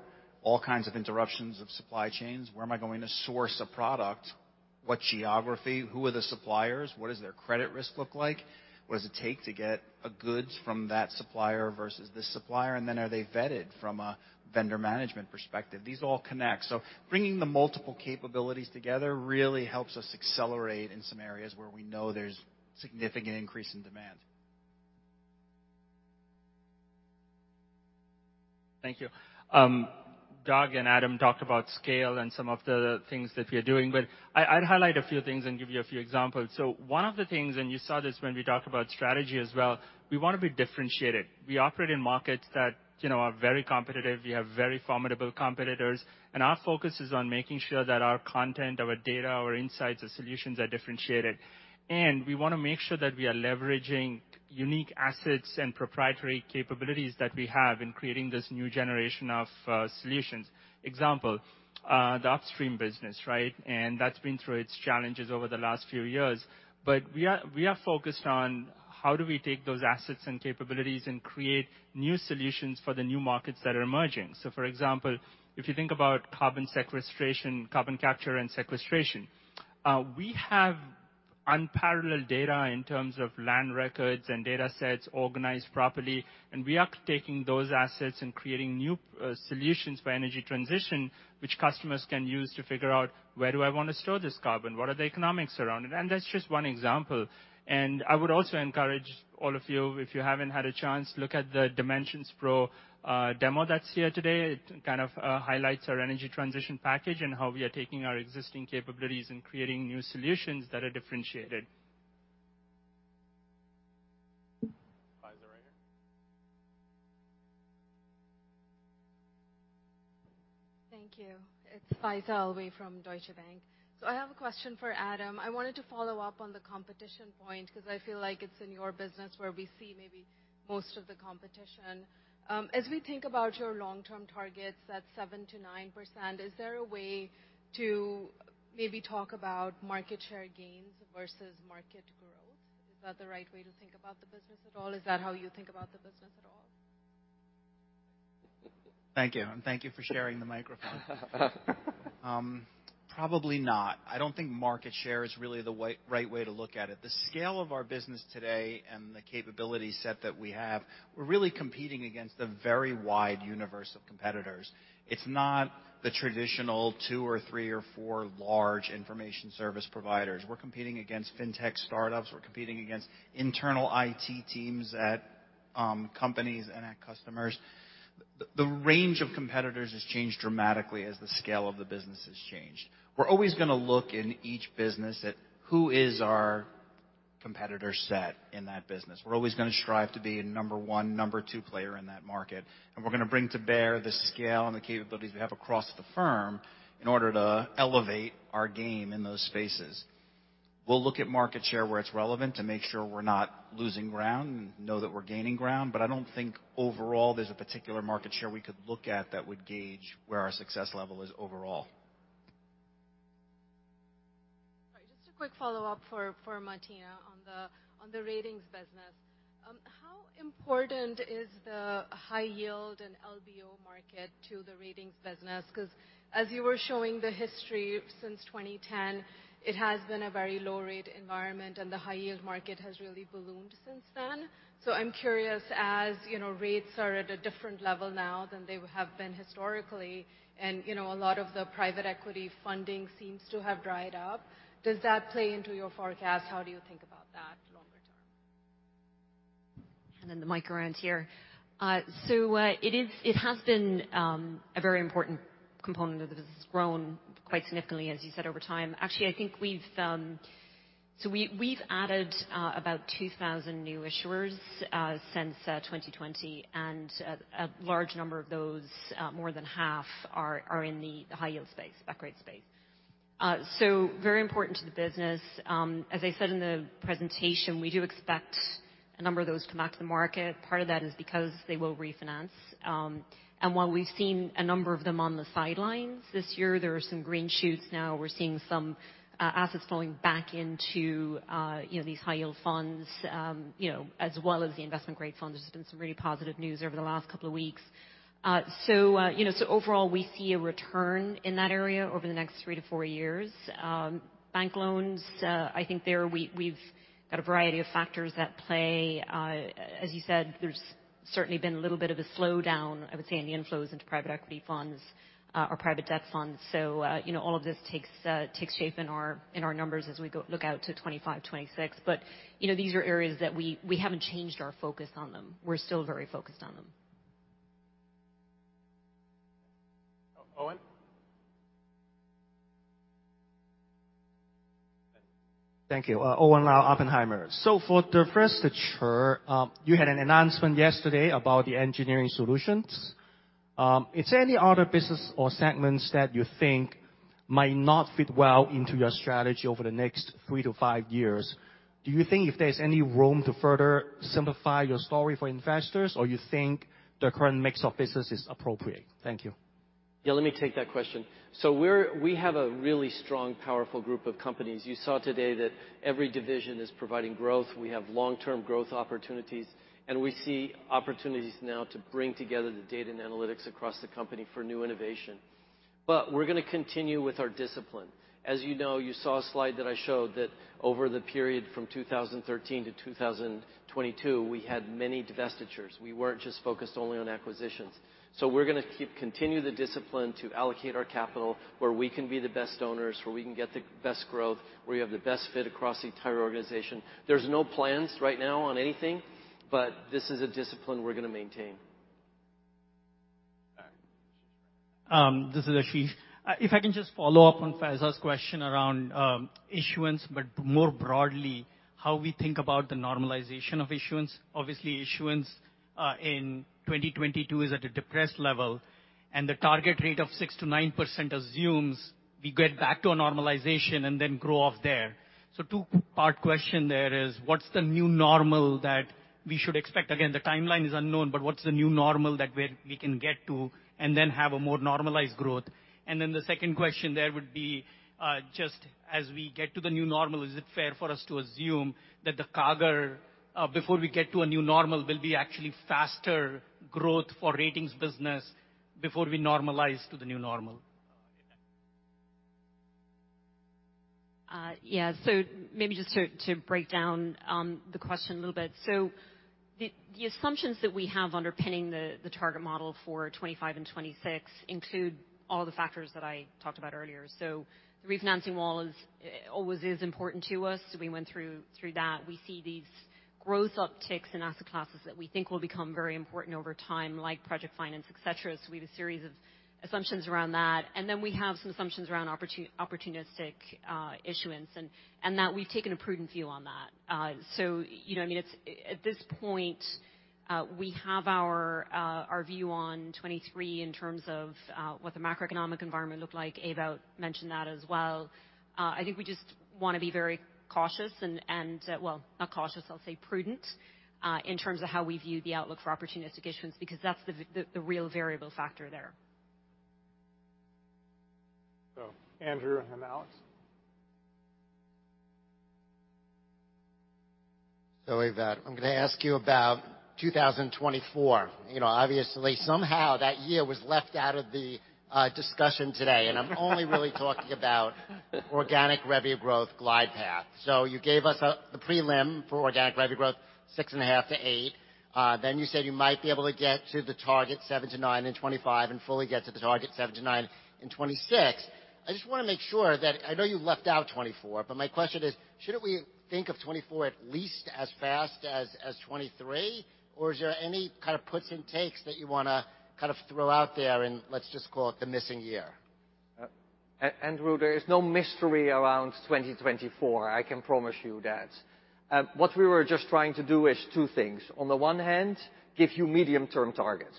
[SPEAKER 3] all kinds of interruptions of supply chains. Where am I going to source a product? What geography? Who are the suppliers? What does their credit risk look like? What does it take to get goods from that supplier versus this supplier? Are they vetted from a vendor management perspective? These all connect. Bringing the multiple capabilities together really helps us accelerate in some areas where we know there's significant increase in demand.
[SPEAKER 11] Thank you. Doug and Adam talked about scale and some of the things that we're doing, but I'd highlight a few things and give you a few examples. One of the things, and you saw this when we talked about strategy as well, we want to be differentiated. We operate in markets that, you know, are very competitive. We have very formidable competitors, and our focus is on making sure that our content, our data, our insights, our solutions are differentiated. We want to make sure that we are leveraging unique assets and proprietary capabilities that we have in creating this new generation of solutions. Example, the upstream business, right? That's been through its challenges over the last few years. We are focused on how do we take those assets and capabilities and create new solutions for the new markets that are emerging. For example, if you think about carbon sequestration, carbon capture and sequestration, we have unparalleled data in terms of land records and datasets organized properly, and we are taking those assets and creating new solutions for energy transition, which customers can use to figure out where do I want to store this carbon? What are the economics around it? That's just one example. I would also encourage all of you, if you haven't had a chance, look at the Platts Dimensions Pro demo that's here today. It kind of highlights our energy transition package and how we are taking our existing capabilities and creating new solutions that are differentiated.
[SPEAKER 23] Faiza, right here. Thank you. It's Faiza Alwy from Deutsche Bank. I have a question for Adam. I wanted to follow up on the competition point because I feel like it's in your business where we see maybe most of the competition. As we think about your long-term targets at 7%-9%, is there a way to maybe talk about market share gains versus market growth? Is that the right way to think about the business at all? Is that how you think about the business at all?
[SPEAKER 3] Thank you, and thank you for sharing the microphone. Probably not. I don't think market share is really the right way to look at it. The scale of our business today and the capability set that we have, we're really competing against a very wide universe of competitors. It's not the traditional two or three or four large information service providers. We're competing against fintech startups. We're competing against internal IT teams at companies and at customers. The range of competitors has changed dramatically as the scale of the business has changed. We're always gonna look in each business at who is our competitor set in that business. We're always gonna strive to be a number one, number two player in that market, and we're gonna bring to bear the scale and the capabilities we have across the firm in order to elevate our game in those spaces. We'll look at market share where it's relevant to make sure we're not losing ground and know that we're gaining ground. I don't think overall there's a particular market share we could look at that would gauge where our success level is overall.
[SPEAKER 23] All right. Just a quick follow-up for Martina on the Ratings business. How important is the high yield in LBO market to the Ratings business? Because as you were showing the history since 2010, it has been a very low-rate environment, and the high-yield market has really ballooned since then. I'm curious, as you know, rates are at a different level now than they have been historically, and you know, a lot of the private equity funding seems to have dried up. Does that play into your forecast? How do you think about that longer term?
[SPEAKER 4] The mic around here. It has been a very important component of the business. It's grown quite significantly, as you said, over time. Actually, I think we've added about 2,000 new issuers since 2020, and a large number of those, more than half are in the high-yield space, that great space. Very important to the business. As I said in the presentation, we do expect a number of those to come back to the market. Part of that is because they will refinance. While we've seen a number of them on the sidelines this year, there are some green shoots now. We're seeing some assets flowing back into, you know, these high-yield funds, you know, as well as the investment-grade funds. There's been some really positive news over the last couple of weeks. You know, overall, we see a return in that area over the next three to four years. Bank loans, I think there we've got a variety of factors at play. As you said, there's.
[SPEAKER 23] Certainly been a little bit of a slowdown, I would say, in the inflows into private equity funds or private debt funds. You know, all of this takes shape in our, in our numbers as we go look out to 25, 26. You know, these are areas that we haven't changed our focus on them. We're still very focused on them.
[SPEAKER 1] Owen?
[SPEAKER 14] Thank you. Owen Lau, Oppenheimer. For the first pitcher, you had an announcement yesterday about the Engineering Solutions. Is there any other business or segments that you think might not fit well into your strategy over the next three to five years? Do you think if there's any room to further simplify your story for investors, or you think the current mix of business is appropriate? Thank you.
[SPEAKER 2] Yeah, let me take that question. We have a really strong, powerful group of companies. You saw today that every division is providing growth. We have long-term growth opportunities. We see opportunities now to bring together the data and analytics across the company for new innovation. We're gonna continue with our discipline. As you know, you saw a slide that I showed that over the period from 2013 to 2022, we had many divestitures. We weren't just focused only on acquisitions. We're gonna continue the discipline to allocate our capital where we can be the best owners, where we can get the best growth, where we have the best fit across the entire organization. There's no plans right now on anything, but this is a discipline we're gonna maintain.
[SPEAKER 1] All right.
[SPEAKER 15] This is Ashish. If I can just follow up on Faiza's question around issuance, more broadly, how we think about the normalization of issuance. Obviously, issuance in 2022 is at a depressed level, the target rate of 6%-9% assumes we get back to a normalization and then grow off there. Two-part question there is, what's the new normal that we should expect? Again, the timeline is unknown, what's the new normal that we can get to and then have a more normalized growth? The second question there would be, just as we get to the new normal, is it fair for us to assume that the CAGR before we get to a new normal, will be actually faster growth for ratings business before we normalize to the new normal?
[SPEAKER 21] Yeah. Maybe just to break down the question a little bit. The assumptions that we have underpinning the target model for 25 and 26 include all the factors that I talked about earlier. The refinancing wall is always important to us. We went through that. We see these growth upticks in asset classes that we think will become very important over time, like project finance, et cetera. We have a series of assumptions around that. We have some assumptions around opportunistic issuance, and that we've taken a prudent view on that. You know, I mean, it's... At this point, we have our view on 23 in terms of what the macroeconomic environment looked like. Ewout mentioned that as well. I think we just wanna be very cautious and, Well, not cautious, I'll say prudent, in terms of how we view the outlook for opportunistic issuance, because that's the real variable factor there.
[SPEAKER 1] Andrew and then Alex.
[SPEAKER 5] Ewout, I'm gonna ask you about 2024. You know, obviously, somehow that year was left out of the discussion today. I'm only really talking about organic revenue growth glide path. You gave us the prelim for organic revenue growth, 6.5%-8%. You said you might be able to get to the target 7%-9% in 2025 and fully get to the target 7%-9% in 2026. I just wanna make sure that. I know you've left out 2024, but my question is, shouldn't we think of 2024 at least as fast as 2023? Is there any kind of puts and takes that you wanna kind of throw out there in, let's just call it, the missing year?
[SPEAKER 21] Andrew, there is no mystery around 2024, I can promise you that. What we were just trying to do is 2 things. On the one hand, give you medium-term targets.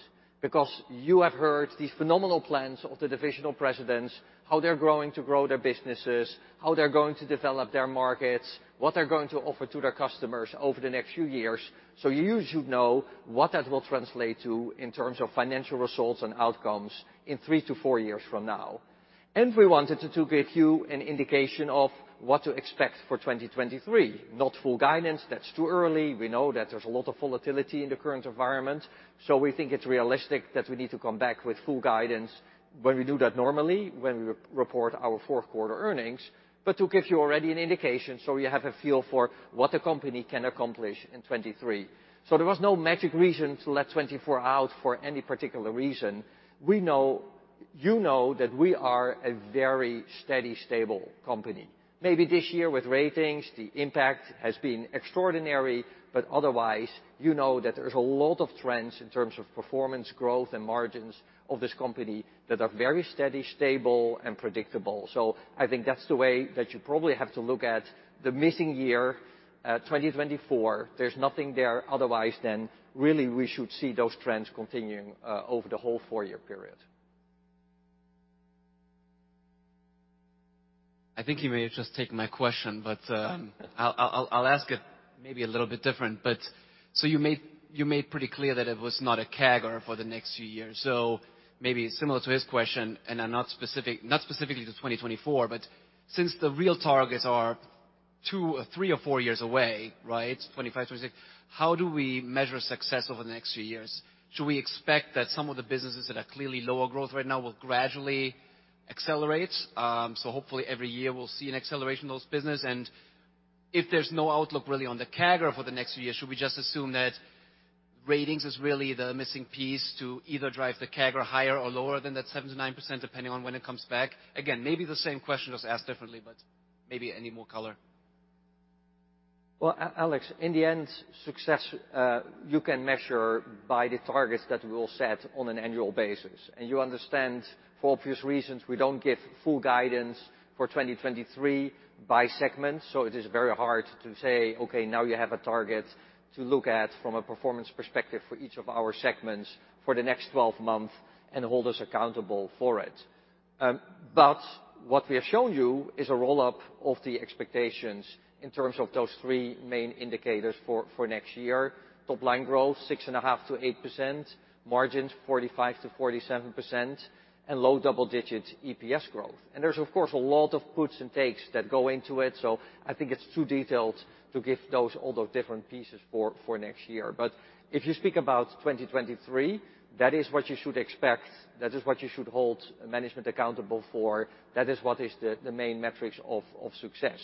[SPEAKER 21] You have heard these phenomenal plans of the divisional presidents, how they're going to grow their businesses, how they're going to develop their markets, what they're going to offer to their customers over the next few years. You should know what that will translate to in terms of financial results and outcomes in 3 to 4 years from now. We wanted to give you an indication of what to expect for 2023. Not full guidance. That's too early. We know that there's a lot of volatility in the current environment. We think it's realistic that we need to come back with full guidance when we do that normally, when we re-report our fourth quarter earnings. To give you already an indication, so you have a feel for what the company can accomplish in 2023. There was no magic reason to let 2024 out for any particular reason. We know, you know that we are a very steady, stable company. Maybe this year with Ratings, the impact has been extraordinary, but otherwise, you know that there's a lot of trends in terms of performance growth and margins of this company that are very steady, stable, and predictable. I think that's the way that you probably have to look at the missing year, 2024. There's nothing there otherwise, then really we should see those trends continuing, over the whole four year period.
[SPEAKER 7] I think you may have just taken my question, but, I'll ask it maybe a little bit different. You made pretty clear that it was not a CAGR for the next few years. Maybe similar to his question, and, not specifically to 2024, but since the real targets are two or three or four years away, right, 2025, 2026, how do we measure success over the next few years? Should we expect that some of the businesses that are clearly lower growth right now will gradually accelerate? Hopefully every year we'll see an acceleration of those business. If there's no outlook really on the CAGR for the next few years, should we just assume that Ratings is really the missing piece to either drive the CAGR higher or lower than that 7%-9%, depending on when it comes back? Again, maybe the same question just asked differently, but maybe any more color.
[SPEAKER 19] Well, Alex, in the end, success, you can measure by the targets that we will set on an annual basis. You understand, for obvious reasons, we don't give full guidance for 2023 by segment. It is very hard to say, okay, now you have a target to look at from a performance perspective for each of our segments for the next 12 months and hold us accountable for it. But what we have shown you is a roll-up of the expectations in terms of those 3 main indicators for next year. Top line growth, 6.5%-8%. Margins, 45%-47%. Low double-digit EPS growth. There's of course, a lot of puts and takes that go into it, so I think it's too detailed to give those all those different pieces for next year. If you speak about 2023, that is what you should expect. That is what you should hold management accountable for. That is what is the main metrics of success.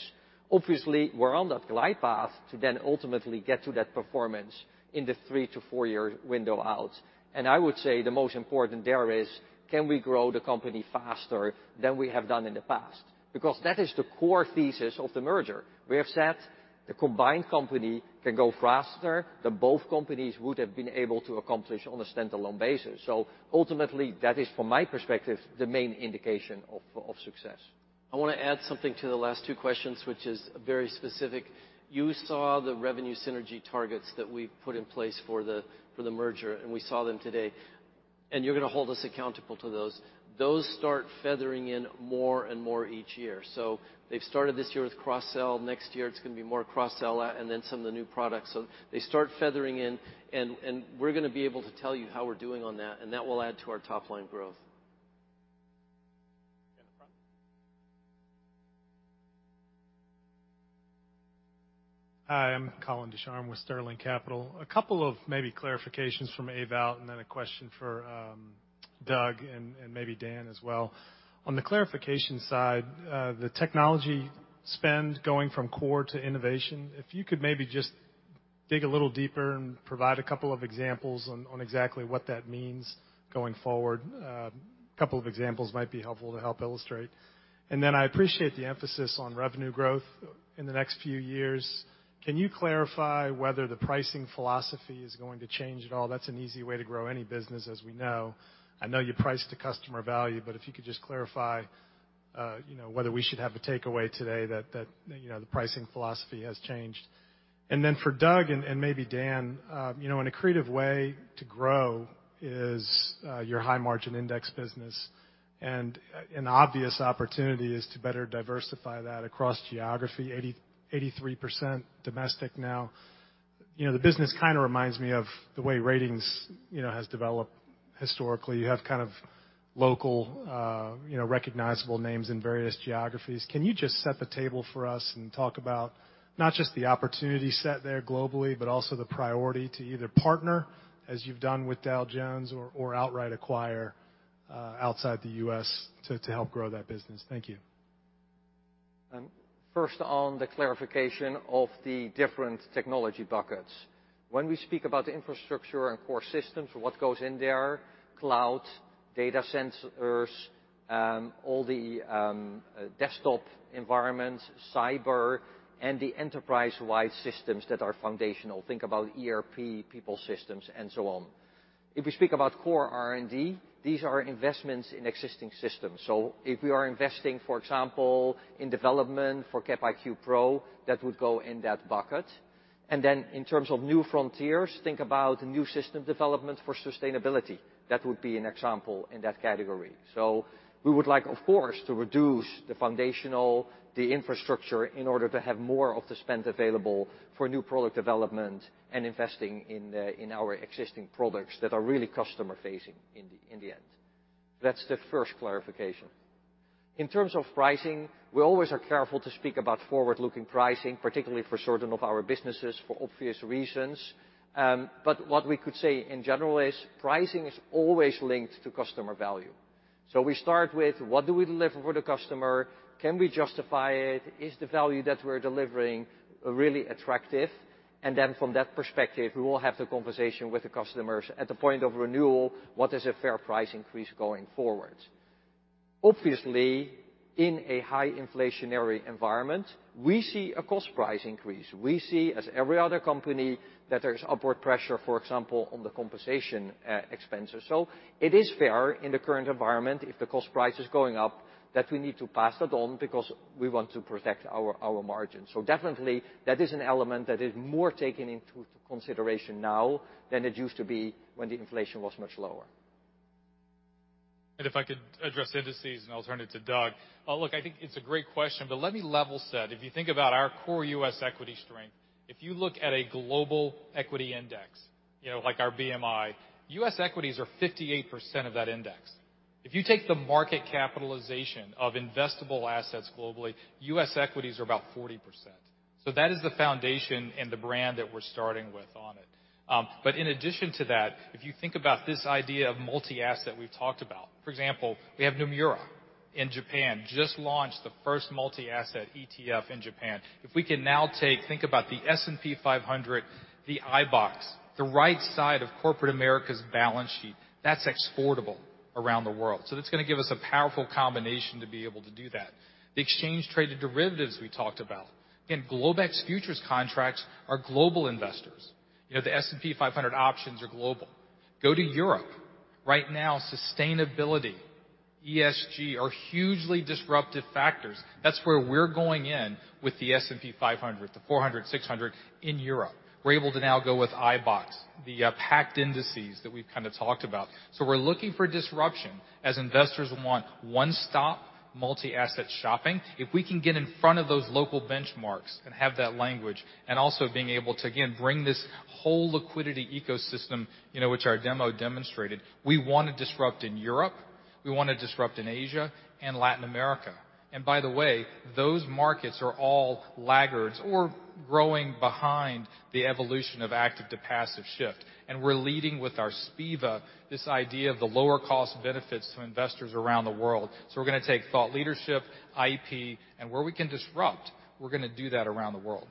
[SPEAKER 19] Obviously, we're on that glide path to then ultimately get to that performance in the 3- to 4-year window out. I would say the most important there is, can we grow the company faster than we have done in the past? Because that is the core thesis of the merger. We have said the combined company can go faster than both companies would have been able to accomplish on a standalone basis. Ultimately, that is, from my perspective, the main indication of success.
[SPEAKER 2] I wanna add something to the last two questions, which is very specific. You saw the revenue synergy targets that we've put in place for the merger, and we saw them today. You're gonna hold us accountable to those. Those start feathering in more and more each year. They've started this year with cross-sell. Next year, it's gonna be more cross-sell, and then some of the new products. They start feathering in, and we're gonna be able to tell you how we're doing on that, and that will add to our top-line growth.
[SPEAKER 13] In the front.
[SPEAKER 24] Hi, I'm Colin Ducharme with Sterling Capital. A couple of maybe clarifications from Ewout, and then a question for Doug and maybe Dan as well. On the clarification side, the technology spend going from core to innovation, if you could maybe just dig a little deeper and provide a couple of examples on exactly what that means going forward. A couple of examples might be helpful to help illustrate. Then I appreciate the emphasis on revenue growth in the next few years. Can you clarify whether the pricing philosophy is going to change at all? That's an easy way to grow any business, as we know. I know you price to customer value, but if you could just clarify, you know, whether we should have a takeaway today that, you know, the pricing philosophy has changed. Then for Doug and maybe Dan, you know, an accretive way to grow is your high-margin index business. An obvious opportunity is to better diversify that across geography, 83% domestic now. You know, the business kind of reminds me of the way ratings, you know, has developed historically. You have kind of local, you know, recognizable names in various geographies. Can you just set the table for us and talk about not just the opportunity set there globally, but also the priority to either partner, as you've done with Dow Jones or outright acquire, outside the U.S. to help grow that business? Thank you.
[SPEAKER 19] First on the clarification of the different technology buckets. When we speak about the infrastructure and core systems, what goes in there, cloud, data sensors, all the desktop environments, cyber, and the enterprise-wide systems that are foundational. Think about ERP, people systems, and so on. If we speak about core R&D, these are investments in existing systems. If we are investing, for example, in development for Capital IQ Pro, that would go in that bucket. In terms of new frontiers, think about new system development for sustainability. That would be an example in that category. We would like, of course, to reduce the foundational, the infrastructure in order to have more of the spend available for new product development and investing in our existing products that are really customer-facing in the end. That's the first clarification. In terms of pricing, we always are careful to speak about forward-looking pricing, particularly for certain of our businesses for obvious reasons. What we could say in general is pricing is always linked to customer value. We start with what do we deliver for the customer? Can we justify it? Is the value that we're delivering really attractive? From that perspective, we will have the conversation with the customers at the point of renewal, what is a fair price increase going forward? Obviously, in a high inflationary environment, we see a cost price increase. We see, as every other company, that there's upward pressure, for example, on the compensation expenses. It is fair in the current environment, if the cost price is going up, that we need to pass that on because we want to protect our margins. Definitely that is an element that is more taken into consideration now than it used to be when the inflation was much lower.
[SPEAKER 13] If I could address indices, I'll turn it to Doug. Look, I think it's a great question, but let me level set. If you think about our core US equity strength, if you look at a global equity index, you know, like our BMI, US equities are 58% of that index. If you take the market capitalization of investable assets globally, US equities are about 40%. That is the foundation and the brand that we're starting with on it. In addition to that, if you think about this idea of multi-asset we've talked about, for example, we have Nomura in Japan, just launched the first multi-asset ETF in Japan. If we can now take, think about the S&P 500, the iBoxx, the right side of corporate America's balance sheet, that's exportable around the world. That's gonna give us a powerful combination to be able to do that. The exchange-traded derivatives we talked about. Again, Globex Futures contracts are global investors. You know, the S&P 500 options are global. Go to Europe. Right now, sustainability, ESG are hugely disruptive factors. That's where we're going in with the S&P 500, the 400, 600 in Europe. We're able to now go with iBoxx, the packed indices that we've kinda talked about. We're looking for disruption as investors want one-stop multi-asset shopping. If we can get in front of those local benchmarks and have that language, and also being able to, again, bring this whole liquidity ecosystem, you know, which our demo demonstrated, we wanna disrupt in Europe, we wanna disrupt in Asia and Latin America. By the way, those markets are all laggards or growing behind the evolution of active to passive shift. We're leading with our SPIVA, this idea of the lower cost benefits to investors around the world. We're gonna take thought leadership, IP, and where we can disrupt, we're gonna do that around the world.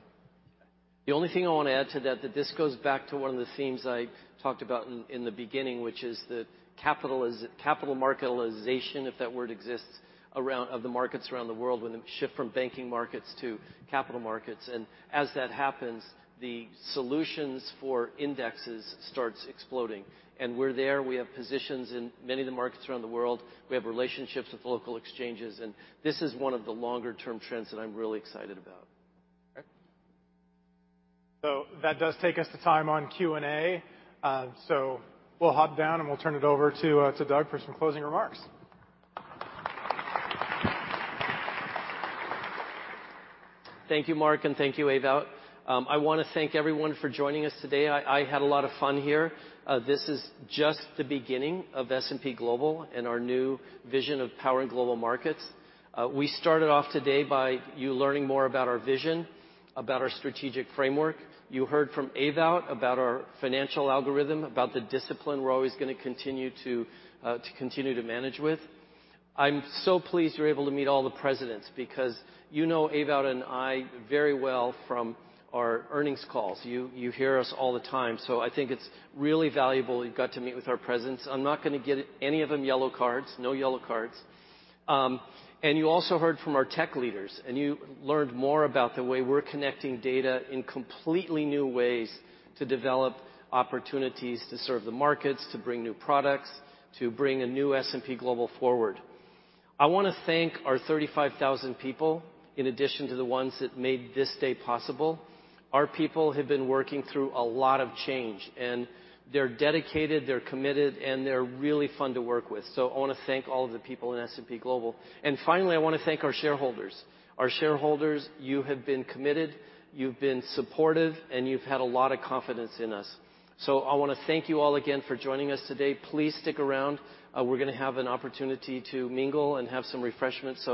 [SPEAKER 2] The only thing I wanna add to that, this goes back to one of the themes I talked about in the beginning, which is the capital marketization, if that word exists, around of the markets around the world, when the shift from banking markets to capital markets. As that happens, the solutions for indices starts exploding. We're there, we have positions in many of the markets around the world. We have relationships with local exchanges, this is one of the longer-term trends that I'm really excited about.
[SPEAKER 13] Okay.
[SPEAKER 1] That does take us to time on Q&A. We'll hop down, and we'll turn it over to Doug for some closing remarks.
[SPEAKER 2] Thank you, Mark, and thank you, Ewout. I wanna thank everyone for joining us today. I had a lot of fun here. This is just the beginning of S&P Global and our new vision of powering global markets. We started off today by you learning more about our vision, about our strategic framework. You heard from Ewout about our financial algorithm, about the discipline we're always gonna continue to manage with. I'm so pleased you're able to meet all the presidents because you know Ewout and I very well from our earnings calls. You hear us all the time, so I think it's really valuable you've got to meet with our presidents. I'm not gonna give any of them yellow cards. No yellow cards. You also heard from our tech leaders, and you learned more about the way we're connecting data in completely new ways to develop opportunities to serve the markets, to bring new products, to bring a new S&P Global forward. I wanna thank our 35,000 people, in addition to the ones that made this day possible. Our people have been working through a lot of change, and they're dedicated, they're committed, and they're really fun to work with. I wanna thank all of the people in S&P Global. Finally, I wanna thank our shareholders. Our shareholders, you have been committed, you've been supportive, and you've had a lot of confidence in us. I wanna thank you all again for joining us today. Please stick around. We're gonna have an opportunity to mingle and have some refreshments.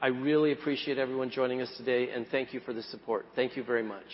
[SPEAKER 2] I really appreciate everyone joining us today, and thank you for the support. Thank you very much.